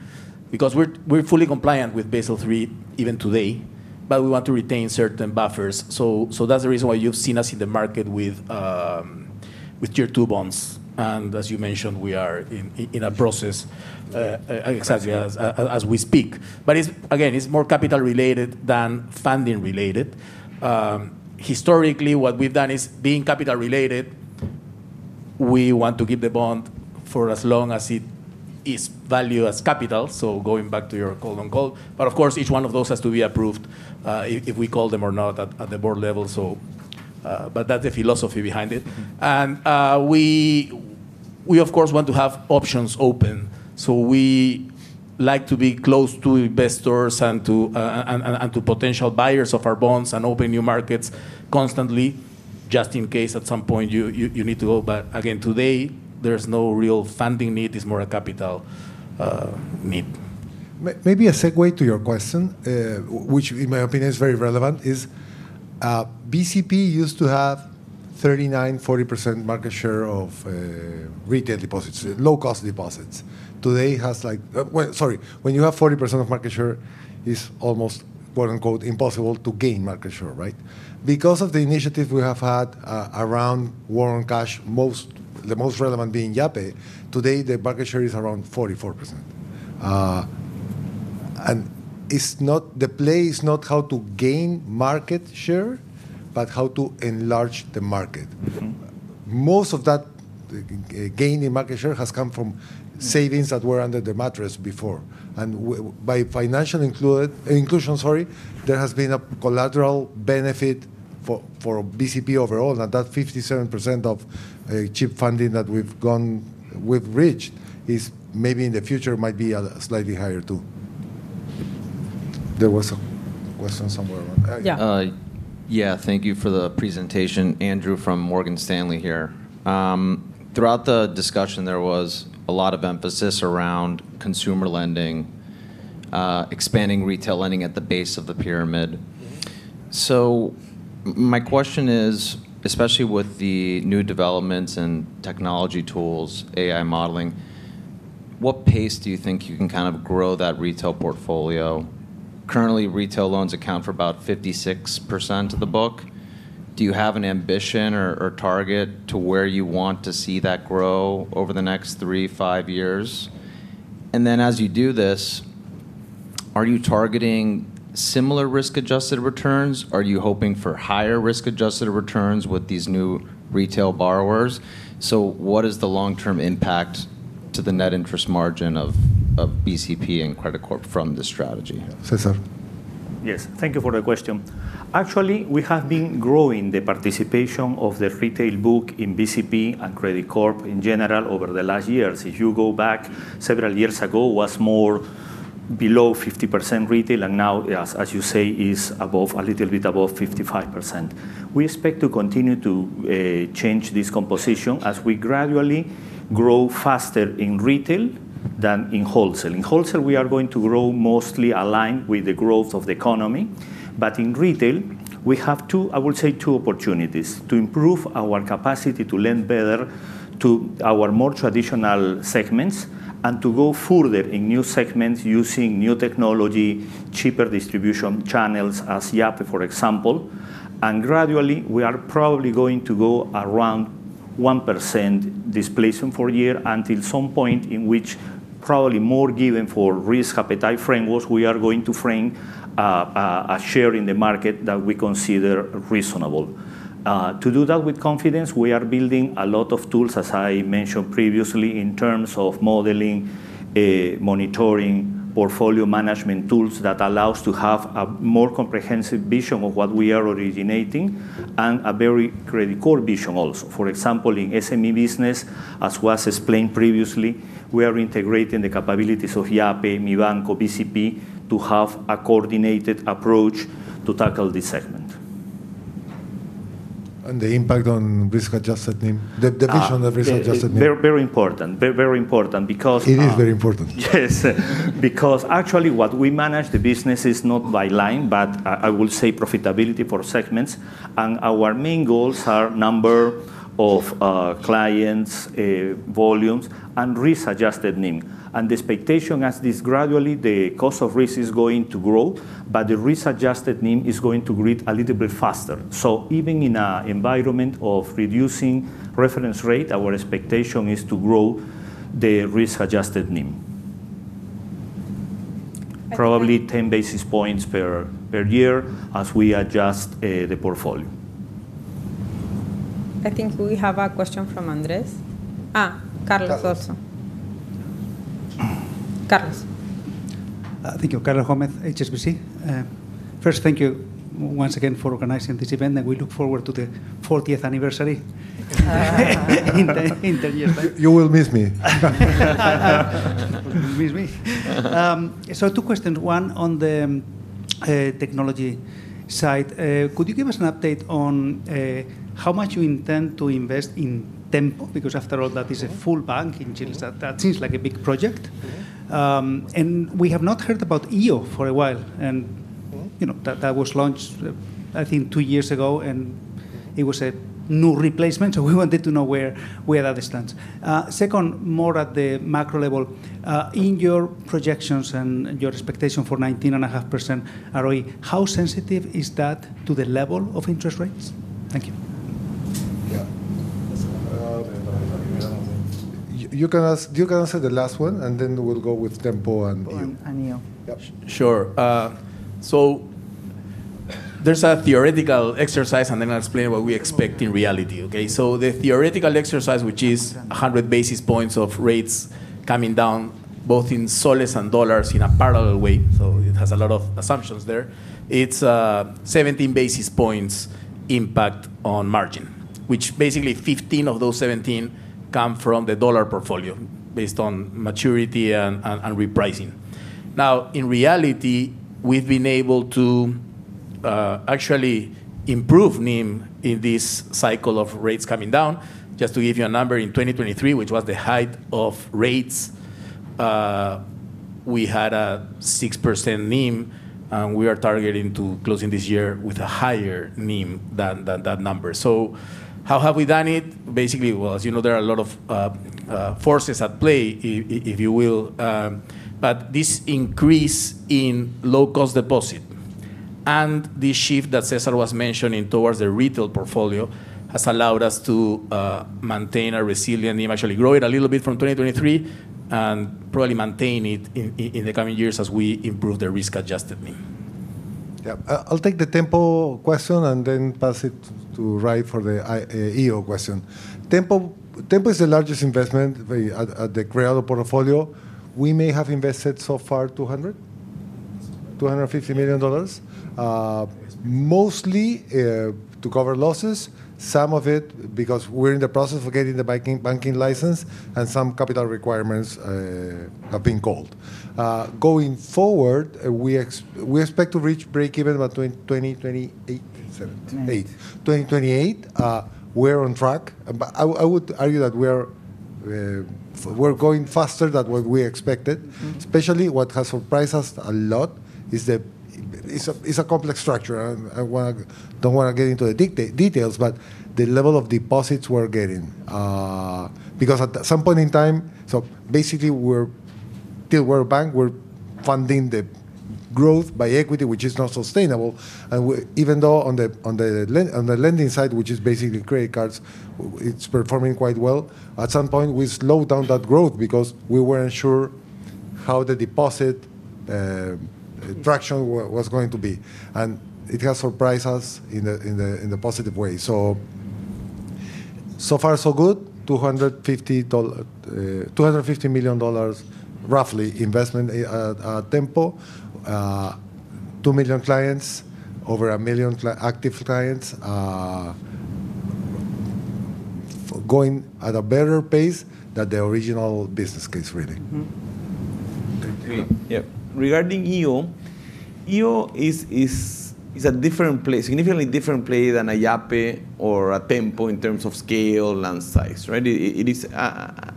because we're fully compliant with Basel 3 even today, but we want to retain certain buffers. That's the reason why you've seen us in the market with Tier 2 bonds. As you mentioned, we are in a process exactly as we speak. Again, it's more capital related than funding related. Historically, what we've done is being capital related. We want to keep the bond for as long as it is valued as capital. Going back to your call on call, of course, each one of those has to be approved if we call them or not at the board levels. So. That is the philosophy behind it. We of course want to have options open. We like to be close to investors and to potential buyers of our bonds and open new markets constantly just in case at some point you need to go. Again, today there's no real funding need, it's more a capital need. Maybe a segue to your question, which in my opinion is very relevant, is BCP used to have 39, 40% market share of retail deposits. Low cost deposits today has like, sorry, when you have 40% of market share, it's almost, quote unquote, impossible to gain market share. Right. Because of the initiative we have had around War on Cash, the most relevant being Yape. Today the market share is around 44% and the play is not how to gain market share but how to enlarge the market. Most of that gain in market share has come from savings that were under the mattress before and by financial inclusion. Sorry. There has been a collateral benefit for BCP overall and that 57% of cheap funding that we've got, we've reached, maybe in the future might be slightly higher too. There was a question somewhere. Yeah, thank you for the presentation. Andrew from Morgan Stanley here. Throughout the discussion, there was a lot of emphasis around consumer lending expanding retail. Lending at the base of the pyramid. My question is, especially with the new developments and technology tools, AI modeling. What pace do you think you can? Kind of grow that retail portfolio? Currently, retail loans account for about 56% of the book. Do you have an ambition or target? To where you want to see that. Grow over the next three, five years? As you do this, are. You targeting similar risk-adjusted returns? Are you hoping for higher risk-adjusted? Returns with these new retail borrowers? What is the long term impact? To the net interest margin of BCP and Credicorp from this strategy? Cesar? Yes, thank you for the question. Actually, we have been growing the participation of the retail book in BCP and Credicorp. In general, over the last years, if you go back several years ago, it was more below 50% retail and now, as you say, is a little bit above 55%. We expect to continue to change this composition as we gradually grow faster in retail than in wholesale. In wholesale, we are going to grow mostly aligned with the growth of the economy. In retail, we have two, I will say, two opportunities to improve our capacity to lend better to our more traditional segments and to go further in new segments using new technology, cheaper distribution channels as Yape, for example. Gradually, we are probably going to go around 1% displacement per year until some point in which probably more, given for risk appetite frameworks. We are going to frame a share in the market that we consider reasonable to do that with confidence. We are building a lot of tools, as I mentioned previously, in terms of modeling, monitoring, portfolio management tools that allow us to have a more comprehensive vision of what we are originating and a very Credicorp vision also. For example, in SME business, as was explained previously, we are integrating the capabilities of Yape, Mibanco, BCP to have a coordinated approach to tackle this segment. The impact on risk-adjusted NIM, the vision of risk-adjusted NIM, is very, very important. Very important because it is very important. Yes, because actually what we manage the business is not by line, but I will say profitability for segments, and our main goals are number of clients, volumes, and the expectation is as this gradually, the cost of risk is going to grow. The risk-adjusted NIM is going to grow a little bit faster. Even in an environment of reducing reference rate, our expectation is to grow the risk-adjusted NIM probably 10 bps per year as we adjust the portfolio. I think we have a question from Andres. Carlos. Also. Carlos. Thank you, Carlos. HSBC, first, thank you once again for organizing this event, and we look forward. To the 40th anniversary. In the year. You will miss me. Two questions. One, on the technology side, could you give us an update on how much. You intend to invest in Tempo? Because after all, that is a full bank. That seems like a big project. We have not heard about EO before. A while, and that was launched. I Think two years ago, and it was a new replacement. We wanted to know where that stands. Second, more at the macro level, in your projections and your expectation for 19.5% ROE, how sensitive is that to the. Level of interest rates? Thank you. Yeah, you can answer the last one, and then we'll go with Tempo and sure. There's a theoretical exercise and then I'll explain what we expect in reality. The theoretical exercise, which is 100 basis points of rates coming down both in soles and dollars in a parallel way, has a lot of assumptions there. It's a 17 basis points impact on margin, which basically 15 of those 17 come from the dollar portfolio based on maturity and repricing. In reality, we've been able to actually improve NIM in this cycle of rates coming down. Just to give you a number, in 2023, which was the height of rates, we had a 6% NIM and we are targeting to close this year with a higher NIM than that number. How have we done it basically? As you know, there are a lot of forces at play, if you will, but this increase in low-cost deposit and this shift that Cesar Rios was mentioning towards the retail portfolio has allowed us to maintain a resilient NIM, actually grow it a little bit from 2023 and probably maintain it in the coming years as we improve the risk-adjusted. Yeah, I'll take the Tempo question and then pass it to RAI for the EO question. Tempo is the largest investment at the Credicorp portfolio. We may have invested so far $200 million, $250 million, mostly to cover losses, some of it because we're in the process of getting the banking license and some capital requirements going forward. We expect to reach break even by 2028. 2028, we're on track, but I would argue that we're going faster than what we expected. Especially what has surprised us a lot is that it's a complex structure. I don't want to get into the details, but the level of deposits we're getting because at some point in time, basically till World Bank, we're funding the growth by equity, which is not sustainable. Even though on the lending side, which is basically credit cards, it's performing quite well. At some point we slowed down that growth because we weren't sure how the deposit traction was going to be and it has surprised us in a positive way. So far so good. $250 million roughly. Investment Tempo, 2 million clients, over a million active clients going at a better pace than the original business case. Really? Yeah. Regarding EO, EO is a different play, significantly different play than Yape or Tempo in terms of scale and size. It is a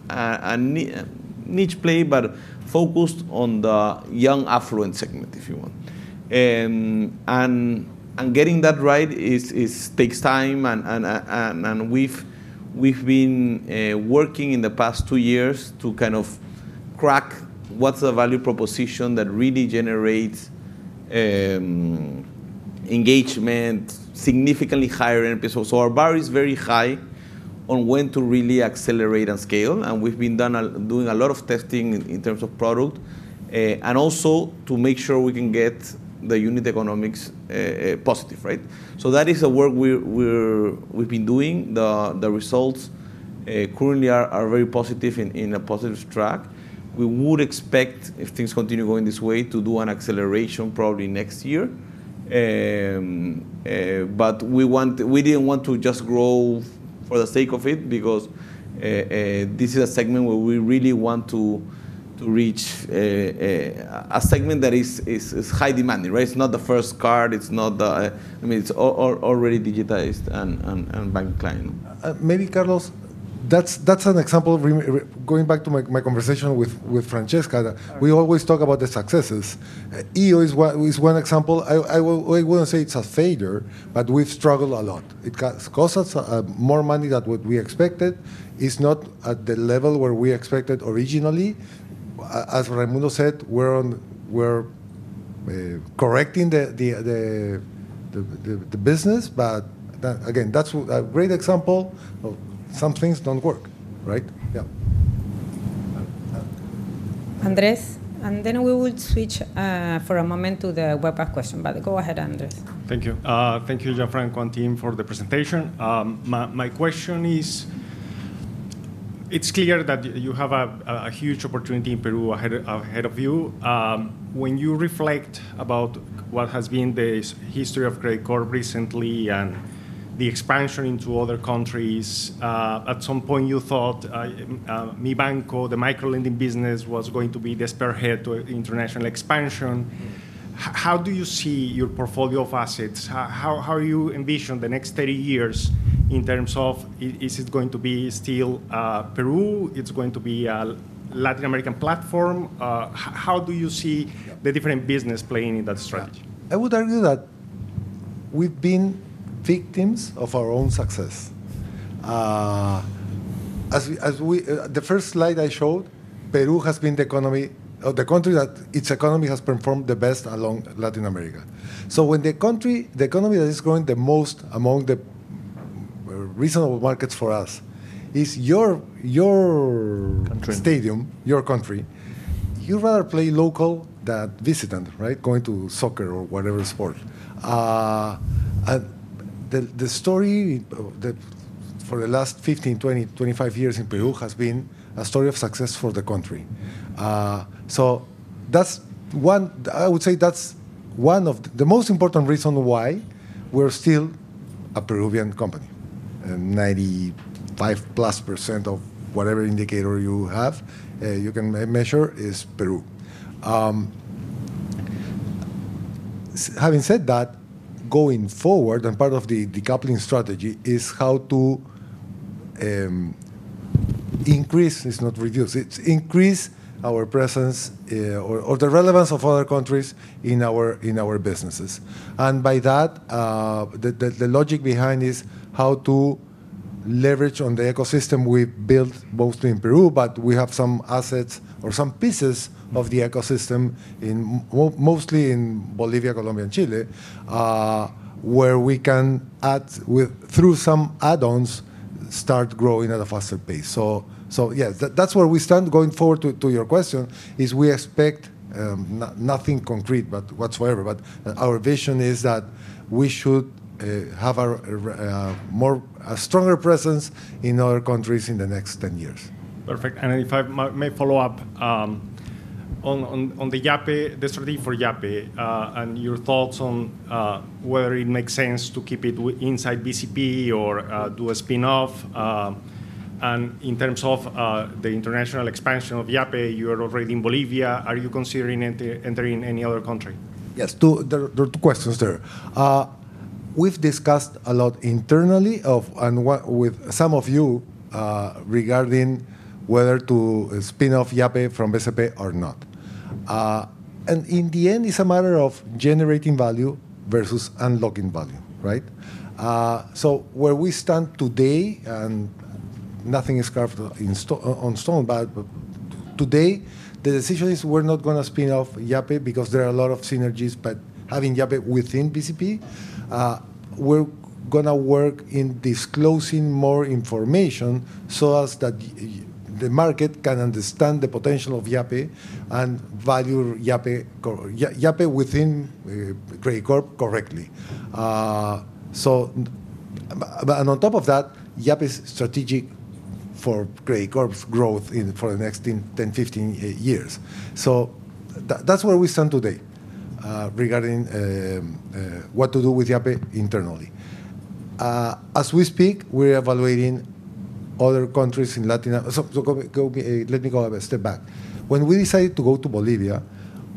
niche play, but focused on the young affluent segment if you want. Getting that right takes time. We've been working in the past two years to kind of crack what's the value proposition that really generates engagement, significantly higher NPS. Our bar is very high on when to really accelerate and scale, and we've been doing a lot of testing in terms of product and also to make sure we can get the unit economics positive. That is the work we've been doing. The results currently are very positive, in a positive spot track. We would expect if things continue going this way to do an acceleration probably next year. We didn't want to just grow for the sake of it because this is a segment where we really want to reach a segment that is high demanding. It's not the first card. I mean, it's already digitized and banked. Client, maybe Carlos, that's an example. Going back to my conversation with Francesca, we always talk about the successes. EU is one example. I wouldn't say it's a failure, but we've struggled a lot. It cost us more money than what we expected. It's not at the level where we expected originally. As Raimundo said, we're correcting the business. Again, that's a great example of some things don't work. Right. Yeah. Andres, we will switch for a moment to the webpack question. Go ahead. Andres, thank you. Thank you, Jeffrey and Quantim, for the presentation. My question is, it's clear that you. Have a huge opportunity in Peru ahead of you. When you reflect upon what has. Been the history of Credicorp recently. The expansion into other countries. At some point you thought Mibanco, the microfinance lending business, was going to be the spearhead to international expansion. How do you see your portfolio of. Assets, how you envision the next 30. Years in terms of is it going. To be still Peru? It's going to be a Latin American platform. How do you see the different business playing in that space? I would argue that we've been victims of our own success. As the first slide I showed, Peru has been the economy or the country whose economy has performed the best along Latin America. When the country, the economy that is growing the most among the reasonable markets for us is your stadium, your country. You'd rather play local than visitant, right? Going to soccer or whatever sport. The story for the last 15, 20, 25 years in Peru has been a story of success for the country. That's one. I would say that's one of the most important reasons why we're still a Peruvian company. 95+% of whatever indicator you have, you can measure, is Peru. Having said that, going forward and part of the decoupling strategy is how to increase—it's not reduce, it's increase—our presence or the relevance of other countries in our businesses. The logic behind that is how to leverage on the ecosystem we built both in Peru, but we have some assets or some pieces of the ecosystem mostly in Bolivia, Colombia, and Chile where we can add, through some add-ons, start growing at a faster pace. That's where we stand. Going forward to your question, we expect nothing concrete whatsoever, but our vision is that we should have a stronger presence in other countries in the next 10 years. Perfect. If I may follow up on. The strategy for Yape and your thoughts. On whether it makes sense to keep it inside Banco de Crédito del Perú or do a spin off and in terms of the international. Expansion of Yape, you are already in Bolivia. Are you considering entering any other? Yes, there are two questions there. We've discussed a lot internally with some of you regarding whether to spin off Yape from BCP or not. In the end, it's a matter of generating value versus unlocking value, right? Where we stand today, and nothing is carved in stone, but today the decision is we're not going to spin off Yape because there are a lot of synergies. Having Yape within BCP, we're going to work in disclosing more information so that the market can understand the potential of Yape and value Yape within Credicorp correctly. On top of that, Yape is strategic for Credicorp's growth for the next 10, 15 years. That's where we stand today regarding what to do with Yape internally. As we speak, we're evaluating other countries in Latin America. Let me go a step back. When we decided to go to Bolivia,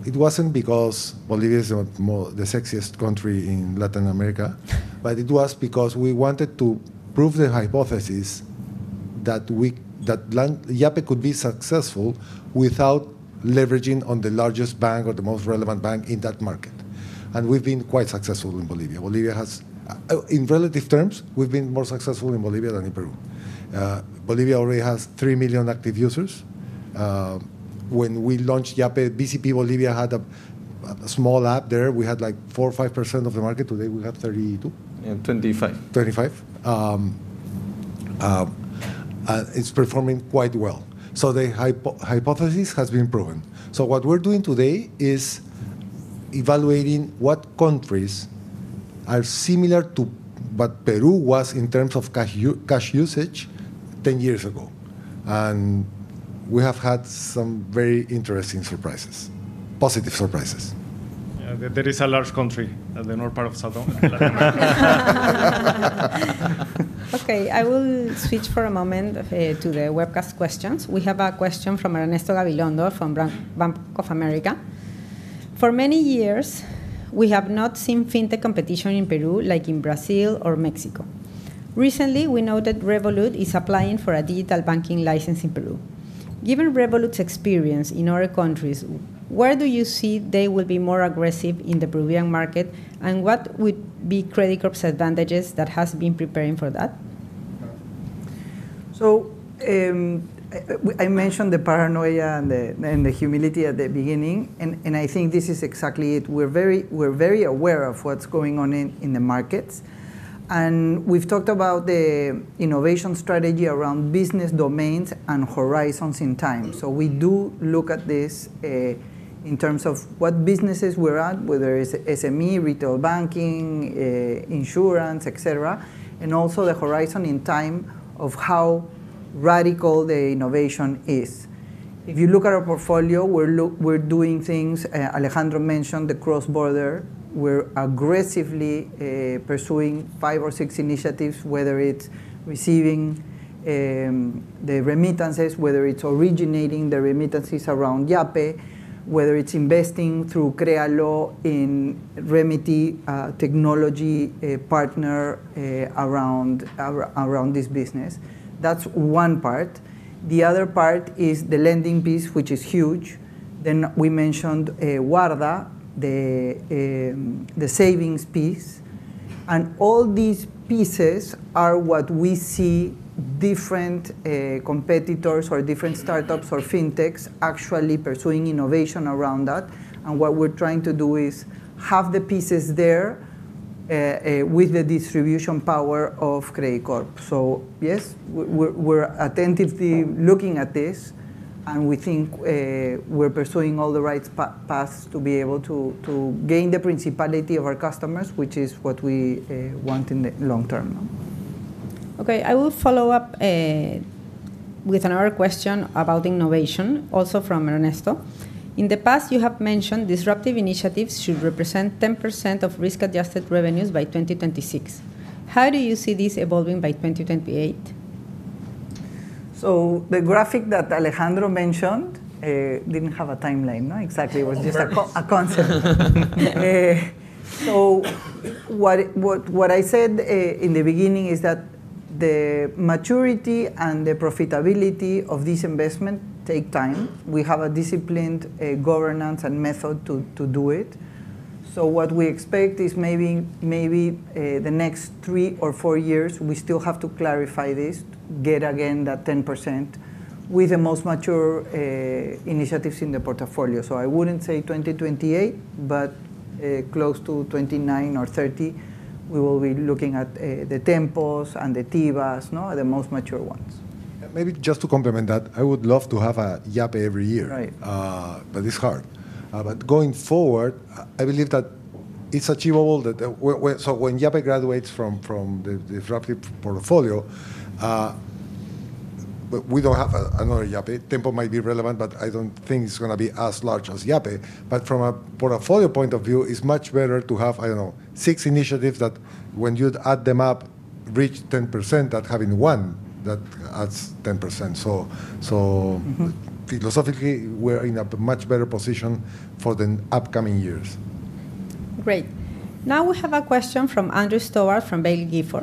it wasn't because Bolivia is the sexiest country in Latin America, but it was because we wanted to prove the hypothesis that Yape could be successful without leveraging on the largest bank or the most relevant bank in that market. We've been quite successful in Bolivia. In relative terms, we've been more successful in Bolivia than in Peru. Bolivia already has 3 million active users. When we launched Yape, BCP Bolivia had a small app there. We had like 4 or 5% of the market. Today we have 32 and 25, 25. It's performing quite well. The hypothesis has been proven. What we're doing today is evaluating what countries are similar to what Peru was in terms of cash usage 10 years ago. We have had some very interesting surprises, positive surprises. There is a large country at the north part of Sardon. Okay, I will switch for a moment to the webcast questions. We have a question from Ernesto Lavilondo from Bank of America. For many years we have not seen fintech competition in Peru like in Brazil or Mexico. Recently we noted Revolut is applying for a digital banking license in Peru. Given Revolut's experience in other countries, where do you see they will be more aggressive in the Peruvian market and what would be Credicorp's advantages that has been preparing for that. I mentioned the paranoia and the humility at the beginning, and I think this is exactly it. We're very aware of what's going on in the markets, and we've talked about the innovation strategy around business domains and horizons in time. We do look at this in terms of what businesses we're at, whether it's SME, retail, banking, insurance, et cetera, and also the horizon in time of how radical the innovation is. If you look at our portfolio, we're doing things Alejandro mentioned, the cross-border, we're aggressively pursuing five or six initiatives, whether it's receiving the remittances, whether it's originating the remittances around Yape, whether it's investing through Creallo in Remedy Technology partner around this business. That's one part. The other part is the lending piece, which is huge, huge. We mentioned Warda, the savings piece, and all these pieces are what we see different competitors or different startups or fintechs actually pursuing innovation around. What we're trying to do is have the pieces there with the distribution power of Credicorp. Yes, we're attentively looking at this, and we think we're pursuing all the right paths to be able to gain the principality of our customers, which is what we want in the long term. Okay. I will follow up with another question about innovation, also from Ernesto. In the past, you have mentioned disruptive initiatives should represent 10% of risk-adjusted revenues by 2026. How do you see this evolving by 2028? The graphic that Alejandro Perez-Reyes mentioned didn't have a timeline. No, exactly. It was just a concept. What I said in the beginning is that the maturity and the profitability of this investment take time. We have a disciplined governance and method to do it. What we expect is maybe the next three or four years. We still have to clarify this. Get again that 10% with the most mature initiatives in the portfolio. I wouldn't say 2028, but close to 2029 or 2030. We will be looking at the Tempos and the Tivas, the most mature ones. Maybe just to complement that. I would love to have a Yape every year, but this is hard. Going forward, I believe that it's achievable that when Yape graduates from the disruptive portfolio, we don't have another Yape. Tempo might be relevant, but I don't think it's going to be as large as Yape. From a portfolio point of view, it's much better to have, I don't know, six initiatives that when you'd add them up, reach 10% than having one that adds 10%. Philosophically, we're in a much better position for the upcoming years. Great. Now we have a question from Andrew Stobar from Bailiff.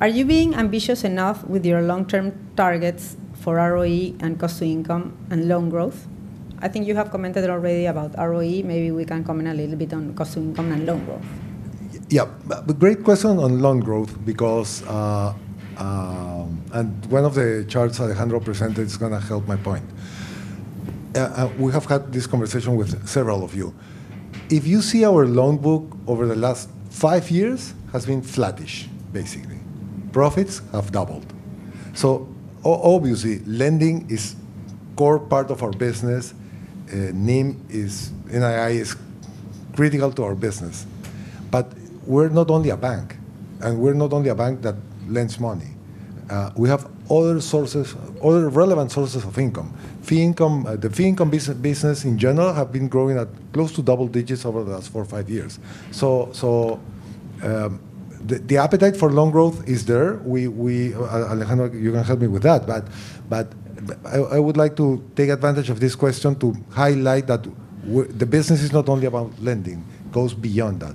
Are you being ambitious enough with your long-term targets for ROE and cost-to-income and loan growth? I think you have commented already about ROE. Maybe we can comment a little bit on cost-to-income and loan growth. Great question on loan growth because one of the charts Alejandro Perez-Reyes presented is going to help my point. We have had this conversation with several of you. If you see our loan book over the last five years, it has been flattish. Basically, profits have doubled. Obviously, lending is a core part of our business. NIM is. NII is critical to our business. We're not only a bank, and we're not only a bank that lends money. We have other sources, other relevant sources of income. The fee income business in general has been growing at close to double digits over the last four or five years. The appetite for loan growth is there. Alejandro, you're going to help me with that. I would like to take advantage of this question to highlight that the business is not only about lending; it goes beyond that.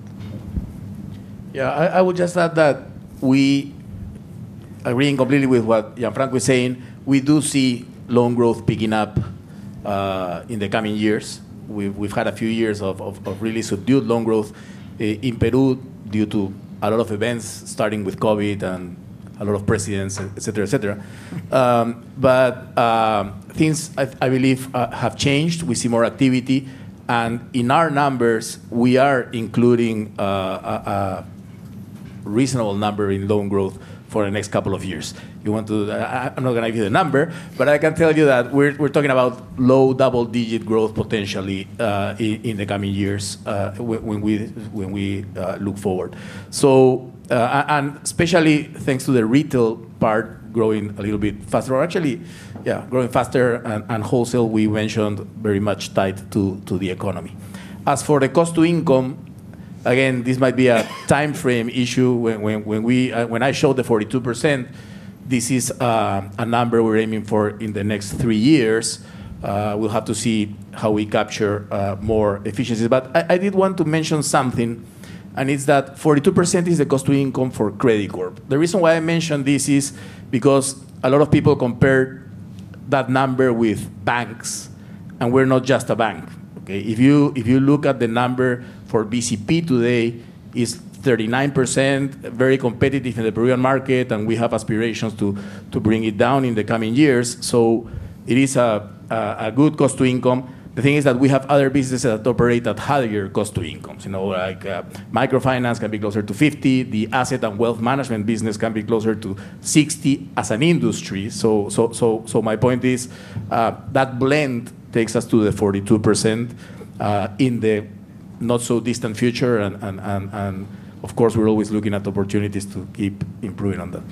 Yeah. I would just add that we agree completely with what Gianfranco is saying. We do see loan growth picking up in the coming years. We've had a few years of really subdued loan growth in Peru due to a lot of events starting with COVID and a lot of precedents, et cetera, et cetera. But. Things I believe have changed. We see more activity and in our numbers we are including a reasonable number in loan growth for the next couple of years. I'm not going to give you the number, but I can tell you that we're talking about low double-digit growth potentially in the coming years when we look forward, especially thanks to the retail. Retail part growing a little bit faster or actually, yeah, growing faster and wholesale we mentioned very much tied to the economy. As for the cost-to-income, again this might be a timeframe issue. When I showed the 42%, this is a number we're aiming for in the next three years. We'll have to see how we capture more efficiencies. I did want to mention something and it's that 42% is the cost-to-income for Credicorp. The reason why I mention this is because a lot of people compare that number with banks and we're not just a bank. If you look at the number for Banco de Crédito del Perú today, it is 39%, very competitive in the Peruvian market and we have aspirations to bring it down in the coming years. It is a good cost-to-income. The thing is that we have other businesses that operate at higher cost-to-incomes. Microfinance can be closer to 50%. The asset and wealth management business can be closer to 60% as an industry. My point is that blend takes us to the 42% in the not so distant future. Of course, we're always looking at opportunities to keep improving on that.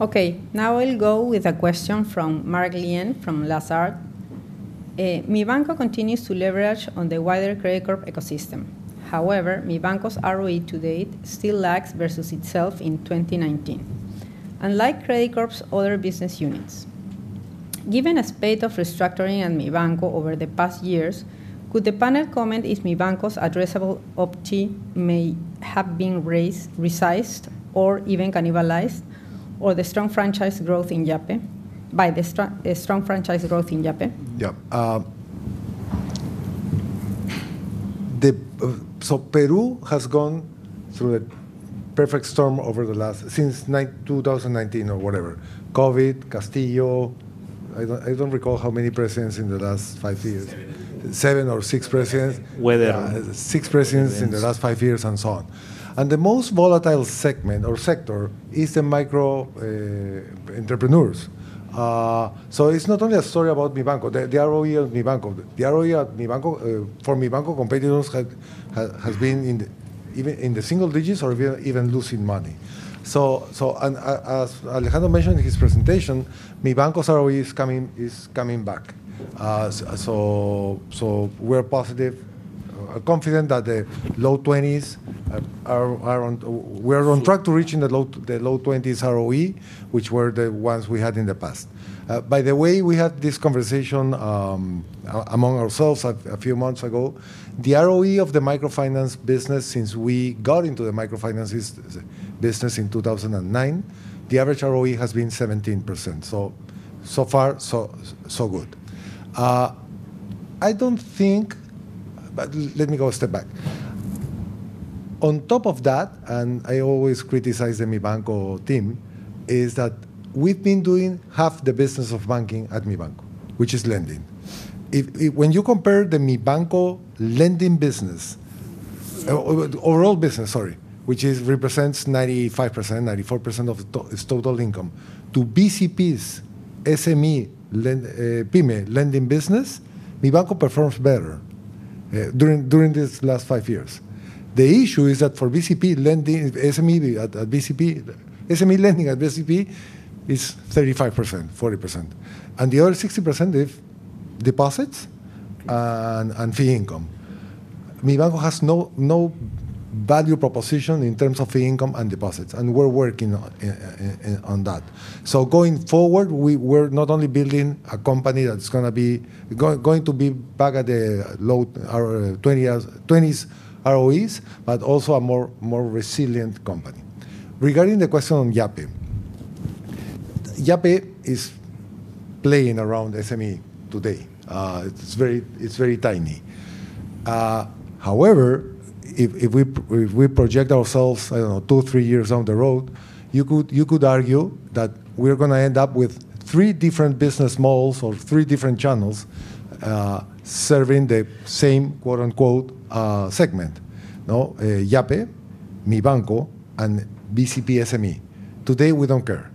Okay, now I'll go with a question from Mark Lien from Lazard. Mibanco continues to leverage on the wider Credicorp ecosystem. However, Mibanco's ROE to date still lags versus itself in 2019, unlike Credicorp's other business units. Given a spate of restructuring at Mibanco over the past years, could the panel comment if Mibanco's addressable OPTI may have been raised, resized, or even cannibalized by the strong franchise growth in Yape. Yeah. Peru has gone through a perfect storm over the last, since 2019 or whatever. Covid, Castillo, I don't recall how many presidents in the last five years. Seven or six presidents. Six presidents in the last five years and so on. The most volatile segment or sector is the micro entrepreneurs. It's not only a story about Mibanco. The ROE of Mibanco, the ROE at Mibanco, for Mibanco competitors, has been in the single digits or even losing money. As Alejandro mentioned in his presentation, Mibanco's ROE is coming back. We're positive, confident that the low 20s, we're on track to reaching the low 20s ROE, which were the ones we had in the past, by the way. We had this conversation among ourselves a few months ago. The ROE of the microfinance business since we got into the microfinance business in 2009, the average ROE has been 17%. So far, so good, I don't think. Let me go a step back on top of that, and I always criticize the Mibanco team, is that we've been doing half the business of banking at Mibanco, which is lending. When you compare the Mibanco lending business, overall business, sorry, which represents 95%, 94% of its total income, to BCP's SME lending business, Mibanco performs better during this last five years. The issue is that for BCP lending, SME lending at BCP is 35%, 40%, and the other 60% is deposits and fee income. Mibanco has no value proposition in terms of fee income and deposits, and we're working on that. Going forward, we're not only building a company that's going to be back at the low 20s ROEs, but also a more resilient company. Regarding the question on Yape, Yape is playing around SME today. It's very tiny. However, if we project ourselves, I don't know, two, three years down the road, you could argue that we're going to end up with three different business models or three different channels serving the same, quote unquote, segment. Yape, Mibanco, and BCP SME. Today, we don't care.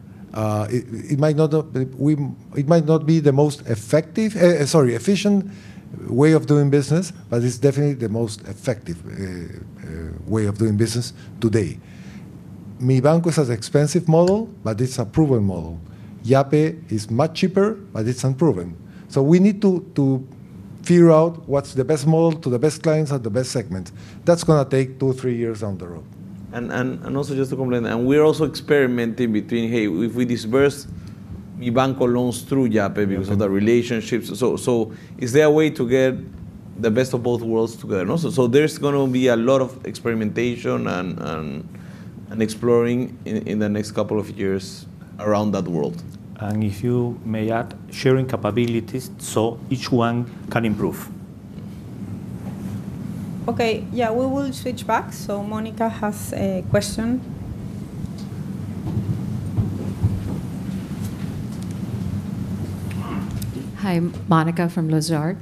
It might not be the most efficient way of doing business, but it's definitely the most effective way of doing business today. Mibanco is an expensive model, but it's a proven model. Yape is much cheaper, but it's unprofessional. We need to figure out what's the best model to the best clients at the best segments. That's going to take two, three years. Down the road and also just to complain. We're also experimenting between, hey, if we disburse Mibanco loans through Yape because of the relationships, is there a way to get the best of both worlds together? There's going to be a lot of experimentation and exploring in the next couple of years around that world. If you may add sharing capabilities so each one can improve. Okay, yeah, we will switch back. Monica has a question. Hi, Monica from Lazard.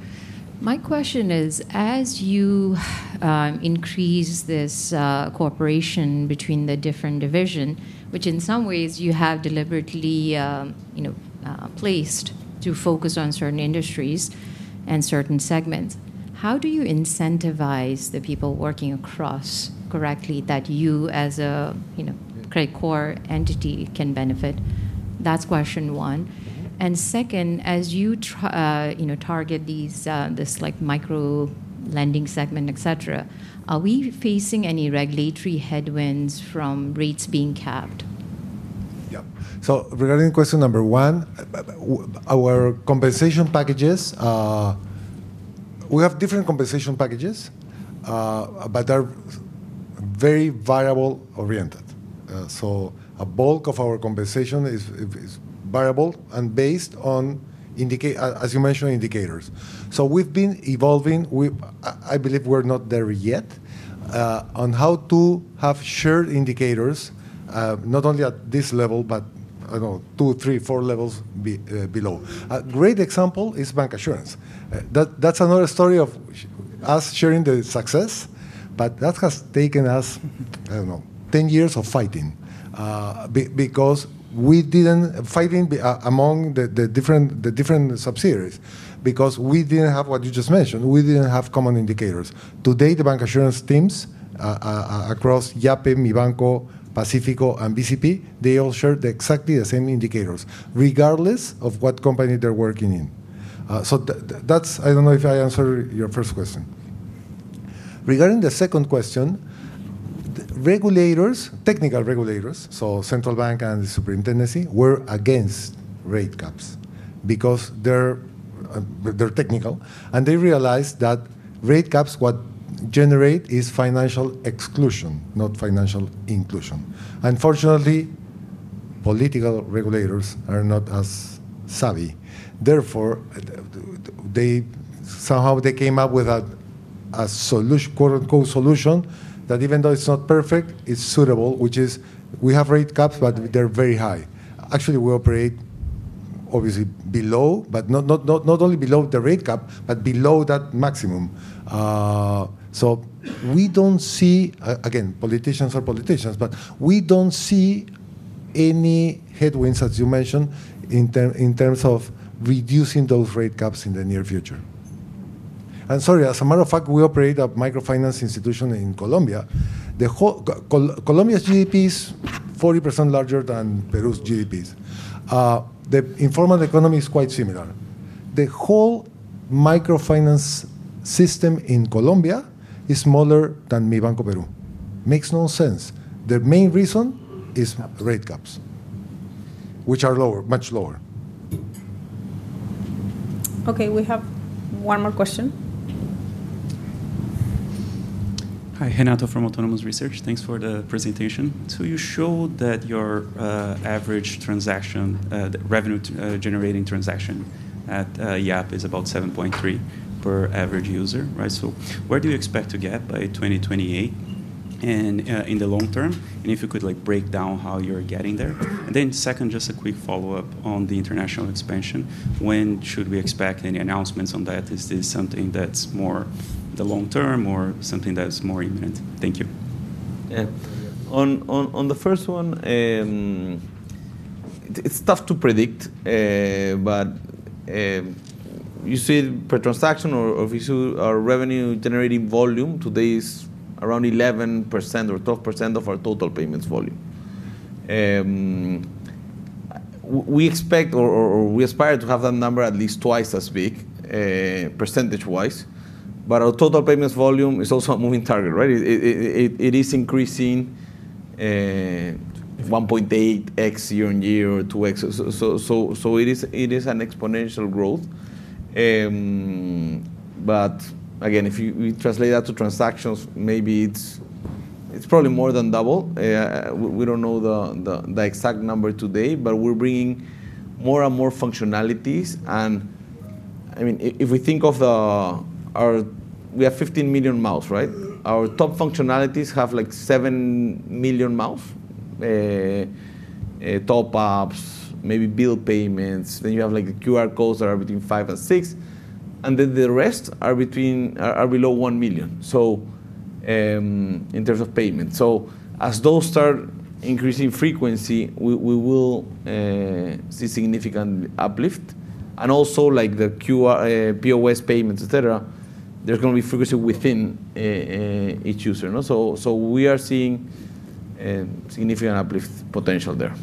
My question is, as you increase this cooperation between the different divisions, which in some ways you have deliberately placed to focus on certain industries and certain segments, how do you incentivize the people working across correctly so that you as a Credicorp entity can benefit? That's question one. Second, as you. Target these, this microfinance lending segment, et cetera, are we facing any regulatory headwinds from rates being captured? Yeah. Regarding question number one, our compensation packages, we have different compensation packages but are very variable oriented. A bulk of our compensation is variable and based on, as you mentioned, indicators. We've been evolving, I believe we're not there yet on how to have shared indicators not only at this level, but 2, 3, 4 levels below. A great example is bancassurance. That's another story of us sharing the success. That has taken us, I don't know, 10 years of fighting among the different subsidiaries because we didn't have what you just mentioned, we didn't have common indicators. Today the bancassurance teams across Yape, Mibanco, Pacifico, and Banco de Crédito del Perú, they all share exactly the same indicators regardless of what company they're working in. I don't know if I answered your first question. Regarding the second question. Regulators, technical regulators. The central bank and the superintendency were against rate caps because they're technical and they realized that rate caps generate financial exclusion, not financial inclusion. Unfortunately, political regulators are not as savvy. Therefore, somehow they came up with a solution that even though it's not perfect, is suitable, which is we have rate caps, but they're very high. Actually, we operate obviously below, but not only below the rate cap, but below that maximum. We don't see, again, politicians are politicians, but we don't see any headwinds, as you mentioned, in terms of reducing those rate caps in the near future. As a matter of fact, we operate a microfinance institution in Colombia. Colombia's GDP is 40% larger than Peru's GDP. The informal economy is quite similar. The whole microfinance system in Colombia is smaller than Mibanco Peru. Makes no sense. The main reason is rate caps, which are lower, much lower. Okay, we have one more question. Hi, Renato from Autonomous Research. Thanks for the presentation. You showed that your average transaction revenue-generating transaction at Yape is about $7.3 per average user, right. Where do you expect to get. By 2028 and in the long term? If you could break down how you're getting there. Second, just a quick follow-up on the international expansion. When should we expect any announcements on that? Is this something that's more the long term or something that's more imminent? Thank you. On the first one. It's tough to. Predict, but you see per transaction or revenue-generating volume today is around 11% or 12% of our total payments volume. We expect or we aspire to have that number at least twice as big percentage wise. Our total payments volume is also a moving target, right? It is increasing 1.8x year on year or 2x. It is an exponential growth. If we translate that to transactions, maybe it's probably more than double. We don't know the exact number today, but we're bringing more and more functionalities. I mean, if we think of the, we have 15 million MAUs, right? Our top functionalities have like 7 million. Mouse. Top ups, maybe bill payments. You have the QR codes that are between $5 million and $6 million, and the rest are below $1 million. In terms of payment, as those start increasing frequency, we will see significant uplift. Also, the QR POS payments, et cetera, are going to have frequency within each user. We are seeing significant uplift potential there.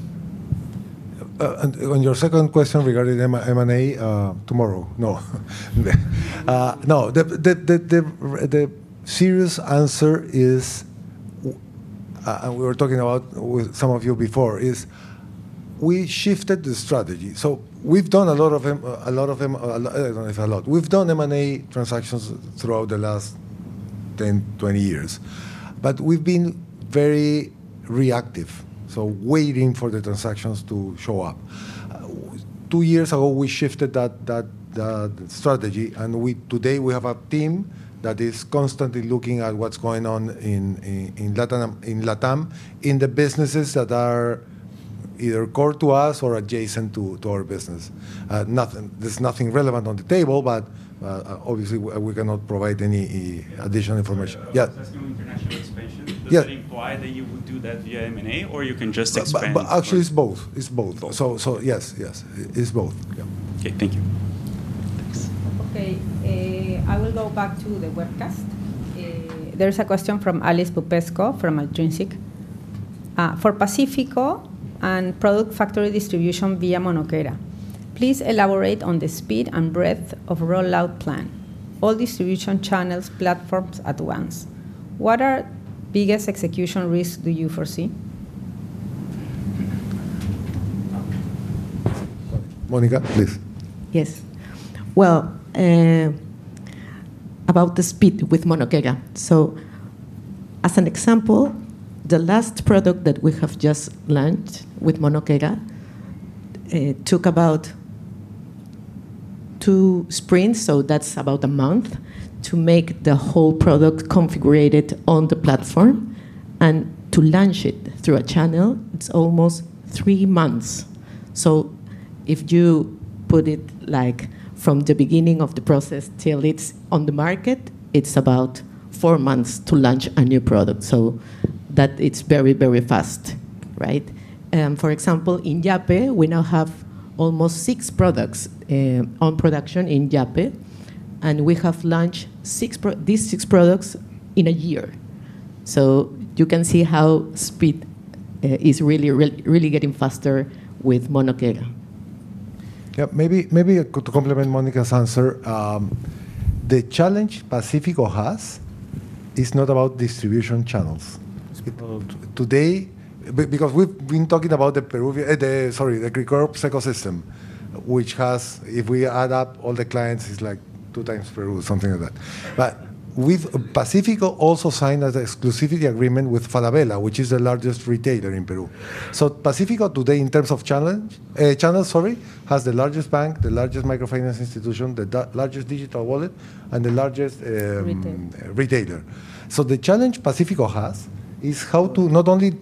On your second question regarding M&A tomorrow. The serious answer is, and we were talking about with some of you before, we shifted the strategy. We've done a lot of, I don't know if a lot, we've done M&A transactions throughout the last 10, 20 years, but we've been very reactive, waiting for the transactions to show up. Two years ago, we shifted that, and today we have a team that is constantly looking at what's going on in Latin America in the businesses that are either core to us or adjacent to our business. There's nothing relevant on the table, but obviously we cannot provide any additional information. Yeah, does it imply that you would? Do that via M&A or. You can just expand? Actually, it's both. Yes, it's both. Okay, thank you. Thanks. Okay, I will go back to the webcast. There's a question from Alice Pupesco from Altrinsic for Pacifico and product factory distribution via Monokera. Please elaborate on the speed and breadth of rollout plan. All distribution channels, platforms at once. What are biggest execution risks do you foresee? Monica please. Yes, about the speed with Monokera. As an example, the last product that we have just launched with Monokera. Took about. Two sprints. That's about a month to make the whole product configured on the platform, and to launch it through a channel it's almost three months. If you put it from the beginning of the process till it's on the market, it's about four months to launch a new product. That's very, very fast. Right. For example, in Yape, we now have almost six products on production in Yape, and we have launched these six products in a year. You can see how speed is really getting faster with Monokera. Yeah, maybe to complement Monica's answer, the challenge Pacifico has is not about distribution channels today because we've been talking about the Peruvian, sorry, the Credicorp ecosystem, which has, if we add up all the clients, is like two times Peru, something like that. Pacifico also signed an exclusivity agreement with Falabella, which is the largest retailer in Peru. Pacifico today, in terms of channel, has the largest bank, the largest microfinance institution, the largest digital wallet, and the largest retailer. The challenge Pacifico has is how to not only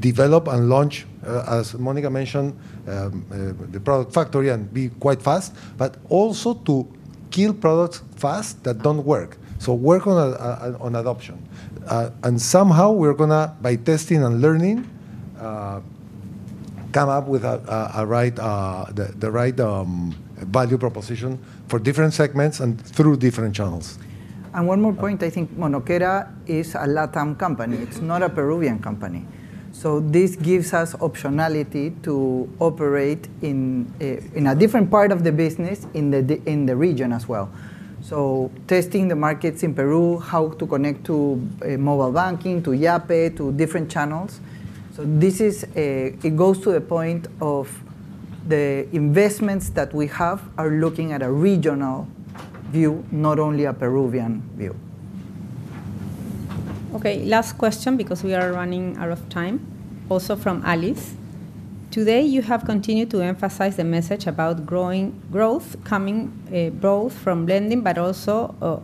develop and launch, as Monica mentioned, the product factory and be quite fast, but also to kill products fast that don't work. Work on adoption and somehow we're going to, by testing and learning, come up with the right value proposition for different segments and through different channels. One more point, I think Monokera is a Latin America company, it's not a Peruvian company. This gives us optionality to operate in a different part of the business in the region as well. Testing the markets in Peru, how to connect to mobile banking, to Yape, to different channels. This goes to the point of the investments that we have are looking at a regional view, not only a Peruvian view. Okay, last question because we are running out of time. Also from Alice, today you have continued to emphasize the message about growth, growing growth coming both from lending, but also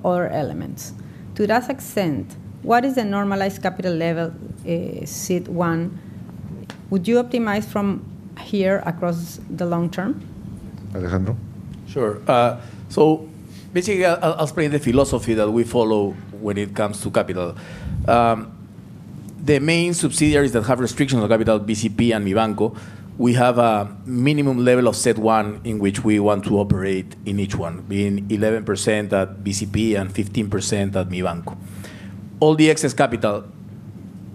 other elements. To that extent, what is the normalized capital level? Seat one, would you optimize from here across the long term, Alejandro? Sure. Basically, I'll explain the philosophy that we follow when it comes to capital. The main subsidiaries that have restrictions on capital, BCP and Mibanco, we have a minimum level of CET1 in which we want to operate in each one, being 11% at BCP and 15% at Mibanco. All the excess capital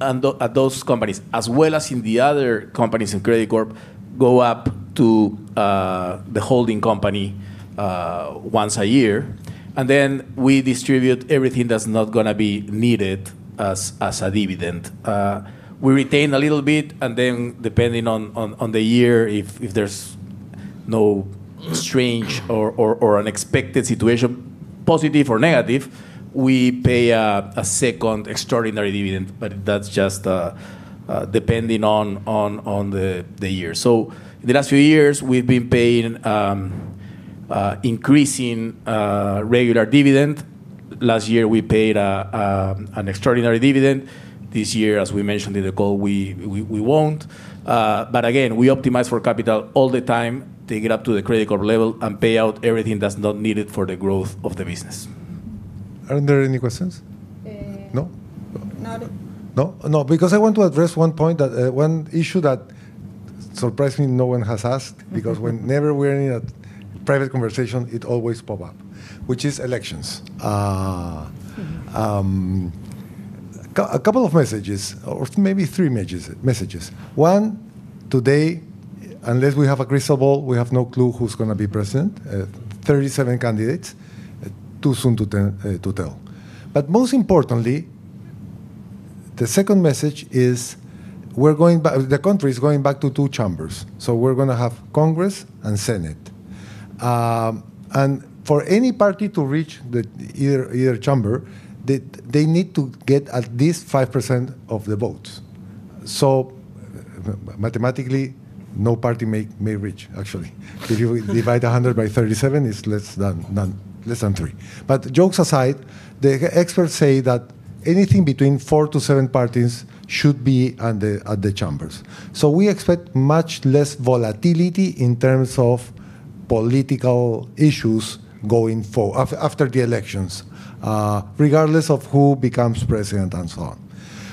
at those companies, as well as in the other companies in Credicorp, go up to the holding company once a year. We distribute everything that's not going to be needed as a dividend, we retain a little bit. Depending on the year, if there's no strange or unexpected situation, positive or negative, we pay a second extraordinary dividend. That's just depending on the year. The last few years we've been paying increasing regular dividend. Last year we paid an extraordinary dividend. This year, as we mentioned in the call, we won't. Again, we optimize for capital all the time, take it up to the Credicorp level and pay out everything that's not needed for the growth of the business. Aren't there any questions? No, because I want to address one point, one issue that surprisingly, no one has asked. Because whenever we're in a private conversation, it always pops up, which is elections. A couple of messages, or maybe three messages, one today, unless we have a crystal ball, we have no clue who's going to be president. 37 candidates, too soon to tell. Most importantly, the second message is the country is going back to two chambers. We're going to have Congress and Senate, and for any party to reach either chamber, they need to get at least 5% of the votes. Mathematically, no party may reach. Actually, if we divide 100 by 37, it's less than 3%. Jokes aside, the experts say that anything between four to seven parties should be at the chambers. We expect much less volatility in terms of political issues going forward after the elections, regardless of who becomes president and so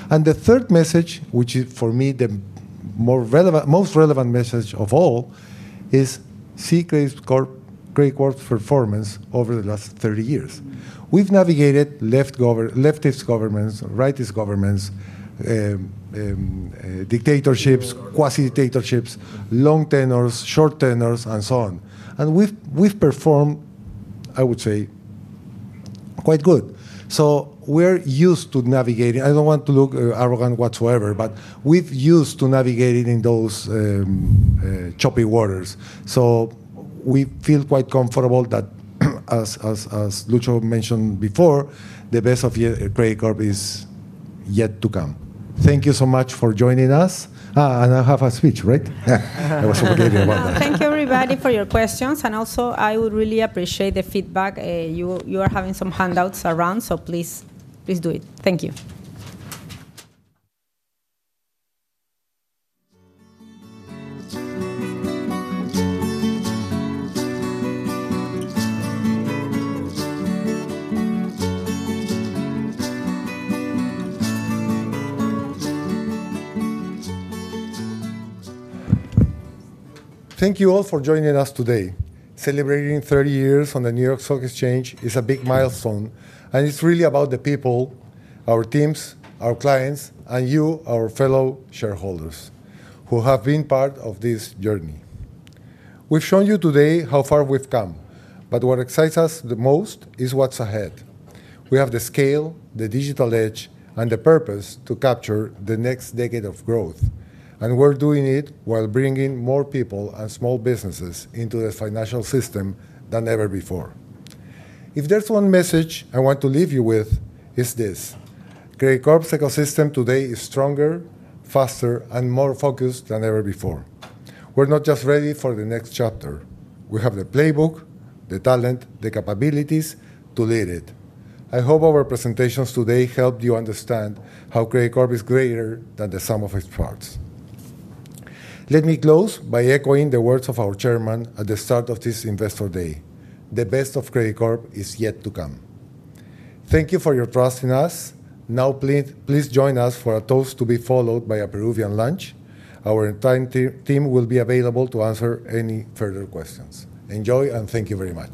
on. The third message, which is, for me, the most relevant message of all, is Credicorp's performance. Over the last 30 years, we've navigated leftist governments, rightist governments, dictatorship, quasi-dictatorships, long tenures, short tenures and so on. We've performed, I would say, quite good. We're used to navigating. I don't want to look arrogant whatsoever, but we're used to navigating in those choppy waters. We feel quite comfortable that, as Lucho mentioned before, the best of Credicorp is yet to come. Thank you so much for joining us. I have a speech. Thank you everybody for your questions, and also I would really appreciate the feedback. You are having some handouts around, so please do it. Thank you. Thank you all for joining us today. Celebrating 30 years on the New York Stock Exchange is a big milestone. It's really about the people, our teams, our clients, and you, our fellow shareholders, who have been part of this journey. We've shown you today how far we've come, but what excites us the most is what's ahead. We have the scale, the digital edge, and the purpose to capture the next decade of growth. We're doing it while bringing more people and small businesses into the financial system than ever before. If there's one message I want to leave you with, it's Credicorp's ecosystem today is strong, stronger, faster, and more focused than ever before. We're not just ready for the next chapter. We have the playbook, the talent, the capabilities to lead it. I hope our presentations today helped you understand how Credicorp is greater than the sum of its parts. Let me close by echoing the words of our Chairman at the start of this Investor Day. The best of Credicorp is yet to come. Thank you for your trust in us. Us. Now please join us for a toast, to be followed by a Peruvian lunch. Our team will be available to answer any further questions. Enjoy and thank you very much.